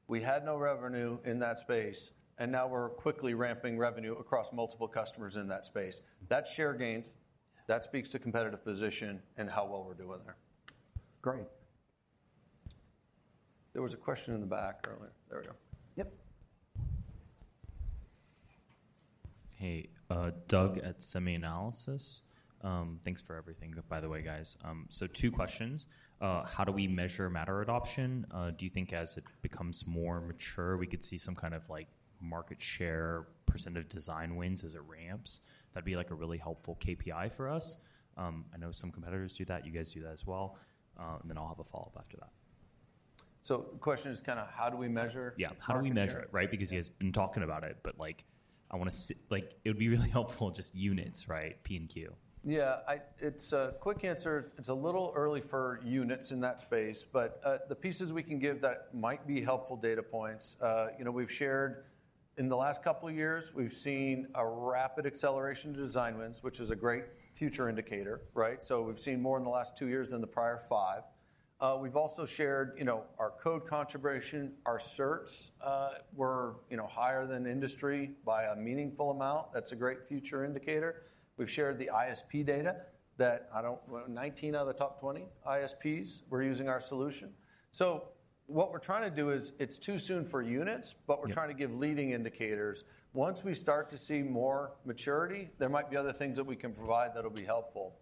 we had no revenue in that space. And now we're quickly ramping revenue across multiple customers in that space. That's share gains. That speaks to competitive position and how well we're doing there. Great. There was a question in the back earlier. There we go. Yep. Hey, Doug at SemiAnalysis. Thanks for everything, by the way, guys. Two questions. How do we measure Matter adoption? Do you think as it becomes more mature, we could see some kind of market share % of design wins as it ramps? That'd be like a really helpful KPI for us. I know some competitors do that. You guys do that as well. I'll have a follow-up after that. The question is kind of how do we measure? Yeah, how do we measure it, right? Because he has been talking about it. I want to, it would be really helpful, just units, right, P and Q. Yeah, it's a quick answer. It's a little early for units in that space. The pieces we can give that might be helpful data points. We've shared in the last couple of years, we've seen a rapid acceleration to design wins, which is a great future indicator, right? We've seen more in the last two years than the prior five. We've also shared our code contribution. Our certs were higher than industry by a meaningful amount. That's a great future indicator. We've shared the ISP data that 19 out of the top 20 ISPs were using our solution. What we're trying to do is, it's too soon for units, but we're trying to give leading indicators. Once we start to see more maturity, there might be other things that we can provide that'll be helpful.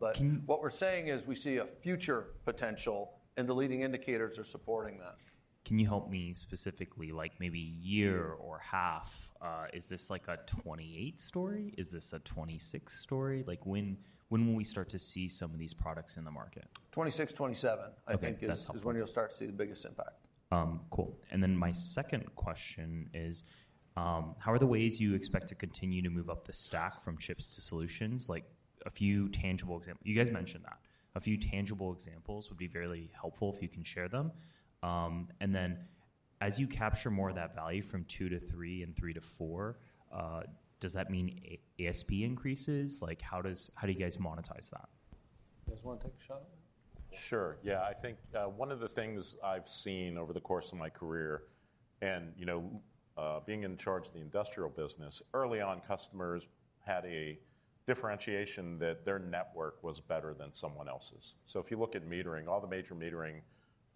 What we're saying is we see a future potential. The leading indicators are supporting that. Can you help me specifically? Like maybe year or half, is this like a '28 story? Is this a '26 story? When will we start to see some of these products in the market? '26, '27, I think, is when you'll start to see the biggest impact. Cool. My second question is, how are the ways you expect to continue to move up the stack from chips to solutions? A few tangible examples, you guys mentioned that. A few tangible examples would be very helpful if you can share them. As you capture more of that value from two to three and three to four, does that mean ASP increases? How do you guys monetize that? You guys want to take a shot? Sure. Yeah, I think one of the things I've seen over the course of my career and being in charge of the industrial business, early on, customers had a differentiation that their network was better than someone else's. If you look at metering, all the major metering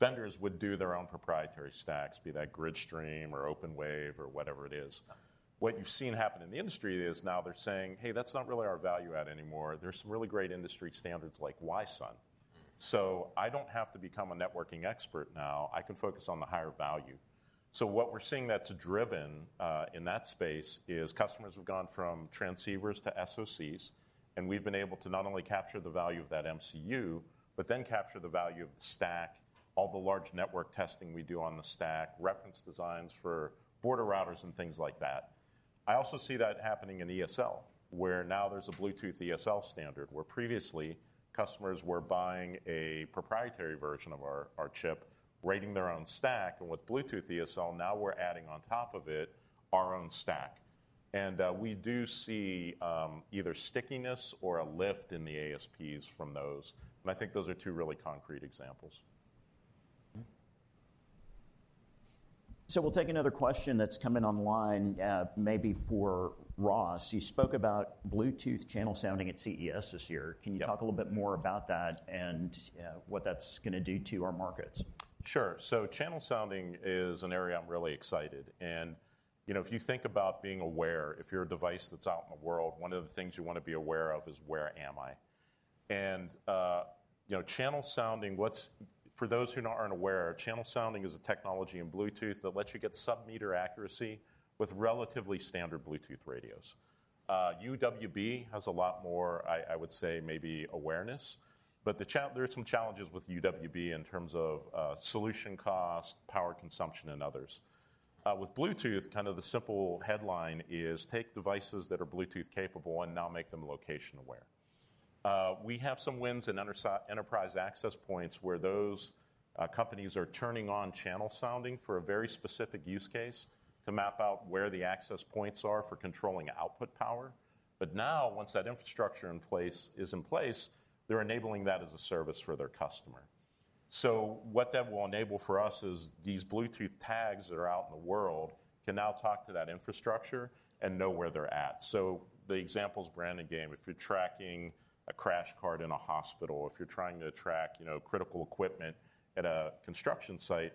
vendors would do their own proprietary stacks, be that Gridstream or OpenWave or whatever it is. What you've seen happen in the industry is now they're saying, hey, that's not really our value add anymore. There are some really great industry standards like Wi-SUN. I don't have to become a networking expert now. I can focus on the higher value. What we're seeing that's driven in that space is customers have gone from transceivers to SoCs. We have been able to not only capture the value of that MCU, but then capture the value of the stack, all the large network testing we do on the stack, reference designs for border routers, and things like that. I also see that happening in ESL, where now there is a Bluetooth ESL standard, where previously customers were buying a proprietary version of our chip, writing their own stack. With Bluetooth ESL, now we are adding on top of it our own stack. We do see either stickiness or a lift in the ASPs from those. I think those are two really concrete examples. We will take another question that has come in online, maybe for Ross. He spoke about Bluetooth channel sounding at CES this year. Can you talk a little bit more about that and what that is going to do to our markets? Sure. Channel sounding is an area I'm really excited. If you think about being aware, if you're a device that's out in the world, one of the things you want to be aware of is where am I? Channel sounding, for those who aren't aware, channel sounding is a technology in Bluetooth that lets you get sub-meter accuracy with relatively standard Bluetooth radios. UWB has a lot more, I would say, maybe awareness. There are some challenges with UWB in terms of solution cost, power consumption, and others. With Bluetooth, kind of the simple headline is take devices that are Bluetooth capable and now make them location aware. We have some wins in enterprise access points where those companies are turning on channel sounding for a very specific use case to map out where the access points are for controlling output power. Now, once that infrastructure is in place, they're enabling that as a service for their customer. What that will enable for us is these Bluetooth tags that are out in the world can now talk to that infrastructure and know where they're at. The examples Brandon gave, if you're tracking a crash cart in a hospital, if you're trying to track critical equipment at a construction site,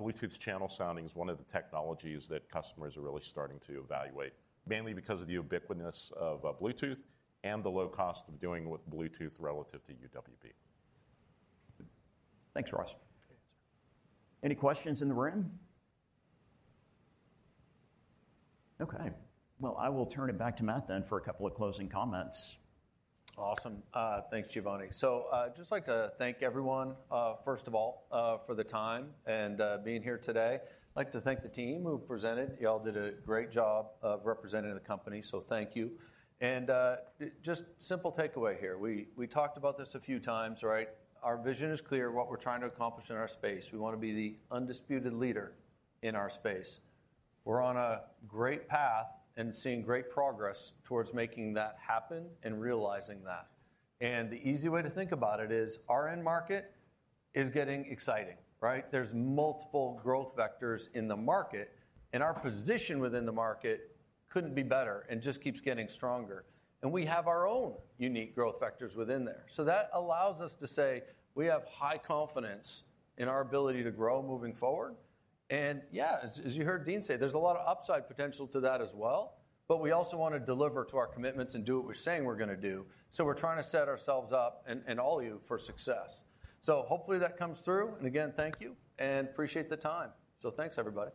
Bluetooth channel sounding is one of the technologies that customers are really starting to evaluate, mainly because of the ubiquitous of Bluetooth and the low cost of doing with Bluetooth relative to UWB. Thanks, Ross. Any questions in the room? OK. I will turn it back to Matt then for a couple of closing comments. Awesome. Thanks, Giovanni. I'd just like to thank everyone, first of all, for the time and being here today. I'd like to thank the team who presented. You all did a great job of representing the company. Thank you. Just simple takeaway here. We talked about this a few times, right? Our vision is clear of what we're trying to accomplish in our space. We want to be the undisputed leader in our space. We're on a great path and seeing great progress towards making that happen and realizing that. The easy way to think about it is our end market is getting exciting, right? There are multiple growth vectors in the market. Our position within the market could not be better and just keeps getting stronger. We have our own unique growth vectors within there. That allows us to say we have high confidence in our ability to grow moving forward. Yeah, as you heard Dean say, there's a lot of upside potential to that as well. We also want to deliver to our commitments and do what we're saying we're going to do. We're trying to set ourselves up and all you for success. Hopefully that comes through. Again, thank you. Appreciate the time. Thanks, everybody.